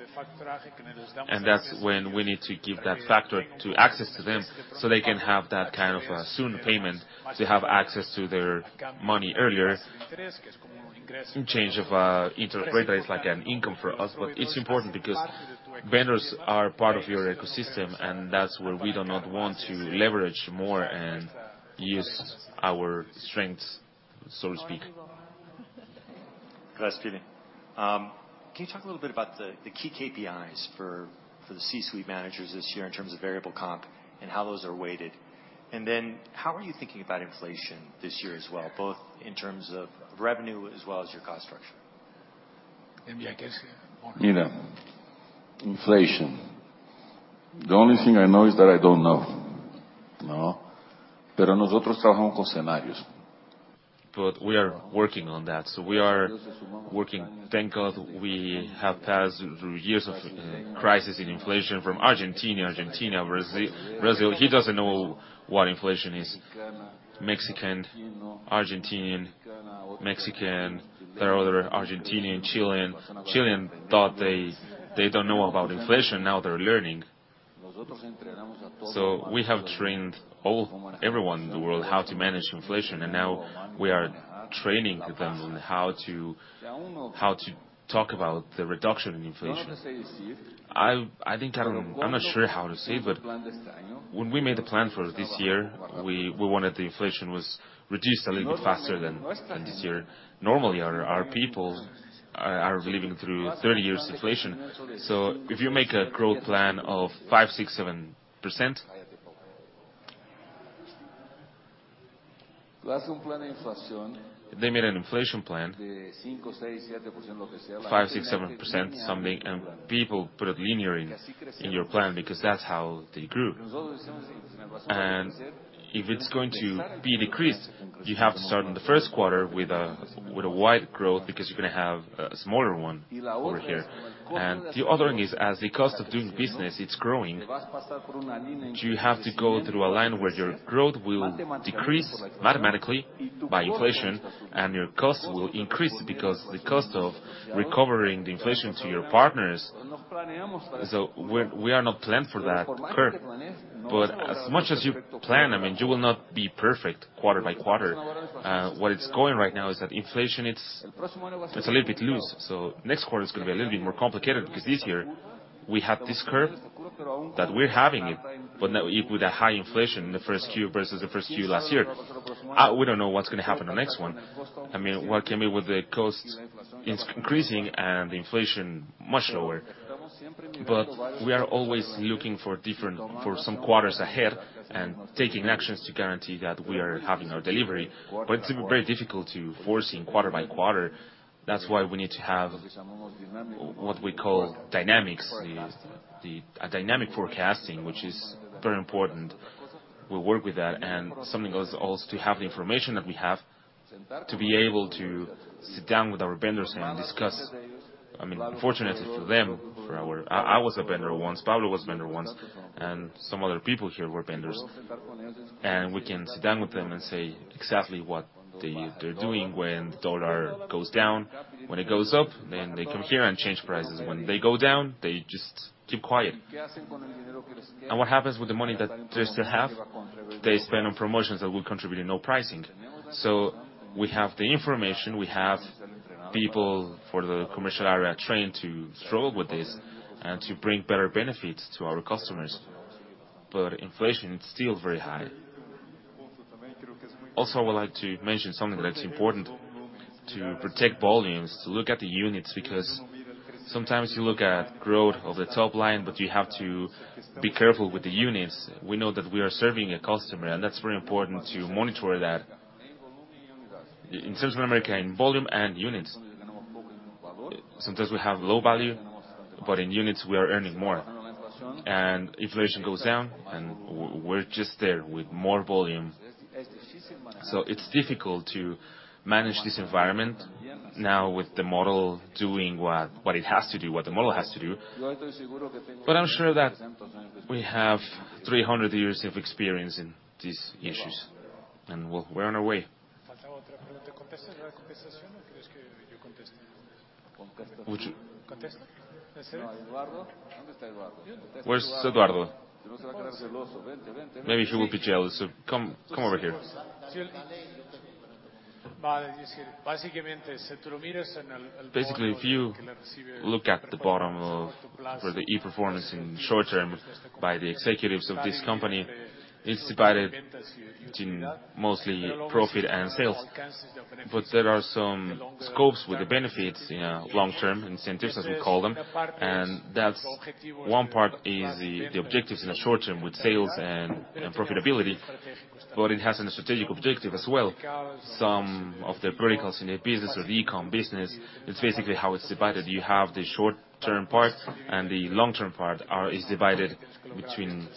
That's when we need to give that factor to access to them, so they can have that kind of soon payment to have access to their money earlier. In change of interest rate, it's like an income for us. It's important because vendors are part of your ecosystem, and that's where we do not want to leverage more and use our strengths, so to speak. Good afternoon. Can you talk a little bit about the key KPIs for the C-suite managers this year in terms of variable comp and how those are weighted? How are you thinking about inflation this year as well, both in terms of revenue as well as your cost structure? Maybe I can say more. You know, inflation. The only thing I know is that I don't know. No. We are working on that. We are working. Thank God we have passed through years of crisis in inflation from Argentina, Brazil. He doesn't know what inflation is. Mexican, Argentine, Mexican. There are other Argentine, Chilean. Chilean thought they don't know about inflation. Now they're learning. We have trained everyone in the world how to manage inflation, and now we are training them on how to talk about the reduction in inflation. I think I'm not sure how to say, when we made the plan for this year, we wanted the inflation was reduced a little bit faster than this year. Normally, our people are living through 30 years inflation. If you make a growth plan of 5%, 6%, 7%... They made an inflation plan, 5%, 6%, 7% something, and people put it linear in your plan because that's how they grew. If it's going to be decreased, you have to start in the first quarter with a, with a wide growth because you're gonna have a smaller one over here. The other one is, as the cost of doing business, it's growing. You have to go through a line where your growth will decrease mathematically by inflation, and your costs will increase because the cost of recovering the inflation to your partners. We are not planned for that curve. As much as you plan, I mean, you will not be perfect quarter by quarter. What it's going right now is that inflation, it's a little bit loose. Next quarter is gonna be a little bit more complicated because this year, we have this curve that we're having it, but now with a high inflation in the first Q versus the first Q last year. We don't know what's gonna happen the next one. I mean, what can be with the cost increasing and the inflation much lower. We are always looking for different for some quarters ahead and taking actions to guarantee that we are having our delivery. It's very difficult to foresee quarter by quarter. That's why we need to have what we call dynamics, the a dynamic forecasting, which is very important. We work with that and something else is to have the information that we have to be able to sit down with our vendors and discuss. I mean, unfortunately for them, for our... I was a vendor once, Pablo was a vendor once, and some other people here were vendors. We can sit down with them and say exactly what they're doing when the US dollar goes down. When it goes up, they come here and change prices. When they go down, they just keep quiet. What happens with the money that they still have? They spend on promotions that will contribute in no pricing. We have the information, we have people for the commercial area trained to struggle with this and to bring better benefits to our customers. Inflation is still very high. I would like to mention something that's important to protect volumes, to look at the units, because sometimes you look at growth of the top line, but you have to be careful with the units. We know that we are serving a customer, that's very important to monitor that. In terms of America, in volume and units. Sometimes we have low value, in units, we are earning more. Inflation goes down, and we're just there with more volume. It's difficult to manage this environment now with the model doing what it has to do, what the model has to do. I'm sure that we have 300 years of experience in these issues, and we're on our way. Where's Eduardo? Maybe he will be jealous, so come over here. Basically, if you look at for the e-performance in short term by the executives of this company, it's divided between mostly profit and sales. There are some scopes with the benefits in long-term incentives, as we call them, and that's one part is the objectives in the short term with sales and profitability. It has a strategic objective as well. Some of the verticals in their business or the e-com business, it's basically how it's divided. You have the short-term part and the long-term part is divided between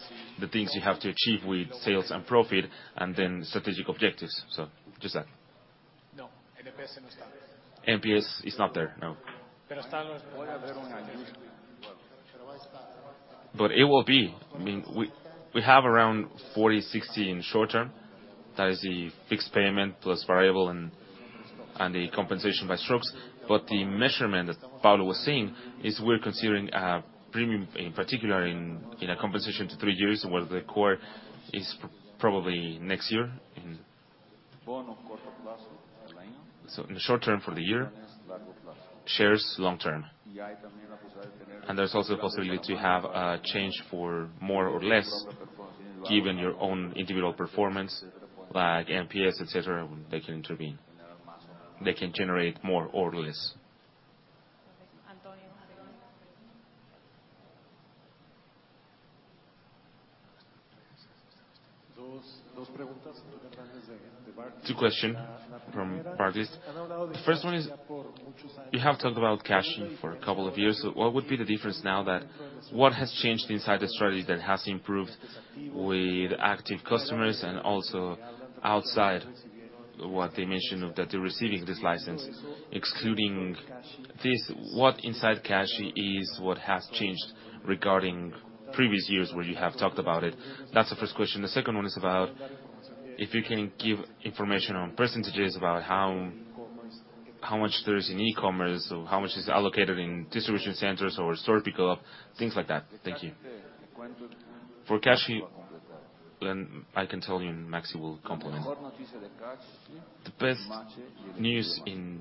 the things you have to achieve with sales and profit and strategic objectives. Just that. No. NPS is not there. NPS is not there, no. It will be. I mean, we have around 40, 60 in short term. That is the fixed payment plus variable and the compensation by strokes. The measurement that Paulo was saying is we're considering a premium, in particular in a compensation to three years, where the core is probably next year in... In the short term for the year, shares long term. There's also a possibility to have a change for more or less given your own individual performance, like NPS, et cetera. They can intervene. They can generate more or less. 2 question from Barclays. The first one is, you have talked about Cashi for a couple of years. What has changed inside the strategy that has improved with active customers and also outside what they mentioned, that they're receiving this license? Excluding this, what inside Cashi is what has changed regarding previous years where you have talked about it? That's the first question. The second one is about if you can give information on % about how much there is in e-commerce or how much is allocated in distribution centers or store pickup, things like that. Thank you. For Cashi, I can tell you, and Maxi will complement. The best news in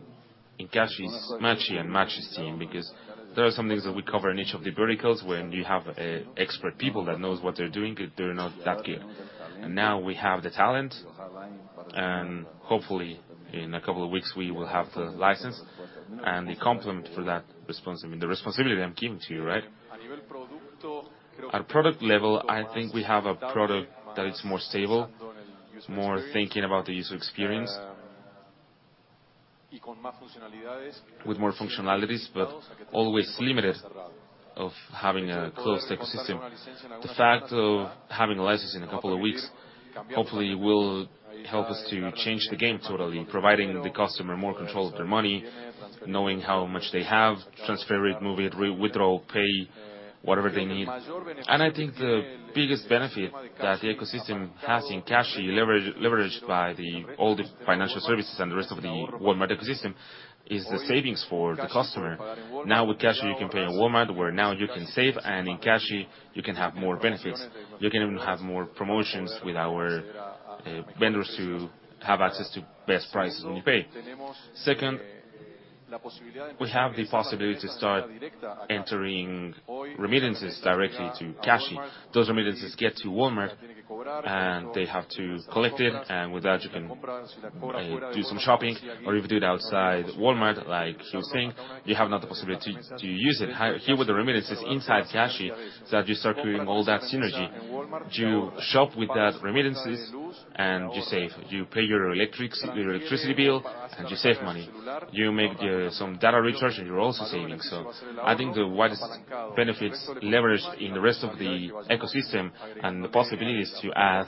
Cashi is Maxi and Maxi's team, because there are some things that we cover in each of the verticals when you have expert people that knows what they're doing, they're not that good. Now we have the talent, and hopefully, in a couple of weeks, we will have the license and the complement for that response. I mean, the responsibility I'm giving to you, right? At product level, I think we have a product that is more stable, more thinking about the user experience. With more functionalities, but always limited of having a closed ecosystem. The fact of having a license in a couple of weeks, hopefully will help us to change the game totally, providing the customer more control of their money, knowing how much they have, transfer it, move it, withdraw, pay, whatever they need. I think the biggest benefit that the ecosystem has in Cashi leverage, leveraged by all the financial services and the rest of the Walmart ecosystem is the savings for the customer. Now with Cashi, you can pay in Walmart, where now you can save, and in Cashi, you can have more benefits. You can even have more promotions with our vendors to have access to best prices when you pay. Second, we have the possibility to start entering remittances directly to Cashi. Those remittances get to Walmart, and they have to collect it, and with that, you can do some shopping. If you do it outside Walmart, like José, you have not the possibility to use it. Here with the remittances inside Cashi, so that you start creating all that synergy. You shop with that remittances, you save. You pay your electricity bill, you save money. You make some data recharge, you're also saving. I think the widest benefits leveraged in the rest of the ecosystem and the possibilities to add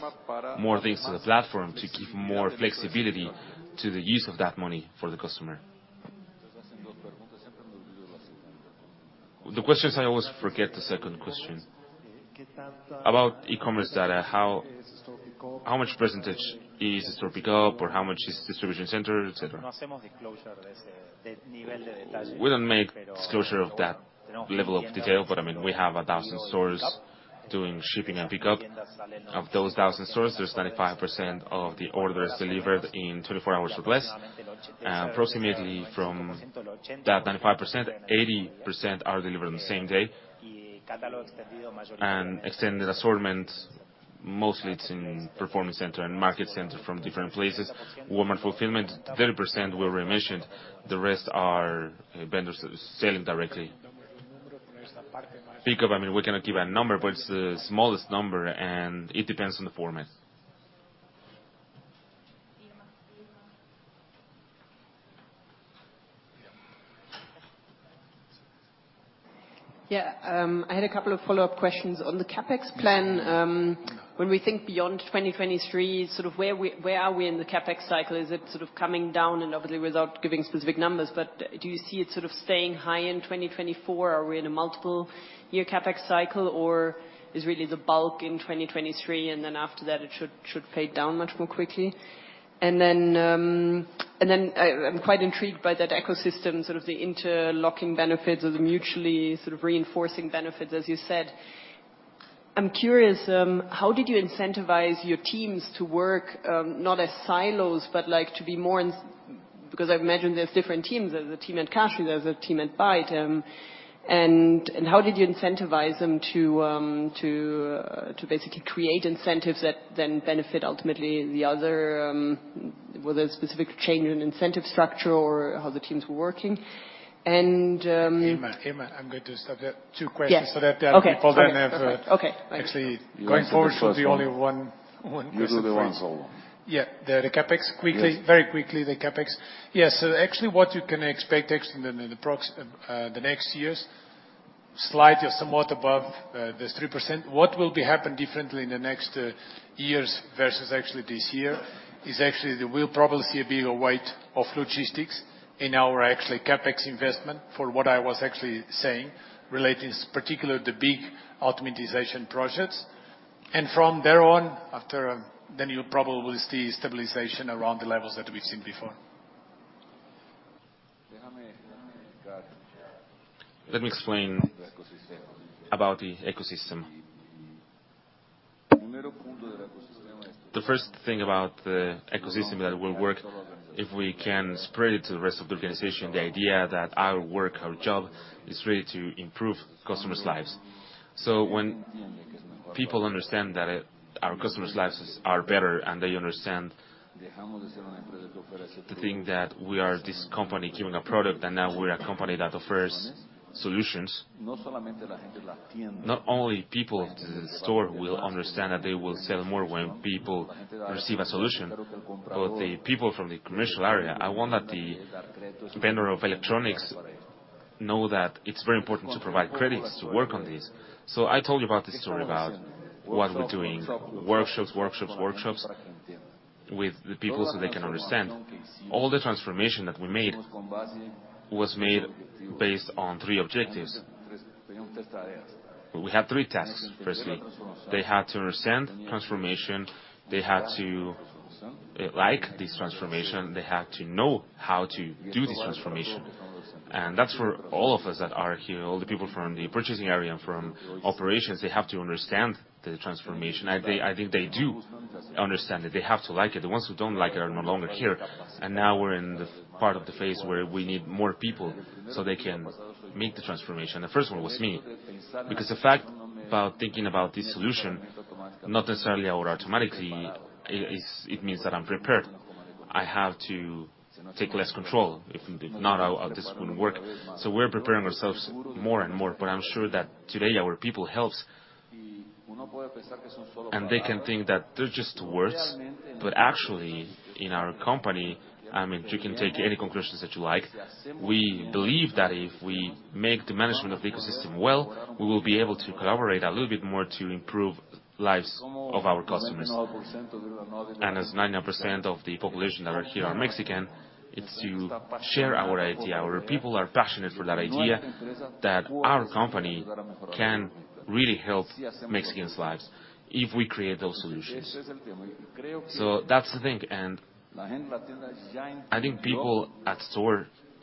more things to the platform to give more flexibility to the use of that money for the customer. The questions, I always forget the second question. About e-commerce data, how much percentage is store pickup or how much is distribution center, etc.? We don't make disclosure of that level of detail, I mean, we have 1,000 stores doing shipping and pickup. Of those 1,000 stores, there's 95% of the orders delivered in 24 hours or less. Approximately from that 95%, 80% are delivered on the same day. Extended assortments, mostly it's in performance center and market center from different places. Walmart fulfillment, 30% were remissioned. The rest are vendors selling directly. Pickup, I mean, we cannot give a number, but it's the smallest number, and it depends on the format. Yeah. I had a couple of follow-up questions on the CapEx plan. When we think beyond 2023, sort of where are we in the CapEx cycle? Is it sort of coming down and obviously without giving specific numbers, but do you see it sort of staying high in 2024? Are we in a multiple year CapEx cycle, or is really the bulk in 2023, and then after that it should pay down much more quickly? And then I'm quite intrigued by that ecosystem, sort of the interlocking benefits or the mutually sort of reinforcing benefits, as you said. I'm curious, how did you incentivize your teams to work, not as silos, but like to be more in... Because I've imagined there's different teams. There's a team at Cashi, there's a team at BAIT. How did you incentivize them to basically create incentives that then benefit ultimately the other, was there specific change in incentive structure or how the teams were working? Irma, I'm going to stop you. Two questions. Yes. That the people then have. Okay. Actually, going forward, should be only one question. You do the ones all. Yeah. The CapEx. Quickly. Yes. Very quickly, the CapEx. Yes. Actually what you can expect actually in the next years, slightly or somewhat above, this 3%. What will be happen differently in the next years versus actually this year is actually that we'll probably see a bigger weight of logistics in our actually CapEx investment for what I was actually saying, relating particular the big optimization projects. From there on after, you'll probably see stabilization around the levels that we've seen before. Let me explain about the ecosystem. The first thing about the ecosystem that will work if we can spread it to the rest of the organization, the idea that our work, our job is really to improve customers' lives. When people understand that our customers' lives are better, they understand the thing that we are this company giving a product, and now we're a company that offers solutions. Not only people to the store will understand that they will sell more when people receive a solution, but the people from the commercial area, I want that the vendor of electronics know that it's very important to provide credits to work on this. I told you about the story about what we're doing, workshops with the people so they can understand. All the transformation that we made was made based on three objectives. We have three tasks. Firstly, they had to understand transformation, they had to like this transformation, they had to know how to do this transformation. That's where all of us that are here, all the people from the purchasing area, from operations, they have to understand the transformation. I think they do understand it. They have to like it. The ones who don't like it are no longer here. Now we're in the part of the phase where we need more people so they can make the transformation. The first one was me. The fact about thinking about this solution, not necessarily or automatically it means that I'm prepared. I have to take less control. If not, this wouldn't work. We're preparing ourselves more and more, but I'm sure that today our people helps. They can think that they're just words. Actually in our company, I mean, you can take any conclusions that you like. We believe that if we make the management of the ecosystem well, we will be able to collaborate a little bit more to improve lives of our customers. As 99% of the population that are here are Mexican, it's to share our idea. Our people are passionate for that idea that our company can really help Mexicans' lives if we create those solutions. That's the thing, and I think people at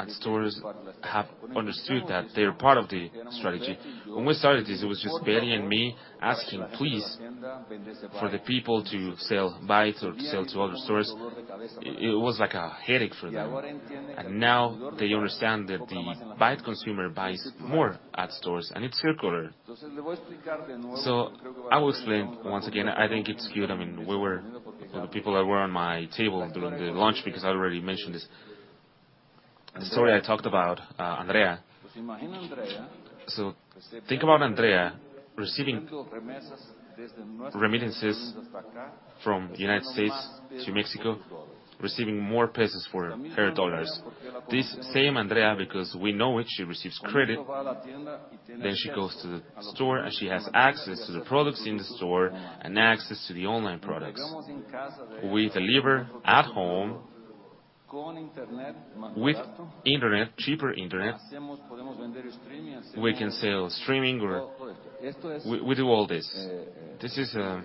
stores have understood that they're part of the strategy. When we started this, it was just Betty and me asking, "Please," for the people to sell BAIT or to sell to other stores. It was like a headache for them. Now they understand that the BAIT consumer buys more at stores, and it's circular. I will explain once again. I think it's good. I mean, we were the people that were on my table during the lunch because I already mentioned this. The story I talked about Andrea. Think about Andrea receiving remittances from United States to Mexico, receiving more pesos for her dollars. This same Andrea, because we know it, she receives credit, then she goes to the store, and she has access to the products in the store and access to the online products. We deliver at home with internet, cheaper internet. We can sell streaming. We do all this. This is a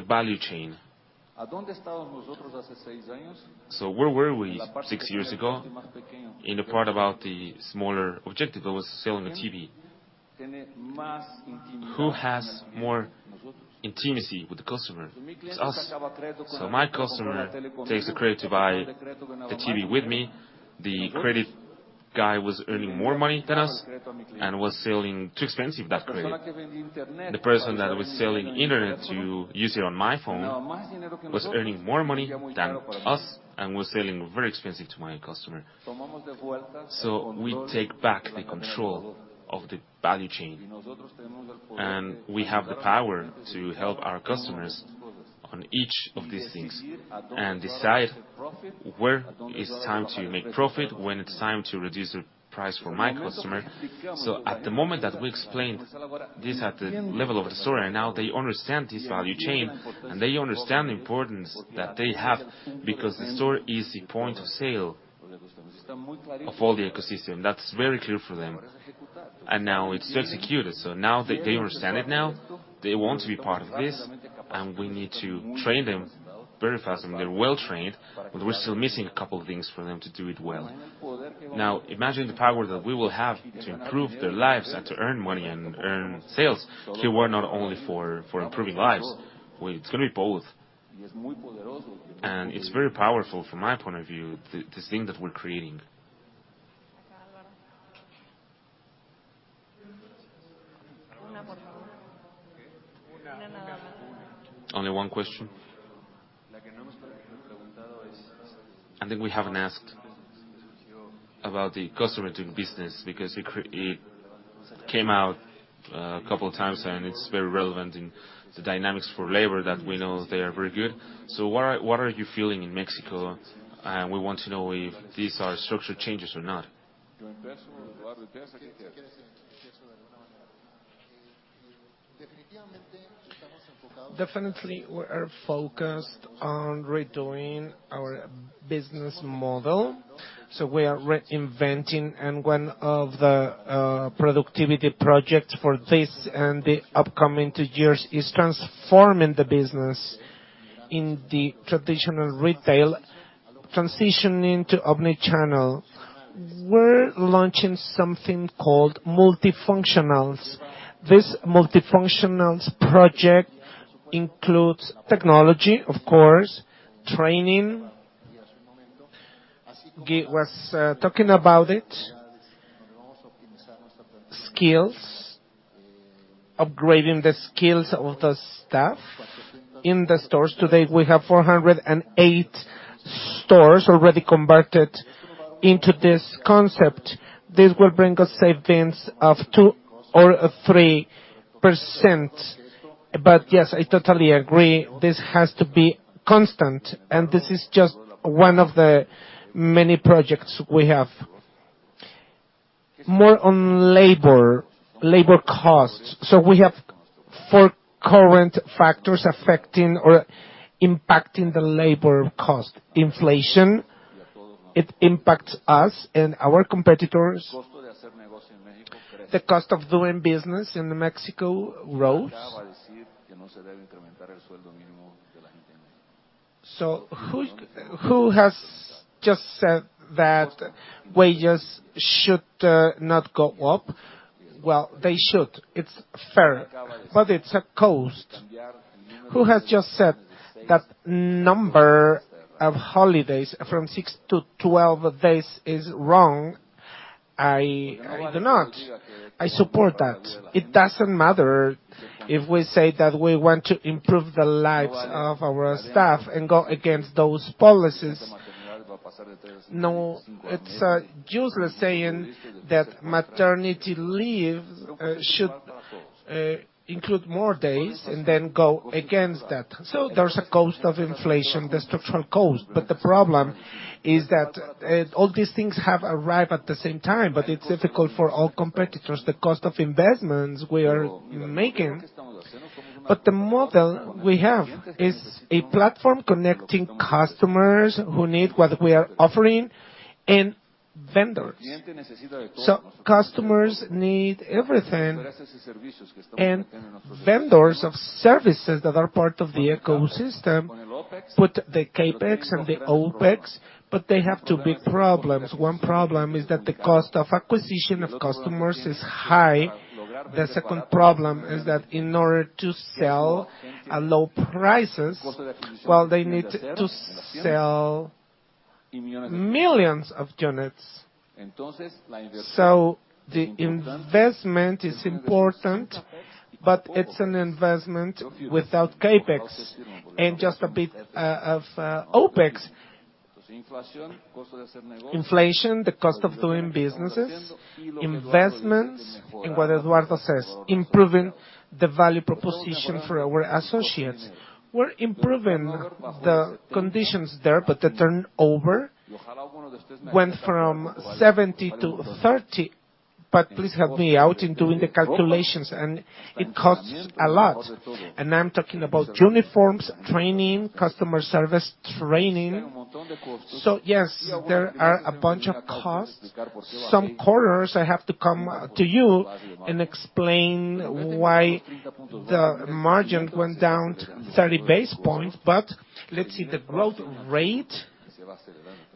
value chain. Where were we six years ago? In the part about the smaller objective, it was selling a TV. Who has more intimacy with the customer? It's us. My customer takes the credit to buy the TV with me. The credit guy was earning more money than us and was selling too expensive that credit. The person that was selling internet to use it on my phone was earning more money than us and was selling very expensive to my customer. We take back the control of the value chain, and we have the power to help our customers on each of these things, and decide where is time to make profit, when it's time to reduce the price for my customer. At the moment that we explained this at the level of the store, and now they understand this value chain, and they understand the importance that they have because the store is the point of sale of all the ecosystem. That's very clear for them. Now it's to execute it. Now they understand it now, they want to be part of this, and we need to train them very fast. I mean, they're well-trained, but we're still missing a couple things for them to do it well. Now, imagine the power that we will have to improve their lives and to earn money and earn sales. Here we're not only for improving lives, it's gonna be both. It's very powerful from my point of view, this thing that we're creating. Only one question? I think we haven't asked about the customer-centric business because it came out a couple of times, and it's very relevant in the dynamics for labor that we know they are very good. What are you feeling in Mexico? We want to know if these are structural changes or not. Definitely, we are focused on redoing our business model, so we are reinventing. One of the productivity projects for this and the upcoming two years is transforming the business in the traditional retail, transitioning to omni-channel. We're launching something called multifunctionals. This multifunctionals project includes technology, of course, training. Gui was talking about it. Skills, upgrading the skills of the staff in the stores. Today, we have 408 stores already converted into this concept. This will bring us savings of 2% or 3%. Yes, I totally agree, this has to be constant, and this is just one of the many projects we have. More on labor. Labor costs. We have four current factors affecting or impacting the labor cost. Inflation, it impacts us and our competitors. The cost of doing business in Mexico rose. Who has just said that wages should not go up? They should. It's fair, but it's a cost. Who has just said that number of holidays from six to 12 days is wrong? I do not. I support that. It doesn't matter if we say that we want to improve the lives of our staff and go against those policies. It's useless saying that maternity leave should include more days and then go against that. There's a cost of inflation, the structural cost, the problem is that all these things have arrived at the same time, but it's difficult for all competitors. The cost of investments we are making. The model we have is a platform connecting customers who need what we are offering and vendors. Customers need everything, and vendors of services that are part of the ecosystem put the CapEx and the OpEx, but they have 2 big problems. 1 problem is that the cost of acquisition of customers is high. The 2nd problem is that in order to sell at low prices, well, they need to sell millions of units. The investment is important, but it's an investment without CapEx and just a bit of OpEx. Inflation, the cost of doing businesses, investments, and what Eduardo says, improving the value proposition for our associates. We're improving the conditions there, but the turnover went from 70 to 30. Please help me out in doing the calculations, and it costs a lot. I'm talking about uniforms, training, customer service training. Yes, there are a bunch of costs. Some quarters, I have to come to you and explain why the margin went down 30 basis points, but let's see the growth rate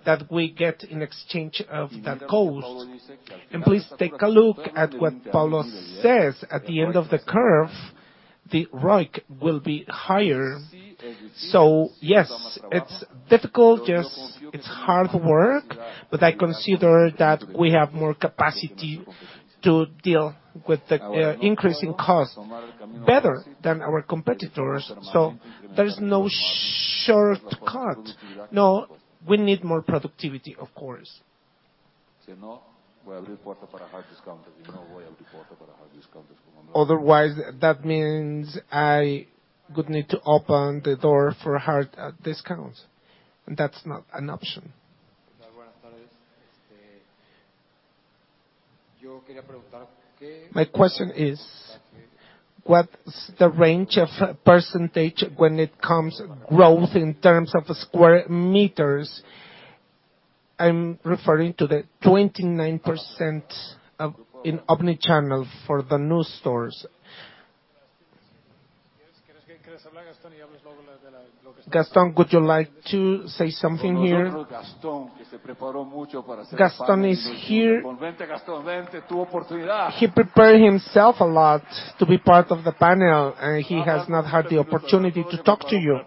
that we get in exchange of that cost. Please take a look at what Paulo says. At the end of the curve, the ROIC will be higher. Yes, it's difficult. Yes, it's hard work, I consider that we have more capacity to deal with the increasing cost better than our competitors. There is no shortcut. No, we need more productivity, of course. Otherwise, that means I would need to open the door for hard discounts, and that's not an option. My question is, what's the range of % when it comes growth in terms of square meters? I'm referring to the 29% in omni-channel for the new stores. Gaston, would you like to say something here? Gaston is here. He prepared himself a lot to be part of the panel, he has not had the opportunity to talk to you.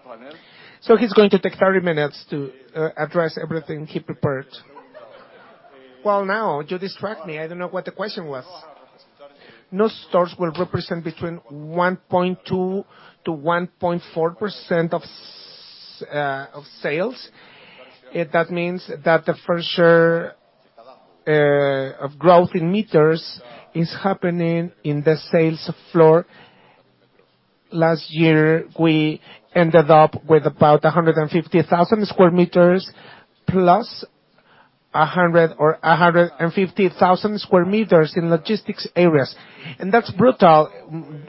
He's going to take 30 minutes to address everything he prepared. Well, now you distract me. I don't know what the question was. New stores will represent between 1.2%-1.4% of sales. That means that the fresher of growth in meters is happening in the sales floor. Last year, we ended up with about 150,000 square meters plus 100,000 or 150,000 square meters in logistics areas. That's brutal.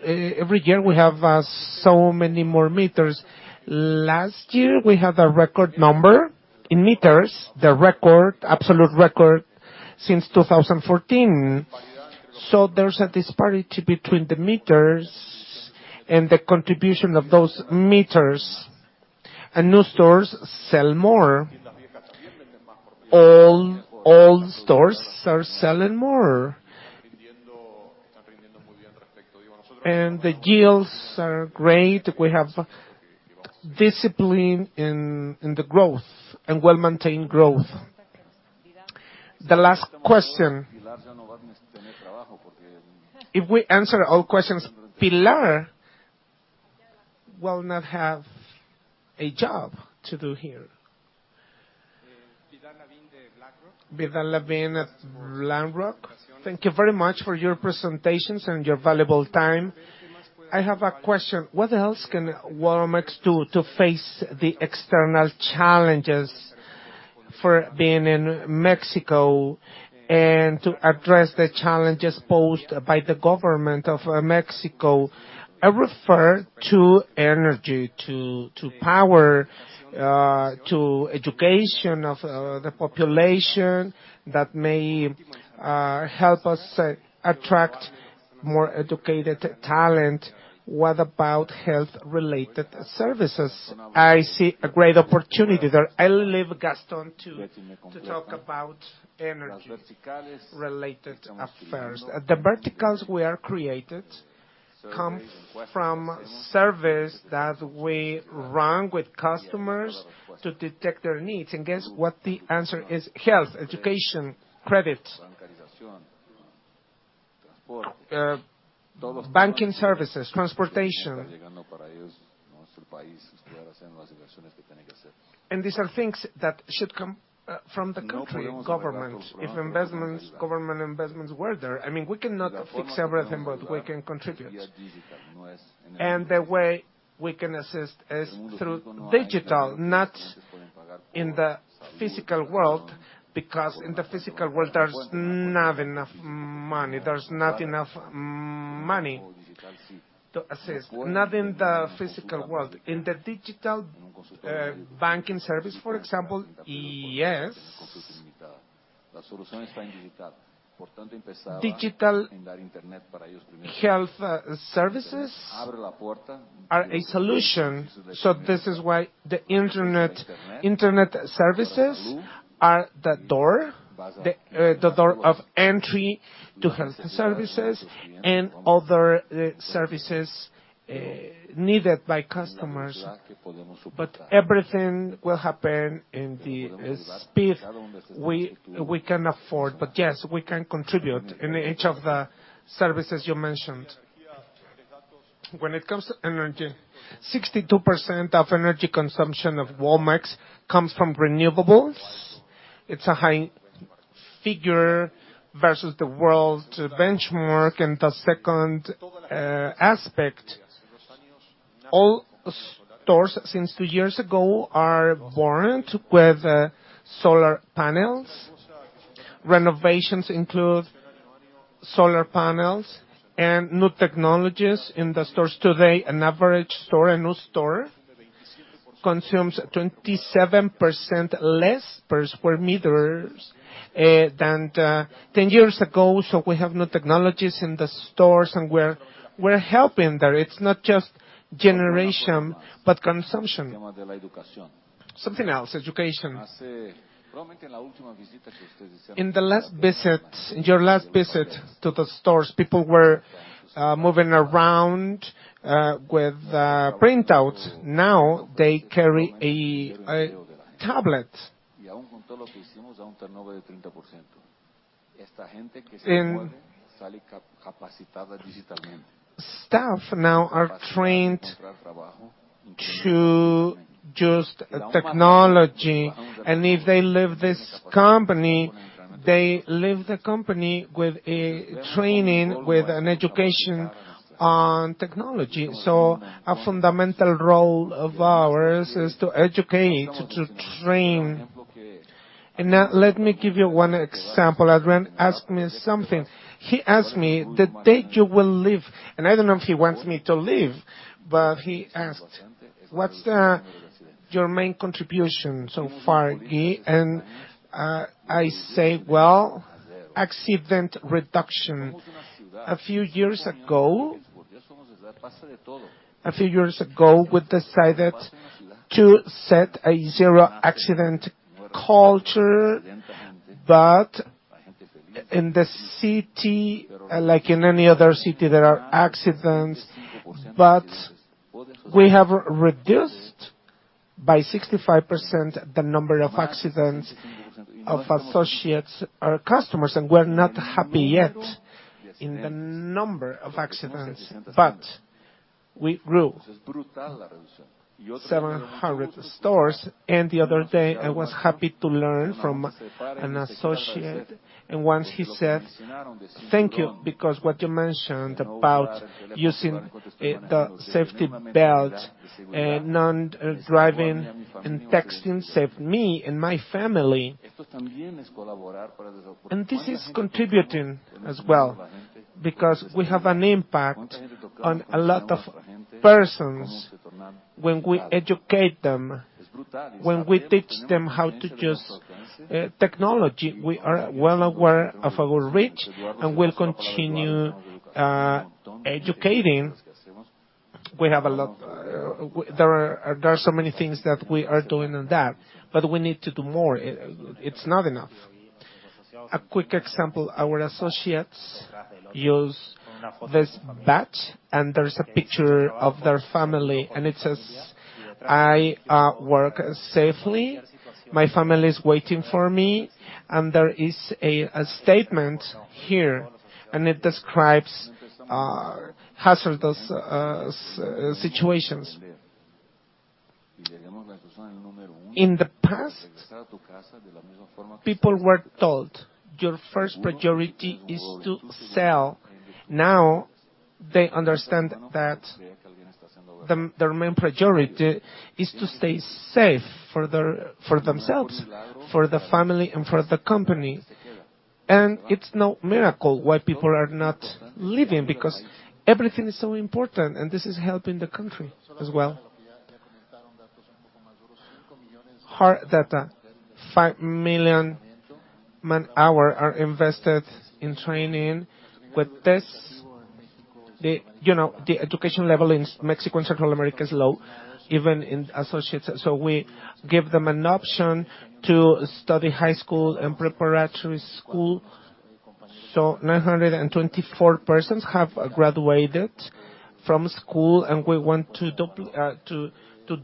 Every year, we have so many more meters. Last year, we had a record number in meters, absolute record since 2014. There's a disparity between the meters and the contribution of those meters. New stores sell more. All old stores are selling more. The yields are great. We have discipline in the growth and well-maintained growth. The last question. If we answer all questions, Pilar Lavin will not have a job to do here. Pilar Lavin at Lamrock. Thank you very much for your presentations and your valuable time. I have a question. What else can Walmex do to face the external challenges for being in Mexico and to address the challenges posed by the government of Mexico? I refer to energy, to power, to education of the population that may help us attract more educated talent. What about health-related services? I see a great opportunity there. I'll leave Gaston to talk about energy-related affairs. The verticals we are created come from surveys that we run with customers to detect their needs. Guess what the answer is? Health, education, credit, banking services, transportation. These are things that should come from the country government. If investments, government investments were there, I mean, we cannot fix everything, but we can contribute. The way we can assist is through digital, not in the physical world, because in the physical world, there's not enough money. There's not enough money to assist. Not in the physical world. In the digital, banking service, for example, yes. Digital health services are a solution. This is why the internet services are the door, the door of entry to health services and other services needed by customers. Everything will happen in the speed we can afford. Yes, we can contribute in each of the services you mentioned. When it comes to energy, 62% of energy consumption of Walmex comes from renewables. It's a high figure versus the world benchmark. The second aspect, all stores since two years ago are born with solar panels. Renovations include solar panels and new technologies in the stores. Today, an average store, a new store consumes 27% less per square meters than 10 years ago. We have new technologies in the stores, and we're helping there. It's not just generation, but consumption. Something else, education. In your last visit to the stores, people were moving around with a printout. Now they carry a tablet. Staff now are trained to just technology. If they leave this company, they leave the company with a training, with an education on technology. A fundamental role of ours is to educate, to train. Now let me give you one example. Adrian asked me something. He asked me the date you will leave, and I don't know if he wants me to leave, but he asked, "What's your main contribution so far, Gui?" I say, "Well, accident reduction." A few years ago, we decided to set a Zero Accident Culture. In the city, like in any other city, there are accidents. We have reduced by 65% the number of accidents of associates or customers, and we're not happy yet in the number of accidents. We grew 700 stores, the other day, I was happy to learn from an associate, once he said, "Thank you, because what you mentioned about using the safety belt and not driving and texting saved me and my family." This is contributing as well, because we have an impact on a lot of persons when we educate them, when we teach them how to use technology. We are well aware of our reach and we'll continue educating. There are so many things that we are doing on that, we need to do more. It's not enough. A quick example, our associates use this badge, there's a picture of their family, it says, "I work safely. My family is waiting for me." There is a statement here, and it describes hazardous situations. In the past, people were told, "Your first priority is to sell." Now they understand that their main priority is to stay safe for themselves, for the family, and for the company. It's no miracle why people are not leaving, because everything is so important, and this is helping the country as well. Hard data, 5 million man-hour are invested in training. With this, you know, the education level in Mexico and Central America is low, even in associates. We give them an option to study high school and preparatory school. 924 persons have graduated from school, and we want to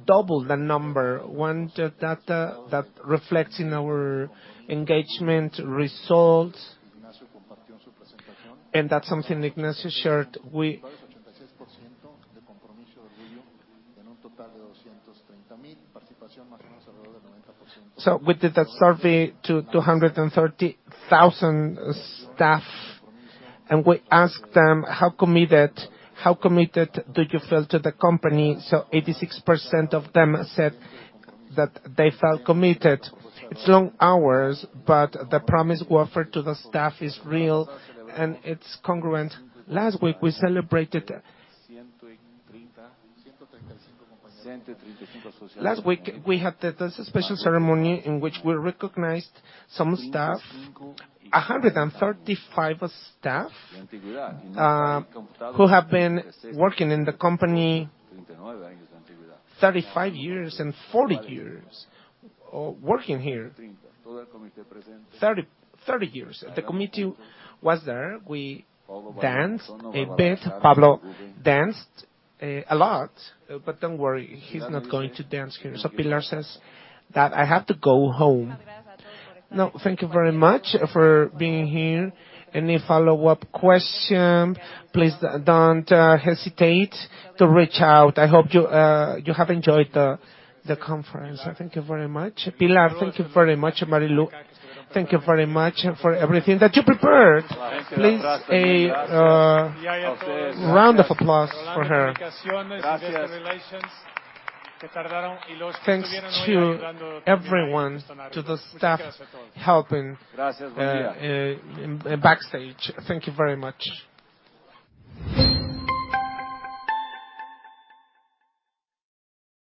double that number. One data that reflects in our engagement results, and that's something Ignacio shared, we did a survey to 230,000 staff, and we asked them, "How committed do you feel to the company?" 86% of them said that they felt committed. It's long hours, but the promise we offer to the staff is real, and it's congruent. There's a special ceremony in which we recognized some staff, 135 staff, who have been working in the company 35 years and 40 years, working here 30 years. The committee was there. We danced a bit. Pablo danced a lot. Don't worry, he's not going to dance here. Pilar says that I have to go home. No, thank you very much for being here. Any follow-up question, please don't hesitate to reach out. I hope you have enjoyed the conference. Thank you very much. Pilar, thank you very much. Marilu, thank you very much for everything that you prepared. Please, a round of applause for her. Thanks to everyone, to the staff helping backstage. Thank you very much.